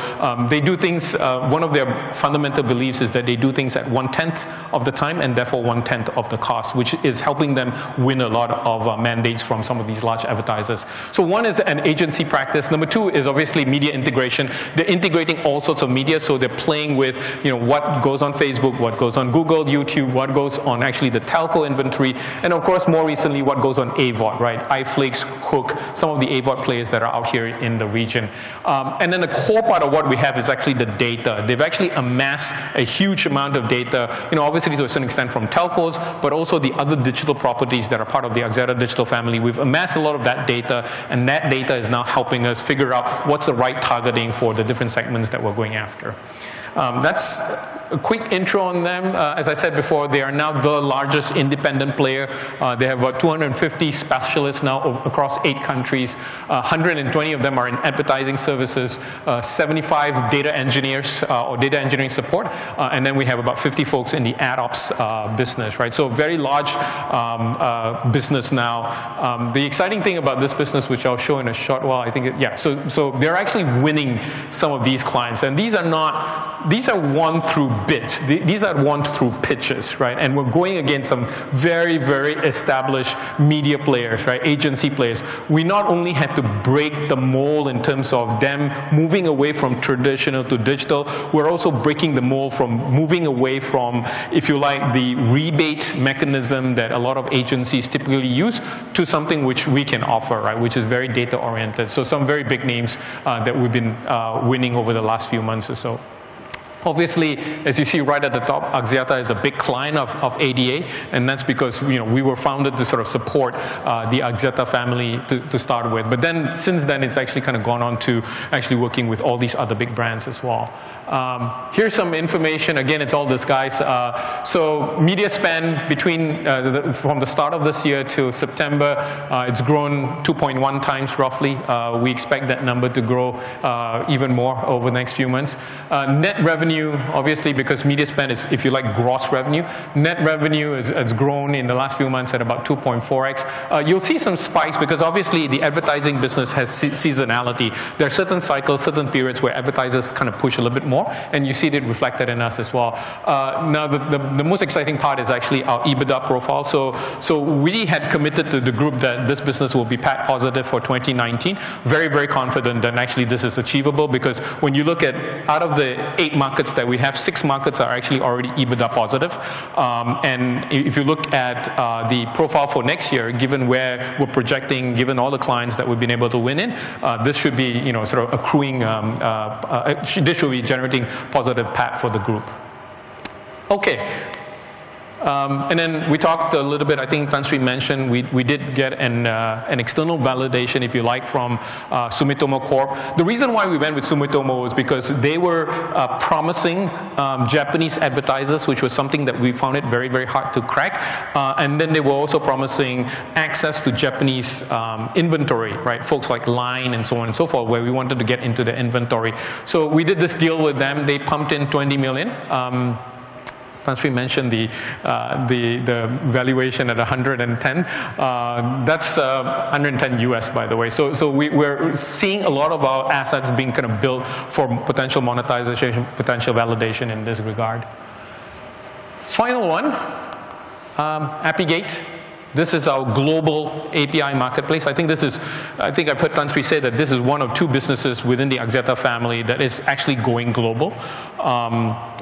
they do things. One of their fundamental beliefs is that they do things at one-tenth of the time and therefore one-tenth of the cost, which is helping them win a lot of mandates from some of these large advertisers. So one is an agency practice. Number two is obviously media integration. They're integrating all sorts of media. So they're playing with what goes on Facebook, what goes on Google, YouTube, what goes on actually the telco inventory, and of course, more recently, what goes on AVOD, right? iflix, HOOQ, some of the AVOD players that are out here in the region. And then a core part of what we have is actually the data. They've actually amassed a huge amount of data, obviously to a certain extent from telcos, but also the other digital properties that are part of the Axiata Digital family. We've amassed a lot of that data, and that data is now helping us figure out what's the right targeting for the different segments that we're going after. That's a quick intro on them. As I said before, they are now the largest independent player. They have about 250 specialists now across eight countries. 120 of them are in advertising services, 75 data engineers or data engineering support, and then we have about 50 folks in the ad ops business, right? So a very large business now. The exciting thing about this business, which I'll show in a short while, I think, yeah. So they're actually winning some of these clients. And these are not, these are won through bids. These are won through pitches, right? And we're going against some very, very established media players, right? Agency players. We not only have to break the mold in terms of them moving away from traditional to digital, we're also breaking the mold from moving away from, if you like, the rebate mechanism that a lot of agencies typically use to something which we can offer, right? Which is very data-oriented. Some very big names that we've been winning over the last few months or so. Obviously, as you see right at the top, Axiata is a big client of ADA, and that's because we were founded to sort of support the Axiata family to start with. But then since then, it's actually kind of gone on to actually working with all these other big brands as well. Here's some information. Again, it's all disguised. Media spend from the start of this year to September has grown 2.1 times roughly. We expect that number to grow even more over the next few months. Net revenue, obviously, because media spend is, if you like, gross revenue. Net revenue has grown in the last few months at about 2.4x. You'll see some spikes because obviously the advertising business has seasonality. There are certain cycles, certain periods where advertisers kind of push a little bit more, and you see it reflected in us as well. Now, the most exciting part is actually our EBITDA profile. So we had committed to the group that this business will be PAT positive for 2019. Very, very confident that actually this is achievable because when you look at out of the eight markets that we have, six markets are actually already EBITDA positive. And if you look at the profile for next year, given where we're projecting, given all the clients that we've been able to win in, this should be sort of accruing, this should be generating positive PAT for the group. Okay. And then we talked a little bit, I think Tan Sri mentioned we did get an external validation, if you like, from Sumitomo Corp. The reason why we went with Sumitomo was because they were promising Japanese advertisers, which was something that we found it very, very hard to crack, and then they were also promising access to Japanese inventory, right? Folks like Line and so on and so forth, where we wanted to get into the inventory, so we did this deal with them. They pumped in $20 million. Tan Sri mentioned the valuation at $110 million. That's $110 million, by the way. We're seeing a lot of our assets being kind of built for potential monetization, potential validation in this regard. Final one, Apigate. This is our global API marketplace. I think this is. I think I've heard Tan Sri say that this is one of two businesses within the Axiata family that is actually going global.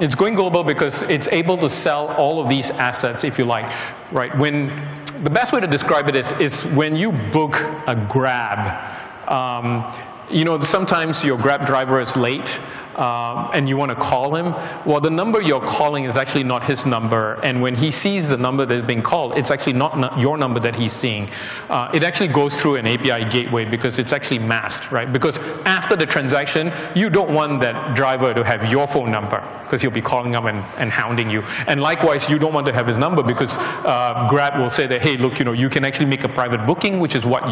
It's going global because it's able to sell all of these assets, if you like, right? The best way to describe it is when you book a Grab. Sometimes your Grab driver is late and you want to call him. Well, the number you're calling is actually not his number. And when he sees the number that's being called, it's actually not your number that he's seeing. It actually goes through an API gateway because it's actually masked, right? Because after the transaction, you don't want that driver to have your phone number because he'll be calling him and hounding you. And likewise, you don't want to have his number because Grab will say that, "Hey, look, you can actually make a private booking," which is what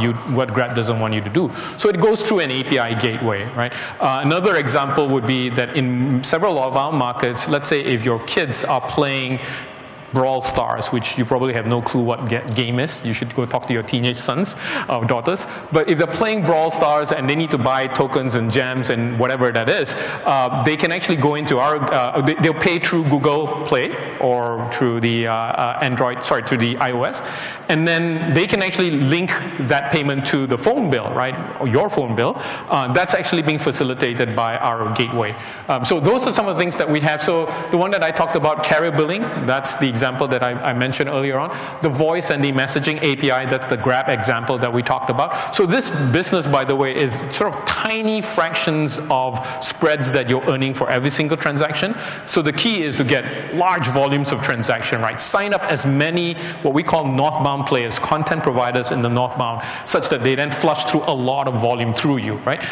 Grab doesn't want you to do. So it goes through an API gateway, right? Another example would be that in several of our markets, let's say if your kids are playing Brawl Stars, which you probably have no clue what game is, you should go talk to your teenage sons or daughters. But if they're playing Brawl Stars and they need to buy tokens and gems and whatever that is, they can actually go into our, they'll pay through Google Play or through the Android, sorry, through the iOS. And then they can actually link that payment to the phone bill, right? Your phone bill. That's actually being facilitated by our gateway. So those are some of the things that we have. So the one that I talked about, carrier billing, that's the example that I mentioned earlier on. The voice and the messaging API, that's the Grab example that we talked about. So this business, by the way, is sort of tiny fractions of spreads that you're earning for every single transaction. So the key is to get large volumes of transaction, right? Sign up as many what we call northbound players, content providers in the northbound, such that they then flush through a lot of volume through you, right?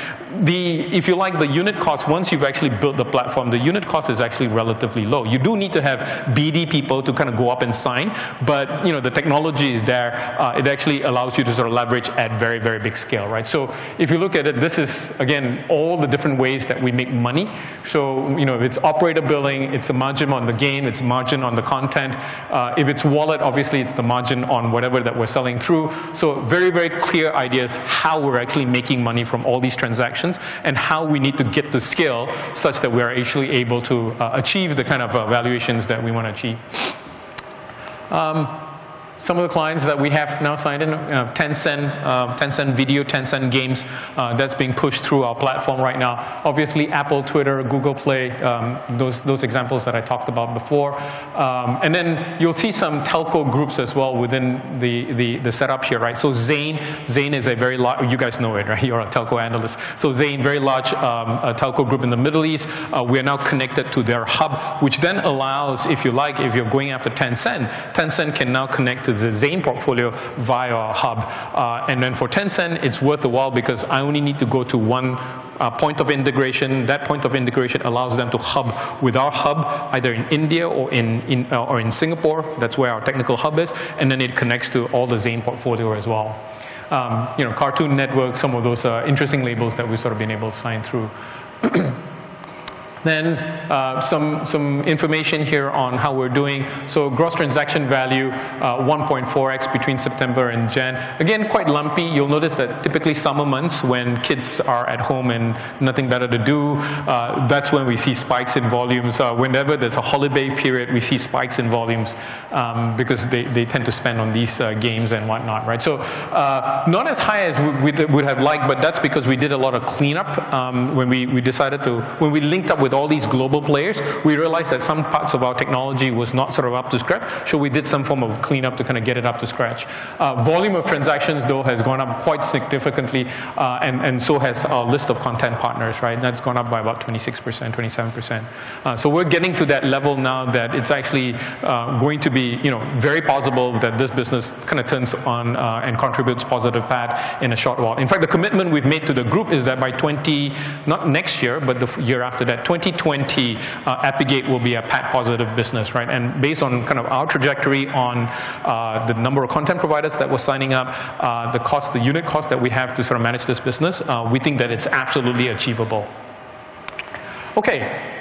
If you like, the unit cost, once you've actually built the platform, the unit cost is actually relatively low. You do need to have BD people to kind of go up and sign, but the technology is there. It actually allows you to sort of leverage at very, very big scale, right? So if you look at it, this is, again, all the different ways that we make money. So if it's operator billing, it's the margin on the gain, it's margin on the content. If it's wallet, obviously it's the margin on whatever that we're selling through. So very, very clear ideas how we're actually making money from all these transactions and how we need to get the scale such that we are actually able to achieve the kind of valuations that we want to achieve. Some of the clients that we have now signed in, Tencent, Tencent Video, Tencent Games, that's being pushed through our platform right now. Obviously, Apple, Twitter, Google Play, those examples that I talked about before. And then you'll see some telco groups as well within the setup here, right? So Zain, Zain is a very large, you guys know it, right? You're a telco analyst. So Zain, very large telco group in the Middle East. We are now connected to their hub, which then allows, if you like, if you're going after Tencent, Tencent can now connect to the Zain portfolio via our hub. And then for Tencent, it's worth the while because I only need to go to one point of integration. That point of integration allows them to hub with our hub, either in India or in Singapore. That's where our technical hub is. And then it connects to all the Zain portfolio as well. Cartoon Network, some of those interesting labels that we've sort of been able to sign through. Then some information here on how we're doing. So gross transaction value, 1.4x between September and January. Again, quite lumpy. You'll notice that typically summer months when kids are at home and nothing better to do, that's when we see spikes in volumes. Whenever there's a holiday period, we see spikes in volumes because they tend to spend on these games and whatnot, right? So not as high as we would have liked, but that's because we did a lot of cleanup when we decided to, when we linked up with all these global players, we realized that some parts of our technology was not sort of up to scratch. So we did some form of cleanup to kind of get it up to scratch. Volume of transactions, though, has gone up quite significantly, and so has our list of content partners, right? That's gone up by about 26%, 27%. So we're getting to that level now that it's actually going to be very possible that this business kind of turns on and contributes positive PAT in a short while. In fact, the commitment we've made to the group is that by 20, not next year, but the year after that, 2020, Apigate will be a PAT positive business, right? And based on kind of our trajectory on the number of content providers that we're signing up, the cost, the unit cost that we have to sort of manage this business, we think that it's absolutely achievable. Okay.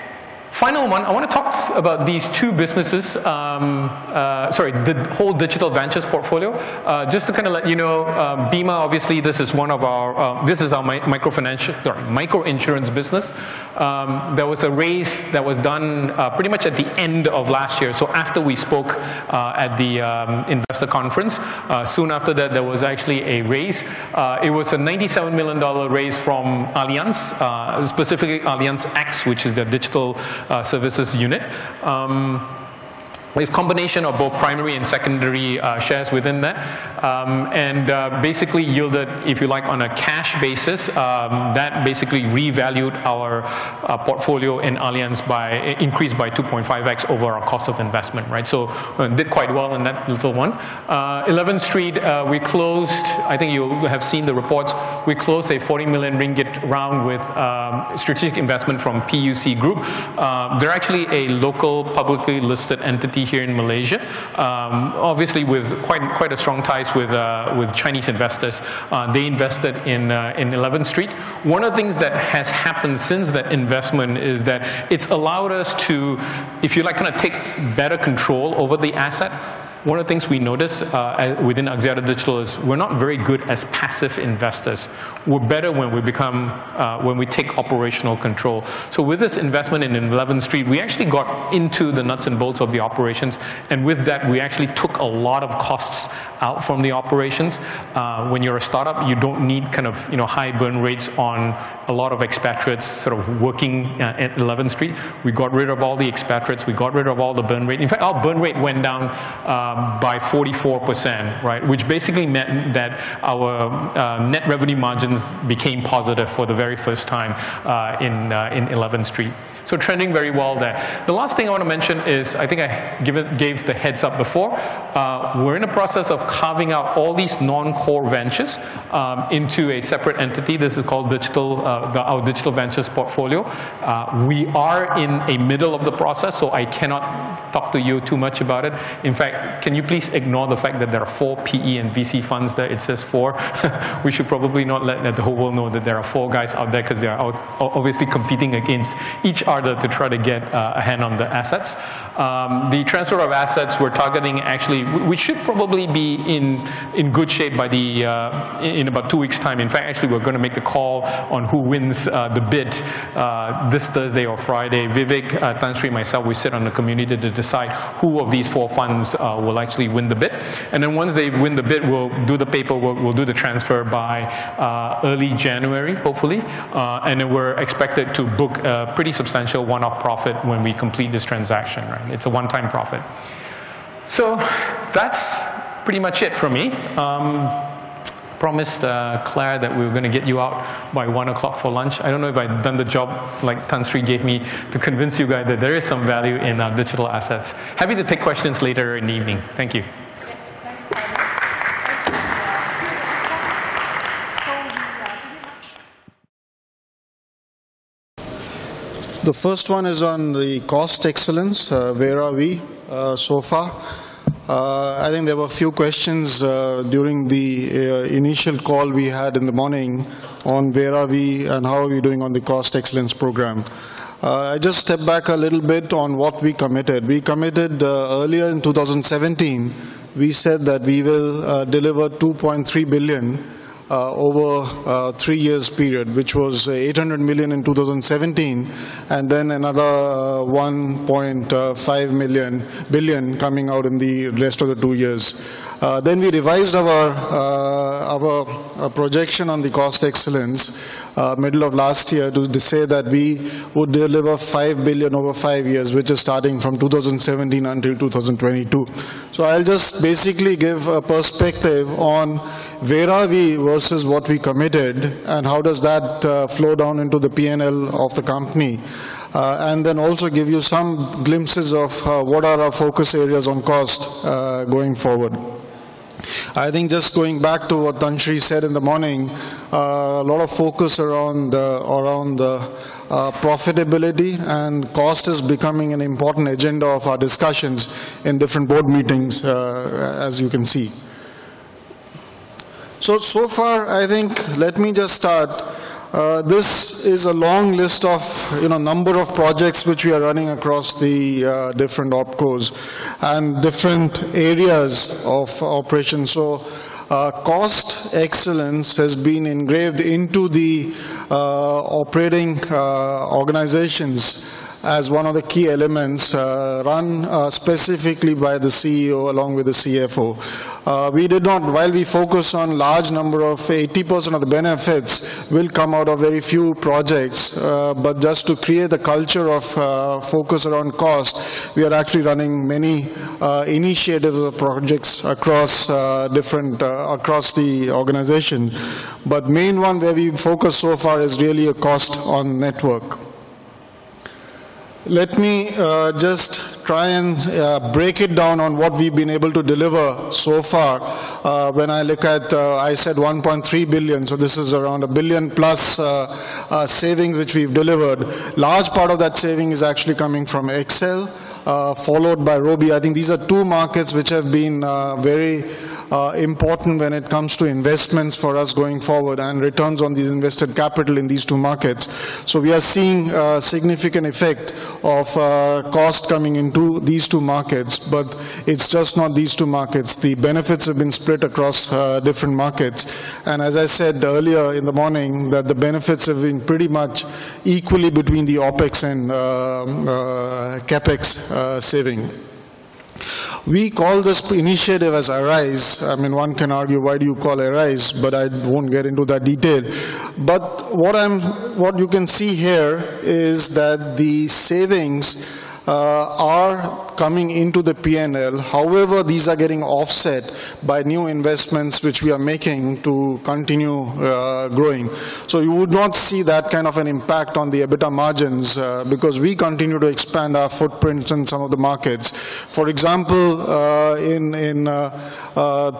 Final one. I want to talk about these two businesses, sorry, the whole digital ventures portfolio. Just to kind of let you know, Bima, obviously, this is one of our, this is our micro insurance business. There was a raise that was done pretty much at the end of last year. So after we spoke at the investor conference, soon after that, there was actually a raise. It was a $97 million raise from Allianz, specifically Allianz X, which is their digital services unit. It's a combination of both primary and secondary shares within that. And basically yielded, if you like, on a cash basis, that basically revalued our portfolio in Allianz increased by 2.5x over our cost of investment, right? So did quite well in that little one. 11street, we closed, I think you have seen the reports, a 40 million ringgit round with strategic investment from PUC Group. They're actually a local publicly listed entity here in Malaysia, obviously with quite strong ties with Chinese investors. They invested in 11street. One of the things that has happened since that investment is that it's allowed us to, if you like, kind of take better control over the asset. One of the things we noticed within Axiata Digital is we're not very good as passive investors. We're better when we become, when we take operational control. So with this investment in 11street, we actually got into the nuts and bolts of the operations. And with that, we actually took a lot of costs out from the operations. When you're a startup, you don't need kind of high burn rates on a lot of expatriates sort of working at 11street. We got rid of all the expatriates. We got rid of all the burn rate. In fact, our burn rate went down by 44%, right? Which basically meant that our net revenue margins became positive for the very first time in 11street. So trending very well there. The last thing I want to mention is I think I gave the heads up before. We're in the process of carving out all these non-core ventures into a separate entity. This is called our digital ventures portfolio. We are in a middle of the process, so I cannot talk to you too much about it. In fact, can you please ignore the fact that there are four PE and VC funds there? It says four. We should probably not let the whole world know that there are four guys out there because they are obviously competing against each other to try to get a hand on the assets. The transfer of assets we're targeting actually, we should probably be in good shape by the, in about two weeks' time. In fact, actually we're going to make the call on who wins the bid this Thursday or Friday. Vivek, Tan Sri, myself, we sit on the committee to decide who of these four funds will actually win the bid. And then once they win the bid, we'll do the paperwork, we'll do the transfer by early January, hopefully. And then we're expected to book a pretty substantial one-off profit when we complete this transaction, right? It's a one-time profit. So that's pretty much it for me. Promised Claire that we were going to get you out by 1:00 P.M. for lunch. I don't know if I've done the job like Tan Sri gave me to convince you guys that there is some value in our digital assets. Happy to take questions later in the evening. Thank you. The first one is on the Cost Excellence. Where are we so far? I think there were a few questions during the initial call we had in the morning on where are we and how are we doing on the Cost Excellence program. I just step back a little bit on what we committed. We committed earlier in 2017. We said that we will deliver 2.3 billion over a three-year period, which was 800 million in 2017, and then another 1.5 billion coming out in the rest of the two years. Then we revised our projection on the Cost Excellence middle of last year to say that we would deliver 5 billion over five years, which is starting from 2017 until 2022. So I'll just basically give a perspective on where are we versus what we committed and how does that flow down into the P&L of the company. And then also give you some glimpses of what are our focus areas on cost going forward. I think just going back to what Tan Sri said in the morning, a lot of focus around the profitability and cost is becoming an important agenda of our discussions in different board meetings, as you can see. So far, I think, let me just start. This is a long list of number of projects which we are running across the different OpCos and different areas of operations. So Cost Excellence has been engraved into the operating organizations as one of the key elements run specifically by the CEO along with the CFO. We did not, while we focus on a large number of 80% of the benefits will come out of very few projects. But just to create the culture of focus around cost, we are actually running many initiatives or projects across the organization. But the main one where we focus so far is really a cost on network. Let me just try and break it down on what we've been able to deliver so far. When I look at, I said 1.3 billion, so this is around a billion plus savings which we've delivered. A large part of that saving is actually coming from XL Axiata, followed by Robi Axiata. I think these are two markets which have been very important when it comes to investments for us going forward and returns on the invested capital in these two markets. So we are seeing a significant effect of cost coming into these two markets, but it's just not these two markets. The benefits have been spread across different markets. As I said earlier in the morning, that the benefits have been pretty much equally between the OpEx and CapEx savings. We call this initiative as Arise. I mean, one can argue, why do you call Arise? But I won't get into that detail. But what you can see here is that the savings are coming into the P&L. However, these are getting offset by new investments which we are making to continue growing. So you would not see that kind of an impact on the EBITDA margins because we continue to expand our footprints in some of the markets. For example, in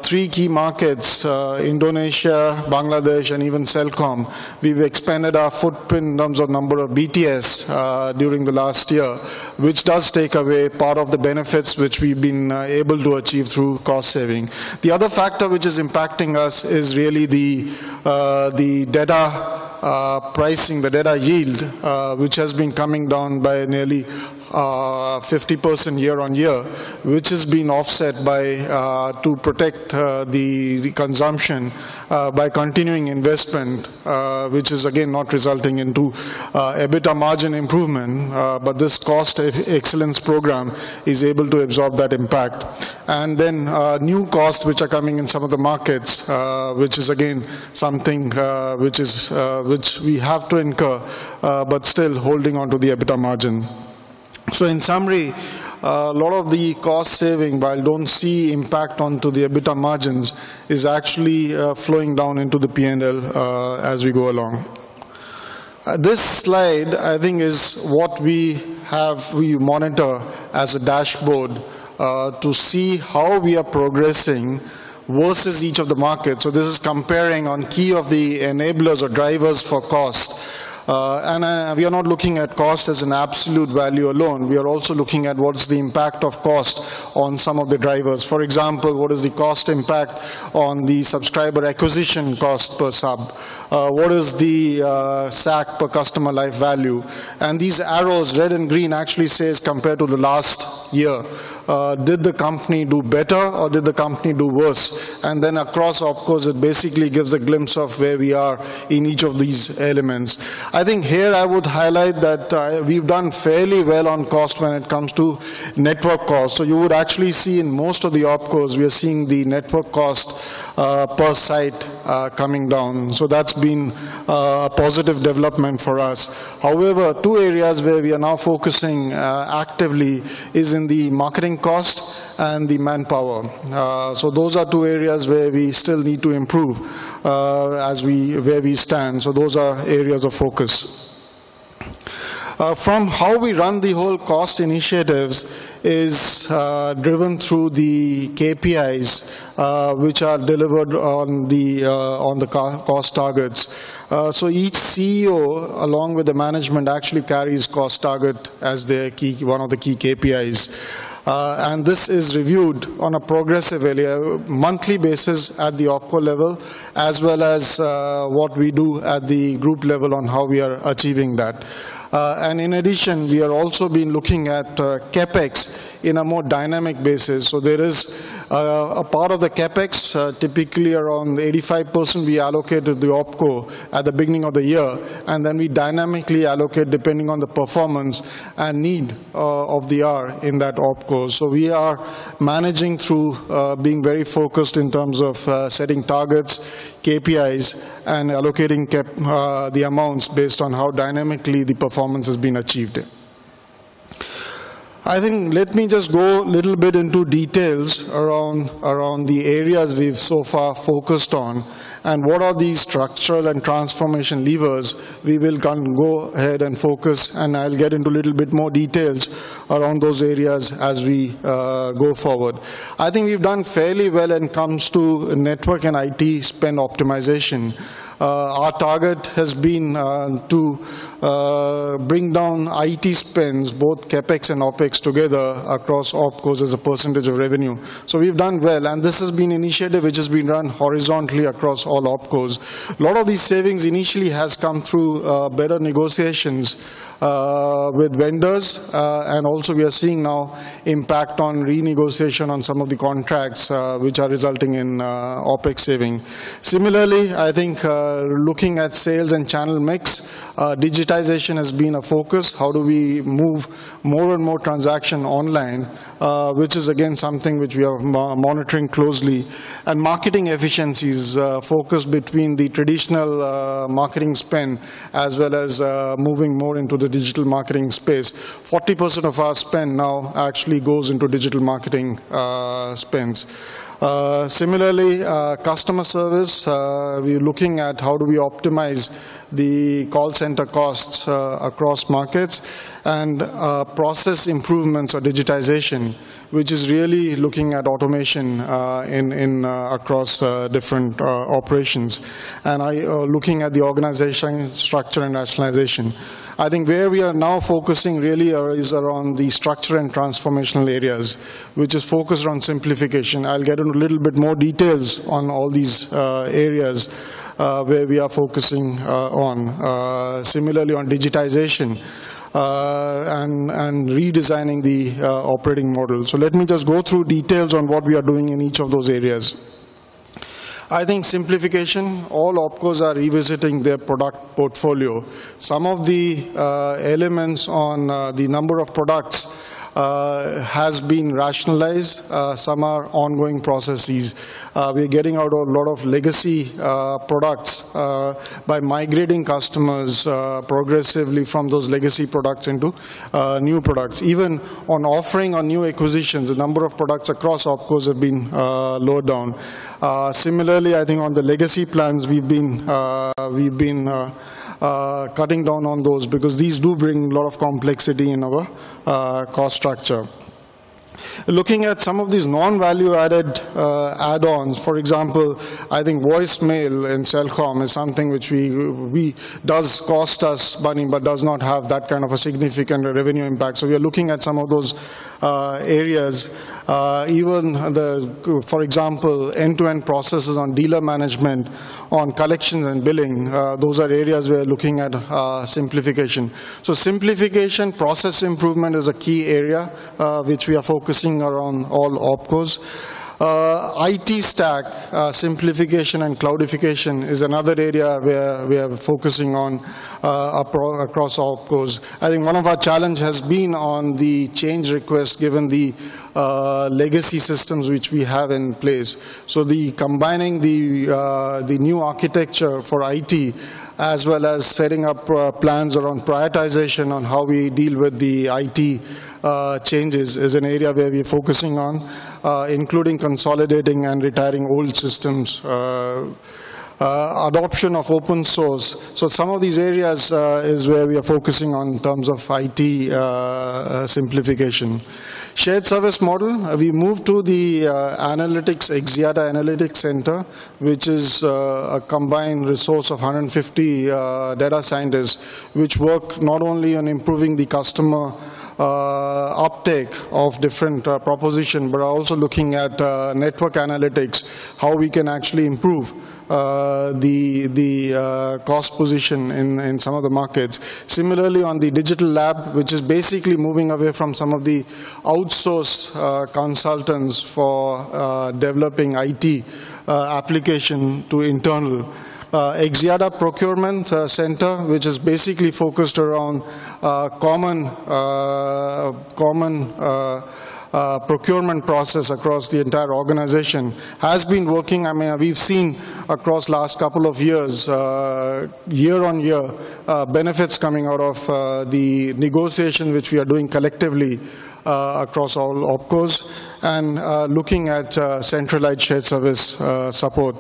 three key markets, Indonesia, Bangladesh, and even Celcom, we've expanded our footprint in terms of number of BTS during the last year, which does take away part of the benefits which we've been able to achieve through cost saving. The other factor which is impacting us is really the data pricing, the data yield, which has been coming down by nearly 50% year-on-year, which has been offset by to protect the consumption by continuing investment, which is again not resulting in EBITDA margin improvement. But this Cost Excellence program is able to absorb that impact. And then new costs which are coming in some of the markets, which is again something which we have to incur, but still holding on to the EBITDA margin. So in summary, a lot of the cost saving, while I don't see impact onto the EBITDA margins, is actually flowing down into the P&L as we go along. This slide, I think, is what we have. We monitor as a dashboard to see how we are progressing versus each of the markets. This is comparing one of the key enablers or drivers for cost. We are not looking at cost as an absolute value alone. We are also looking at what's the impact of cost on some of the drivers. For example, what is the cost impact on the subscriber acquisition cost per sub? What is the SAC per customer life value? These arrows, red and green, actually say compared to the last year, did the company do better or did the company do worse? Then across, of course, it basically gives a glimpse of where we are in each of these elements. I think here I would highlight that we've done fairly well on cost when it comes to network cost. You would actually see in most of the OpCos, we are seeing the network cost per site coming down. So that's been a positive development for us. However, two areas where we are now focusing actively is in the marketing cost and the manpower. So those are two areas where we still need to improve as we are where we stand. So those are areas of focus. From how we run the whole cost initiatives is driven through the KPIs which are delivered on the cost targets. So each CEO, along with the management, actually carries cost target as one of the key KPIs. And this is reviewed on a progressive monthly basis at the OpCo level, as well as what we do at the group level on how we are achieving that. And in addition, we are also looking at CapEx in a more dynamic basis. There is a part of the CapEx, typically around 85% we allocate to the OpCo at the beginning of the year, and then we dynamically allocate depending on the performance and need of the ROI in that OpCo. We are managing through being very focused in terms of setting targets, KPIs, and allocating the amounts based on how dynamically the performance has been achieved. I think let me just go a little bit into details around the areas we've so far focused on and what are the structural and transformation levers we will go ahead and focus, and I'll get into a little bit more details around those areas as we go forward. I think we've done fairly well when it comes to network and IT spend optimization. Our target has been to bring down IT spends, both CapEx and OpEx together across OpCos as a percentage of revenue. So we've done well, and this has been an initiative which has been run horizontally across all OpCos. A lot of these savings initially has come through better negotiations with vendors, and also we are seeing now impact on renegotiation on some of the contracts which are resulting in OpEx saving. Similarly, I think looking at sales and channel mix, digitization has been a focus. How do we move more and more transaction online, which is again something which we are monitoring closely, and marketing efficiencies focused between the traditional marketing spend as well as moving more into the digital marketing space. 40% of our spend now actually goes into digital marketing spends. Similarly, customer service, we're looking at how do we optimize the call center costs across markets and process improvements or digitization, which is really looking at automation across different operations, and looking at the organization structure and rationalization. I think where we are now focusing really is around the structure and transformational areas, which is focused on Simplification. I'll get into a little bit more details on all these areas where we are focusing on. Similarly, on digitization and redesigning the operating model, let me just go through details on what we are doing in each of those areas. I think Simplification, all OpCos are revisiting their product portfolio. Some of the elements on the number of products has been rationalized. Some are ongoing processes. We're getting out a lot of legacy products by migrating customers progressively from those legacy products into new products. Even on offerings on new acquisitions, the number of products across OpCos have been lowered down. Similarly, I think on the legacy plans, we've been cutting down on those because these do bring a lot of complexity in our cost structure. Looking at some of these non-value-added add-ons, for example, I think voicemail and Celcom is something which does cost us money but does not have that kind of a significant revenue impact. So we are looking at some of those areas. Even, for example, end-to-end processes on dealer management, on collections and billing, those are areas we are looking at Simplification. So Simplification, process improvement is a key area which we are focusing around all OpCos. IT stack Simplification and cloudification is another area where we are focusing on across OpCos. I think one of our challenges has been on the change request given the legacy systems which we have in place. So combining the new architecture for IT as well as setting up plans around prioritization on how we deal with the IT changes is an area where we are focusing on, including consolidating and retiring old systems, adoption of open source. So some of these areas is where we are focusing on in terms of IT Simplification. Shared service model, we moved to the Axiata Analytics Centre, which is a combined resource of 150 data scientists which work not only on improving the customer uptake of different propositions, but are also looking at network analytics, how we can actually improve the cost position in some of the markets. Similarly, on Digital Labss, which is basically moving away from some of the outsource consultants for developing IT applications to internal. Axiata Procurement Centre, which is basically focused around common procurement process across the entire organization, has been working. I mean, we've seen across the last couple of years, year-on-year, benefits coming out of the negotiation which we are doing collectively across all OpCos and looking at centralized shared service support.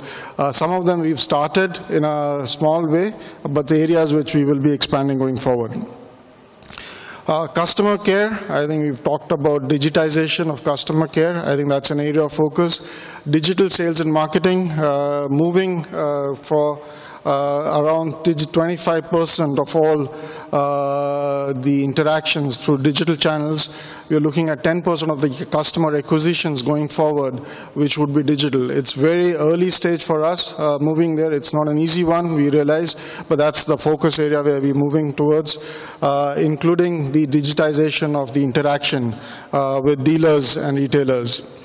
Some of them we've started in a small way, but the areas which we will be expanding going forward. Customer care, I think we've talked about digitization of customer care. I think that's an area of focus. Digital sales and marketing, moving for around 25% of all the interactions through digital channels. We're looking at 10% of the customer acquisitions going forward, which would be digital. It's very early stage for us moving there. It's not an easy one, we realize, but that's the focus area where we're moving towards, including the digitization of the interaction with dealers and retailers.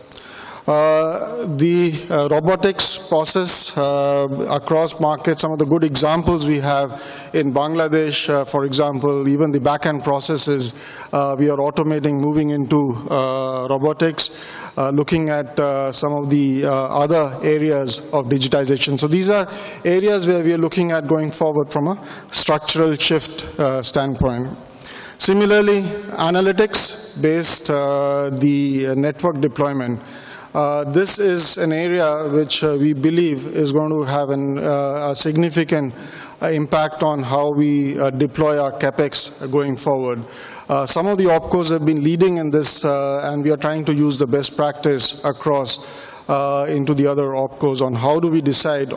The robotics process across markets, some of the good examples we have in Bangladesh, for example, even the backend processes, we are automating, moving into robotics, looking at some of the other areas of digitization. So these are areas where we are looking at going forward from a structural shift standpoint. Similarly, analytics-based, the network deployment. This is an area which we believe is going to have a significant impact on how we deploy our CapEx going forward. Some of the OpCos have been leading in this, and we are trying to use the best practice across into the other OpCos on how do we decide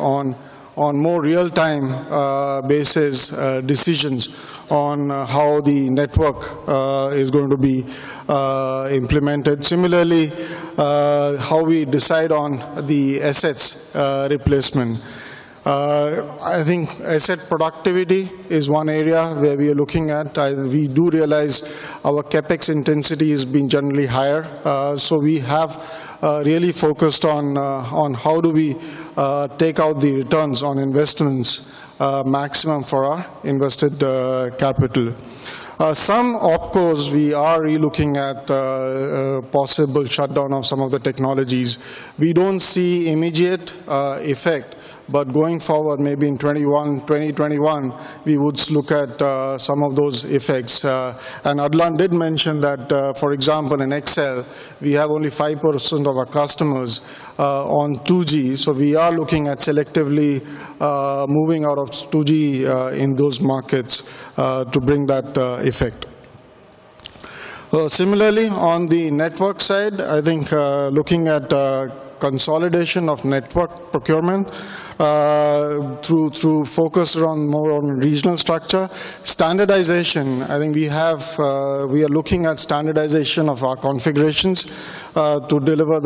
on more real-time basis decisions on how the network is going to be implemented. Similarly, how we decide on the assets replacement. I think asset productivity is one area where we are looking at. We do realize our CapEx intensity has been generally higher. So we have really focused on how do we take out the returns on investments maximum for our invested capital. Some OpCos, we are looking at possible shutdown of some of the technologies. We don't see immediate effect, but going forward, maybe in 2021, we would look at some of those effects. And Adlan did mention that, for example, in XL Axiata, we have only 5% of our customers on 2G. So we are looking at selectively moving out of 2G in those markets to bring that effect. Similarly, on the network side, I think looking at consolidation of network procurement through focus around more regional structure. Standardization, I think we are looking at standardization of our configurations to deliver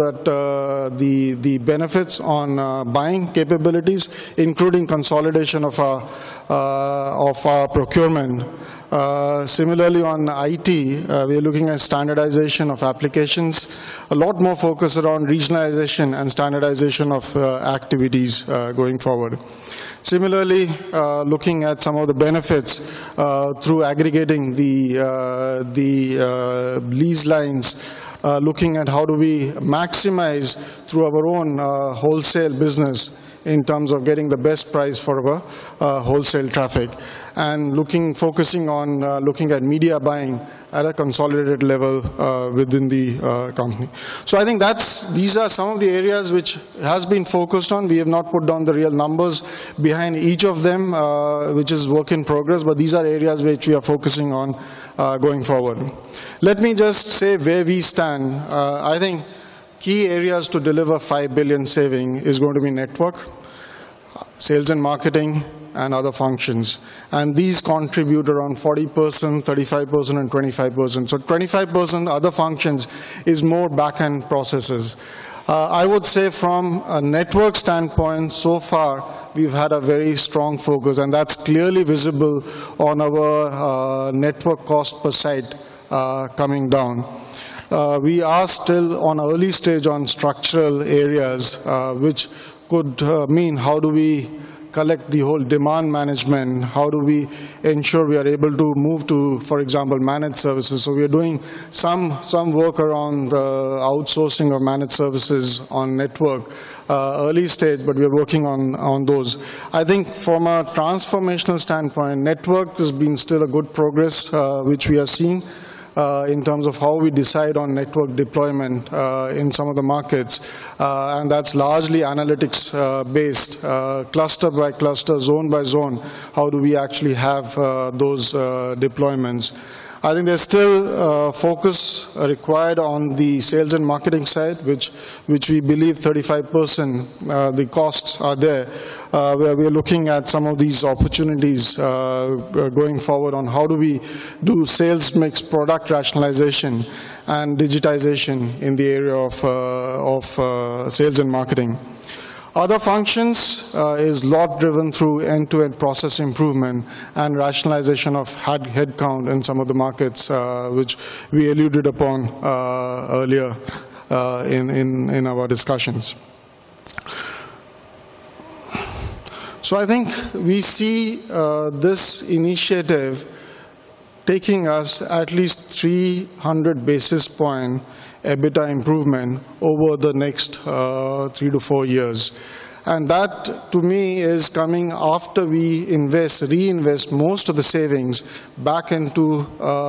the benefits on buying capabilities, including consolidation of our procurement. Similarly, on IT, we are looking at standardization of applications, a lot more focus around regionalization and standardization of activities going forward. Similarly, looking at some of the benefits through aggregating the lease lines, looking at how do we maximize through our own wholesale business in terms of getting the best price for wholesale traffic and focusing on looking at media buying at a consolidated level within the company. So I think these are some of the areas which have been focused on. We have not put down the real numbers behind each of them, which is work in progress, but these are areas which we are focusing on going forward. Let me just say where we stand. I think key areas to deliver five billion saving is going to be network, sales and marketing, and other functions. And these contribute around 40%, 35%, and 25%. So 25% other functions is more backend processes. I would say from a network standpoint, so far, we've had a very strong focus, and that's clearly visible on our network cost per site coming down. We are still on early stage on structural areas, which could mean how do we collect the whole demand management, how do we ensure we are able to move to, for example, managed services. So we are doing some work around the outsourcing of managed services on network, early stage, but we are working on those. I think from a transformational standpoint, network has been still a good progress, which we are seeing in terms of how we decide on network deployment in some of the markets. And that's largely analytics-based, cluster by cluster, zone by zone. How do we actually have those deployments? I think there's still focus required on the sales and marketing side, which we believe 35% the costs are there, where we are looking at some of these opportunities going forward on how do we do sales-mix product rationalization and digitization in the area of sales and marketing. Other functions is lot-driven through end-to-end process improvement and rationalization of headcount in some of the markets, which we alluded upon earlier in our discussions. So I think we see this initiative taking us at least 300 basis points EBITDA improvement over the next three to four years. And that, to me, is coming after we reinvest most of the savings back into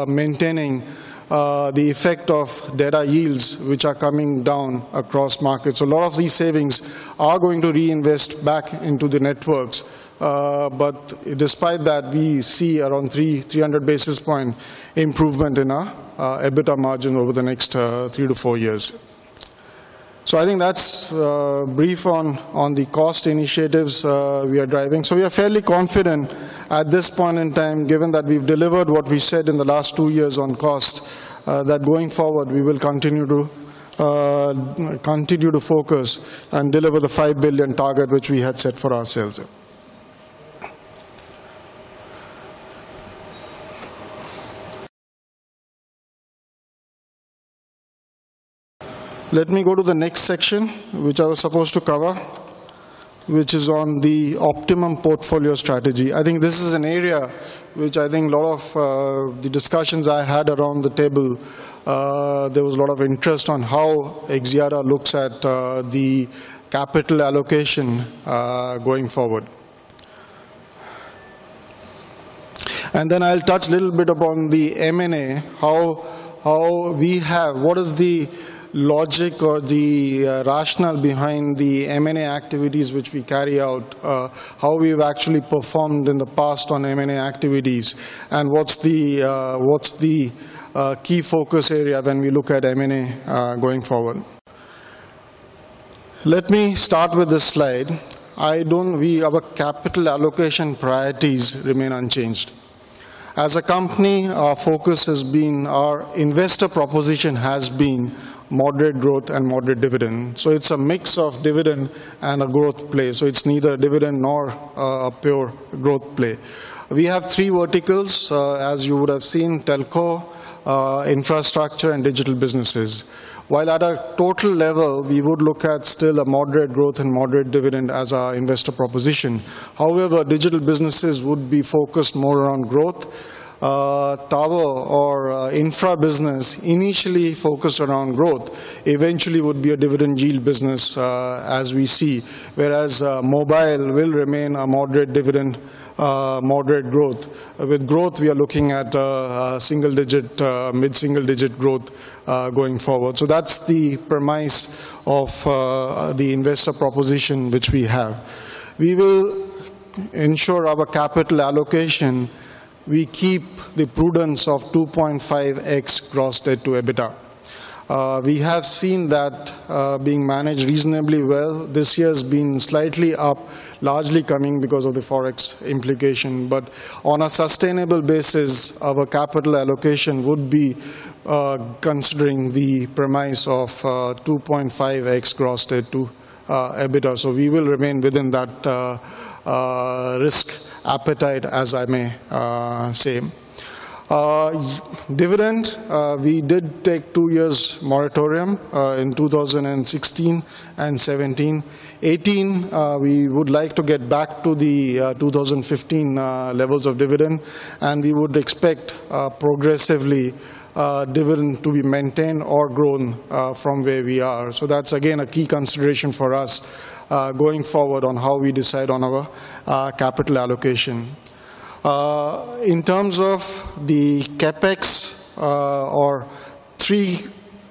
maintaining the effect of data yields, which are coming down across markets. A lot of these savings are going to reinvest back into the networks, but despite that, we see around 300 basis points improvement in our EBITDA margin over the next three to four years, so I think that's brief on the cost initiatives we are driving, so we are fairly confident at this point in time, given that we've delivered what we said in the last two years on cost, that going forward, we will continue to focus and deliver the five billion target which we had set for ourselves. Let me go to the next section, which I was supposed to cover, which is on the optimum portfolio strategy. I think this is an area which I think a lot of the discussions I had around the table, there was a lot of interest on how Axiata looks at the capital allocation going forward. And then I'll touch a little bit upon the M&A, how we have, what is the logic or the rationale behind the M&A activities which we carry out, how we've actually performed in the past on M&A activities, and what's the key focus area when we look at M&A going forward. Let me start with this slide. Our capital allocation priorities remain unchanged. As a company, our focus has been, our investor proposition has been moderate growth and moderate dividend. So it's a mix of dividend and a growth play. So it's neither dividend nor a pure growth play. We have three verticals, as you would have seen, telco, infrastructure, and digital businesses. While at a total level, we would look at still a moderate growth and moderate dividend as our investor proposition. However, digital businesses would be focused more around growth. Tower or infra business, initially focused around growth, eventually would be a dividend yield business as we see, whereas mobile will remain a moderate dividend, moderate growth. With growth, we are looking at single-digit, mid-single-digit growth going forward. So that's the premise of the investor proposition which we have. We will ensure our capital allocation, we keep the prudence of 2.5x gross debt to EBITDA. We have seen that being managed reasonably well. This year has been slightly up, largely coming because of the forex implication. But on a sustainable basis, our capital allocation would be considering the premise of 2.5x gross debt to EBITDA. So we will remain within that risk appetite, as I may say. Dividend, we did take two years moratorium in 2016 and 2017. 2018, we would like to get back to the 2015 levels of dividend, and we would expect progressively dividend to be maintained or grown from where we are. So that's, again, a key consideration for us going forward on how we decide on our capital allocation. In terms of the CapEx for our three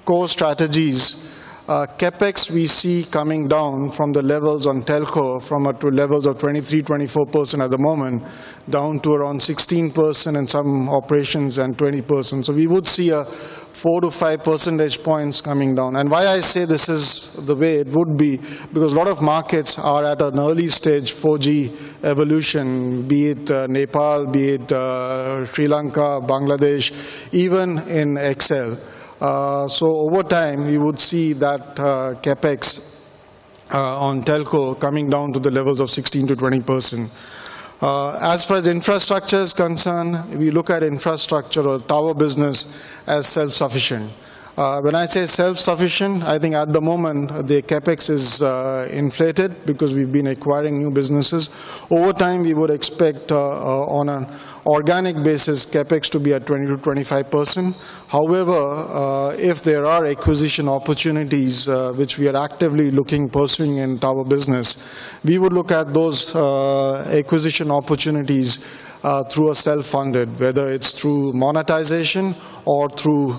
core strategies, CapEx we see coming down from the levels on telco from up to levels of 23%-24% at the moment, down to around 16% in some operations and 20%. So we would see a 4-5 percentage points coming down. Why I say this is the way it would be? Because a lot of markets are at an early stage 4G evolution, be it Nepal, be it Sri Lanka, Bangladesh, even in XL Axiata. So over time, we would see that CapEx on telco coming down to the levels of 16%-20%. As far as infrastructure is concerned, we look at infrastructure or tower business as self-sufficient. When I say self-sufficient, I think at the moment the CapEx is inflated because we've been acquiring new businesses. Over time, we would expect on an organic basis, CapEx to be at 20%-25%. However, if there are acquisition opportunities which we are actively looking, pursuing in tower business, we would look at those acquisition opportunities through a self-funded, whether it's through monetization or through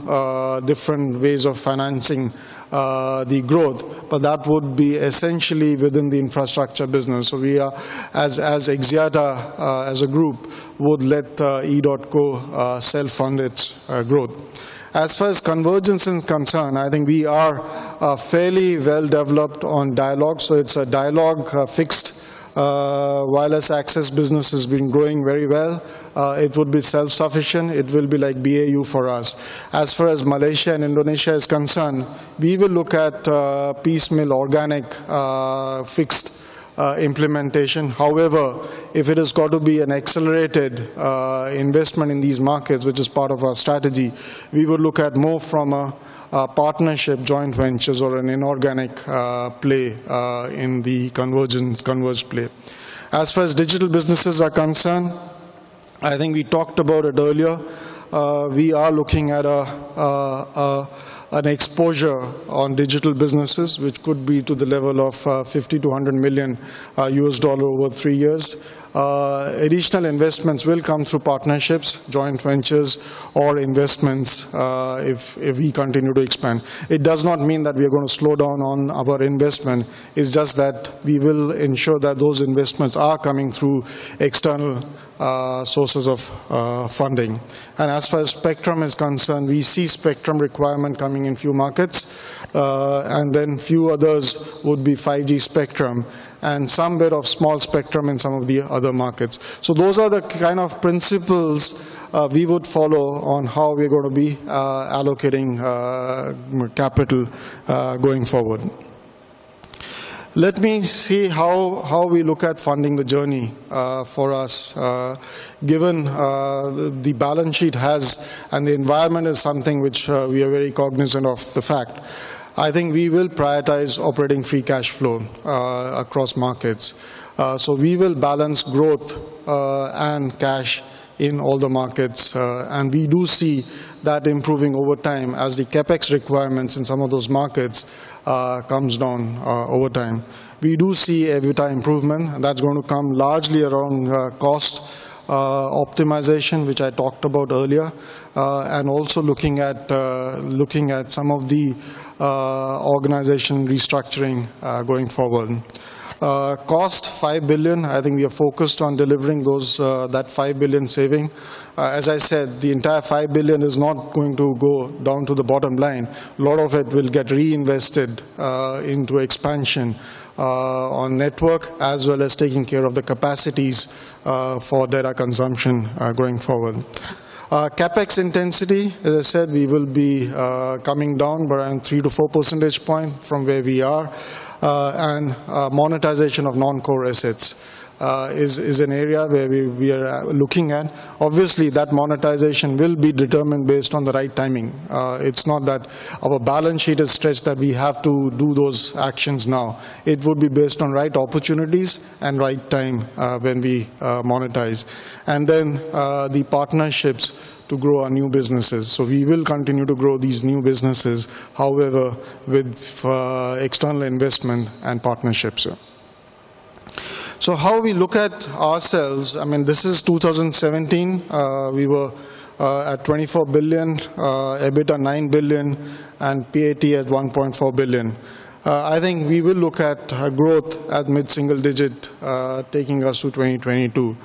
different ways of financing the growth. But that would be essentially within the infrastructure business. So we, as Axiata as a group, would let edotco self-fund its growth. As far as convergence is concerned, I think we are fairly well developed on Dialog. So it's a Dialog fixed wireless access business has been growing very well. It would be self-sufficient. It will be like BAU for us. As far as Malaysia and Indonesia is concerned, we will look at piecemeal organic fixed implementation. However, if it has got to be an accelerated investment in these markets, which is part of our strategy, we would look at more from a partnership, joint ventures, or an inorganic play in the converged play. As far as digital businesses are concerned, I think we talked about it earlier. We are looking at an exposure on digital businesses, which could be to the level of $50-$100 million over three years. Additional investments will come through partnerships, joint ventures, or investments if we continue to expand. It does not mean that we are going to slow down on our investment. It's just that we will ensure that those investments are coming through external sources of funding. And as far as spectrum is concerned, we see spectrum requirement coming in a few markets, and then a few others would be 5G spectrum and some bit of small spectrum in some of the other markets. So those are the kind of principles we would follow on how we're going to be allocating capital going forward. Let me see how we look at funding the journey for us. Given the balance sheet has and the environment is something which we are very cognizant of the fact, I think we will prioritize operating free cash flow across markets. So we will balance growth and cash in all the markets. And we do see that improving over time as the CapEx requirements in some of those markets comes down over time. We do see EBITDA improvement. That's going to come largely around cost optimization, which I talked about earlier, and also looking at some of the organization restructuring going forward. Cost, 5 billion. I think we are focused on delivering that 5 billion saving. As I said, the entire 5 billion is not going to go down to the bottom line. A lot of it will get reinvested into expansion on network as well as taking care of the capacities for data consumption going forward. CapEx intensity, as I said, we will be coming down by around 3-4 percentage points from where we are. And monetization of non-core assets is an area where we are looking at. Obviously, that monetization will be determined based on the right timing. It's not that our balance sheet is stretched that we have to do those actions now. It would be based on right opportunities and right time when we monetize, and then the partnerships to grow our new businesses. So we will continue to grow these new businesses, however, with external investment and partnerships. So how we look at ourselves, I mean, this is 2017. We were at 24 billion, EBITDA 9 billion, and PAT at 1.4 billion. I think we will look at growth at mid-single digit taking us to 2022.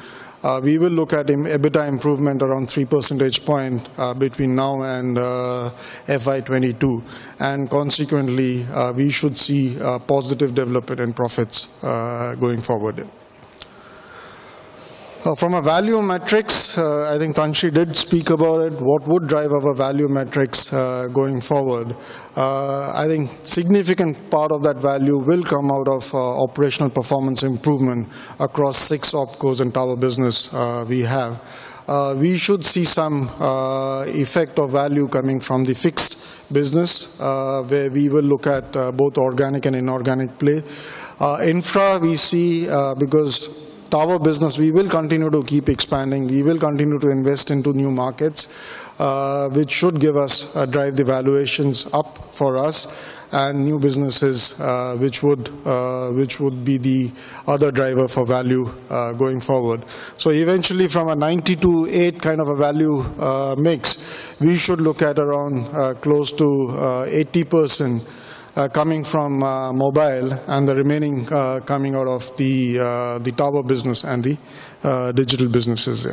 We will look at EBITDA improvement around 3 percentage points between now and FY22. And consequently, we should see positive development and profits going forward. From a value matrix, I think Tan Sri did speak about it. What would drive our value matrix going forward? I think a significant part of that value will come out of operational performance improvement across six OpCos and tower business we have. We should see some effect of value coming from the fixed business where we will look at both organic and inorganic play. Infra, we see because tower business, we will continue to keep expanding. We will continue to invest into new markets, which should drive the valuations up for us and new businesses, which would be the other driver for value going forward. So eventually, from a 90-8 kind of a value mix, we should look at around close to 80% coming from mobile and the remaining coming out of the tower business and the digital businesses.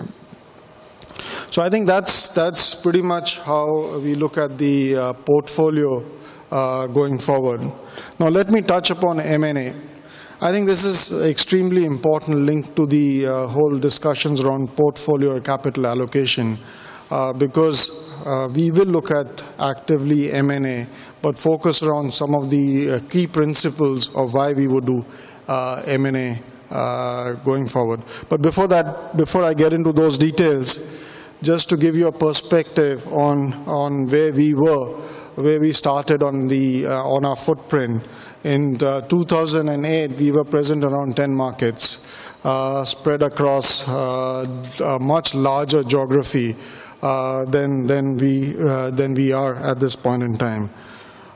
So I think that's pretty much how we look at the portfolio going forward. Now, let me touch upon M&A. I think this is an extremely important link to the whole discussions around portfolio or capital allocation because we will look at actively M&A, but focus around some of the key principles of why we would do M&A going forward. But before that, before I get into those details, just to give you a perspective on where we were, where we started on our footprint. In 2008, we were present around 10 markets spread across a much larger geography than we are at this point in time.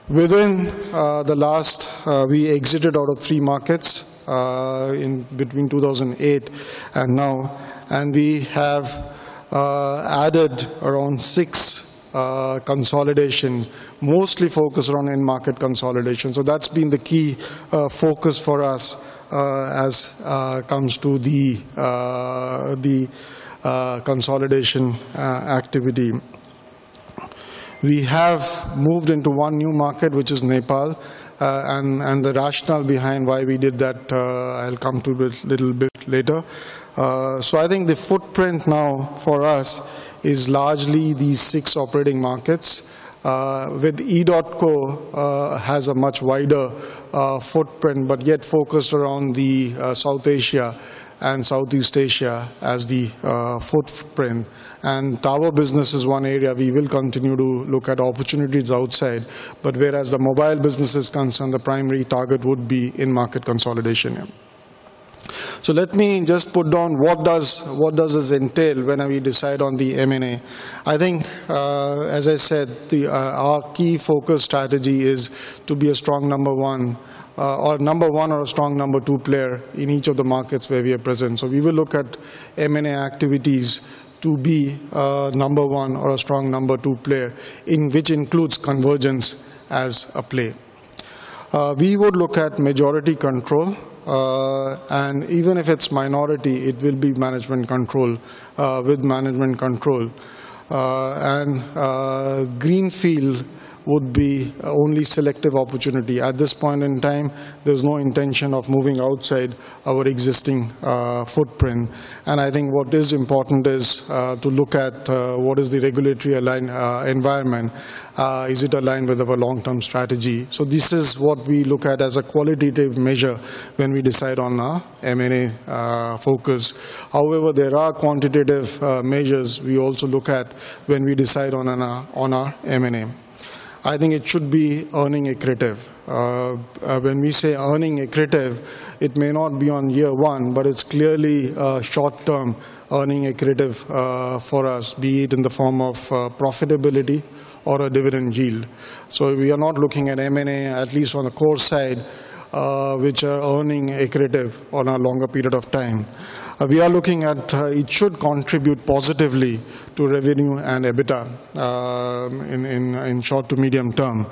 Within the last, we exited out of three markets between 2008 and now, and we have added around six consolidations, mostly focused on end market consolidation. So that's been the key focus for us as it comes to the consolidation activity. We have moved into one new market, which is Nepal. And the rationale behind why we did that, I'll come to a little bit later. So I think the footprint now for us is largely these six operating markets, with edotco has a much wider footprint, but yet focused around South Asia and Southeast Asia as the footprint. And tower business is one area we will continue to look at opportunities outside. But whereas the mobile business is concerned, the primary target would be in-market consolidation. So let me just put down what does this entail when we decide on the M&A. I think, as I said, our key focus strategy is to be a strong number one or a number one or a strong number two player in each of the markets where we are present. So we will look at M&A activities to be a number one or a strong number two player, which includes convergence as a play. We would look at majority control. And even if it's minority, it will be management control. And greenfield would be only selective opportunity. At this point in time, there's no intention of moving outside our existing footprint. And I think what is important is to look at what is the regulatory environment. Is it aligned with our long-term strategy? So this is what we look at as a qualitative measure when we decide on our M&A focus. However, there are quantitative measures we also look at when we decide on our M&A. I think it should be earnings accretive. When we say earnings accretive, it may not be on year one, but it's clearly short-term earnings accretive for us, be it in the form of profitability or a dividend yield. So we are not looking at M&A, at least on the core side, which are earnings accretive on a longer period of time. We are looking at it should contribute positively to revenue and EBITDA in short to medium term.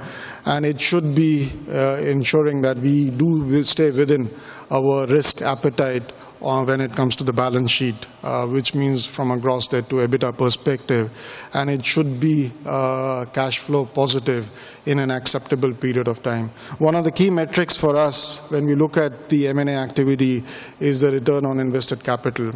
And it should be ensuring that we do stay within our risk appetite when it comes to the balance sheet, which means from a gross debt to EBITDA perspective. And it should be cash flow positive in an acceptable period of time. One of the key metrics for us when we look at the M&A activity is the return on invested capital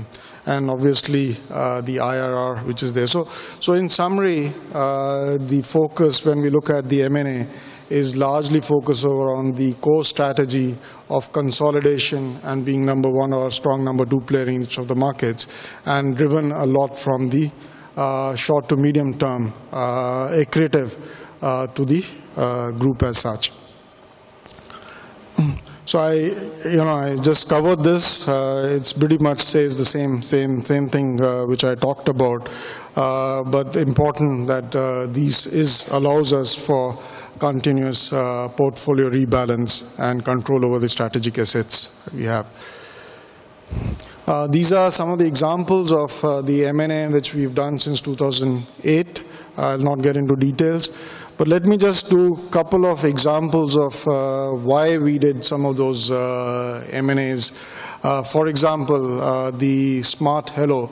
and obviously the IRR, which is there. So, in summary, the focus when we look at the M&A is largely focused around the core strategy of consolidation and being number one or a strong number two player in each of the markets and driven a lot from the short to medium term accredited to the group as such. So I just covered this. It's pretty much the same thing which I talked about, but important that this allows us for continuous portfolio rebalance and control over the strategic assets we have. These are some of the examples of the M&A which we've done since 2008. I'll not get into details. But let me just do a couple of examples of why we did some of those M&As. For example, the Smart Hello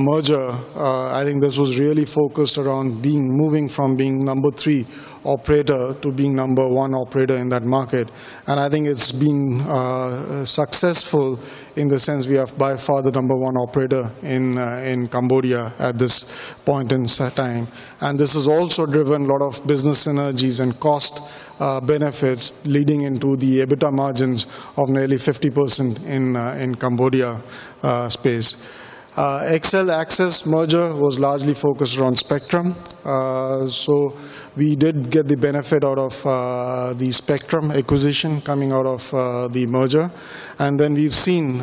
merger. I think this was really focused around moving from being number three operator to being number one operator in that market. I think it's been successful in the sense we have by far the number one operator in Cambodia at this point in time. This has also driven a lot of business synergies and cost benefits leading into the EBITDA margins of nearly 50% in Cambodia space. XL Axiata Axis merger was largely focused around spectrum. We did get the benefit out of the spectrum acquisition coming out of the merger. We've seen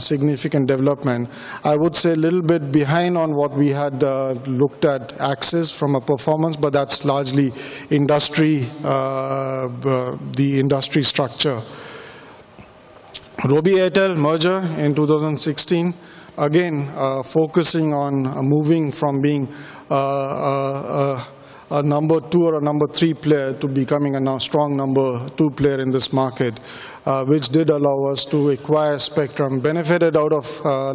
significant development. I would say a little bit behind on what we had looked at Axis from a performance, but that's largely the industry structure. Robi-Airtel merger in 2016, again, focusing on moving from being a number two or a number three player to becoming a now strong number two player in this market, which did allow us to acquire spectrum, benefited out of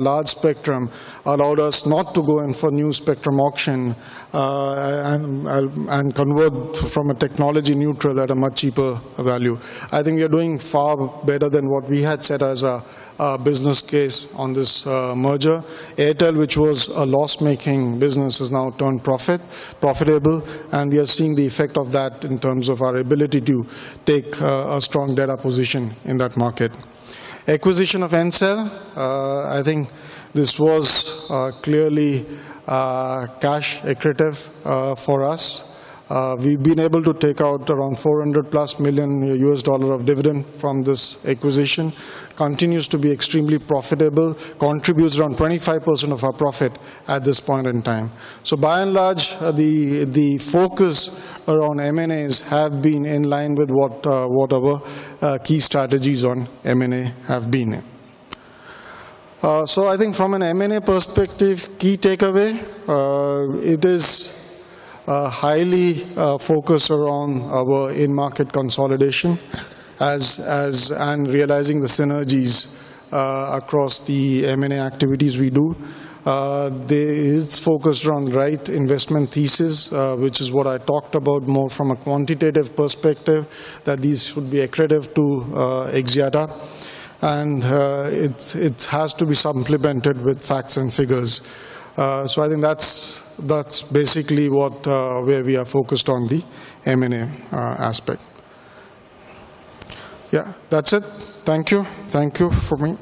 large spectrum, allowed us not to go in for new spectrum auction and convert from a technology neutral at a much cheaper value. I think we are doing far better than what we had set as a business case on this merger. Airtel, which was a loss-making business, has now turned profitable, and we are seeing the effect of that in terms of our ability to take a strong data position in that market. Acquisition of Ncell, I think this was clearly cash accretive for us. We've been able to take out around $400-plus million of dividend from this acquisition. Continues to be extremely profitable, contributes around 25% of our profit at this point in time. By and large, the focus around M&As has been in line with what our key strategies on M&A have been. From an M&A perspective, key takeaway, it is highly focused around our in-market consolidation and realizing the synergies across the M&A activities we do. It's focused around right investment thesis, which is what I talked about more from a quantitative perspective, that these should be accredited to Axiata. It has to be supplemented with facts and figures. That's basically where we are focused on the M&A aspect. Yeah, that's it. Thank you. Thank you for me.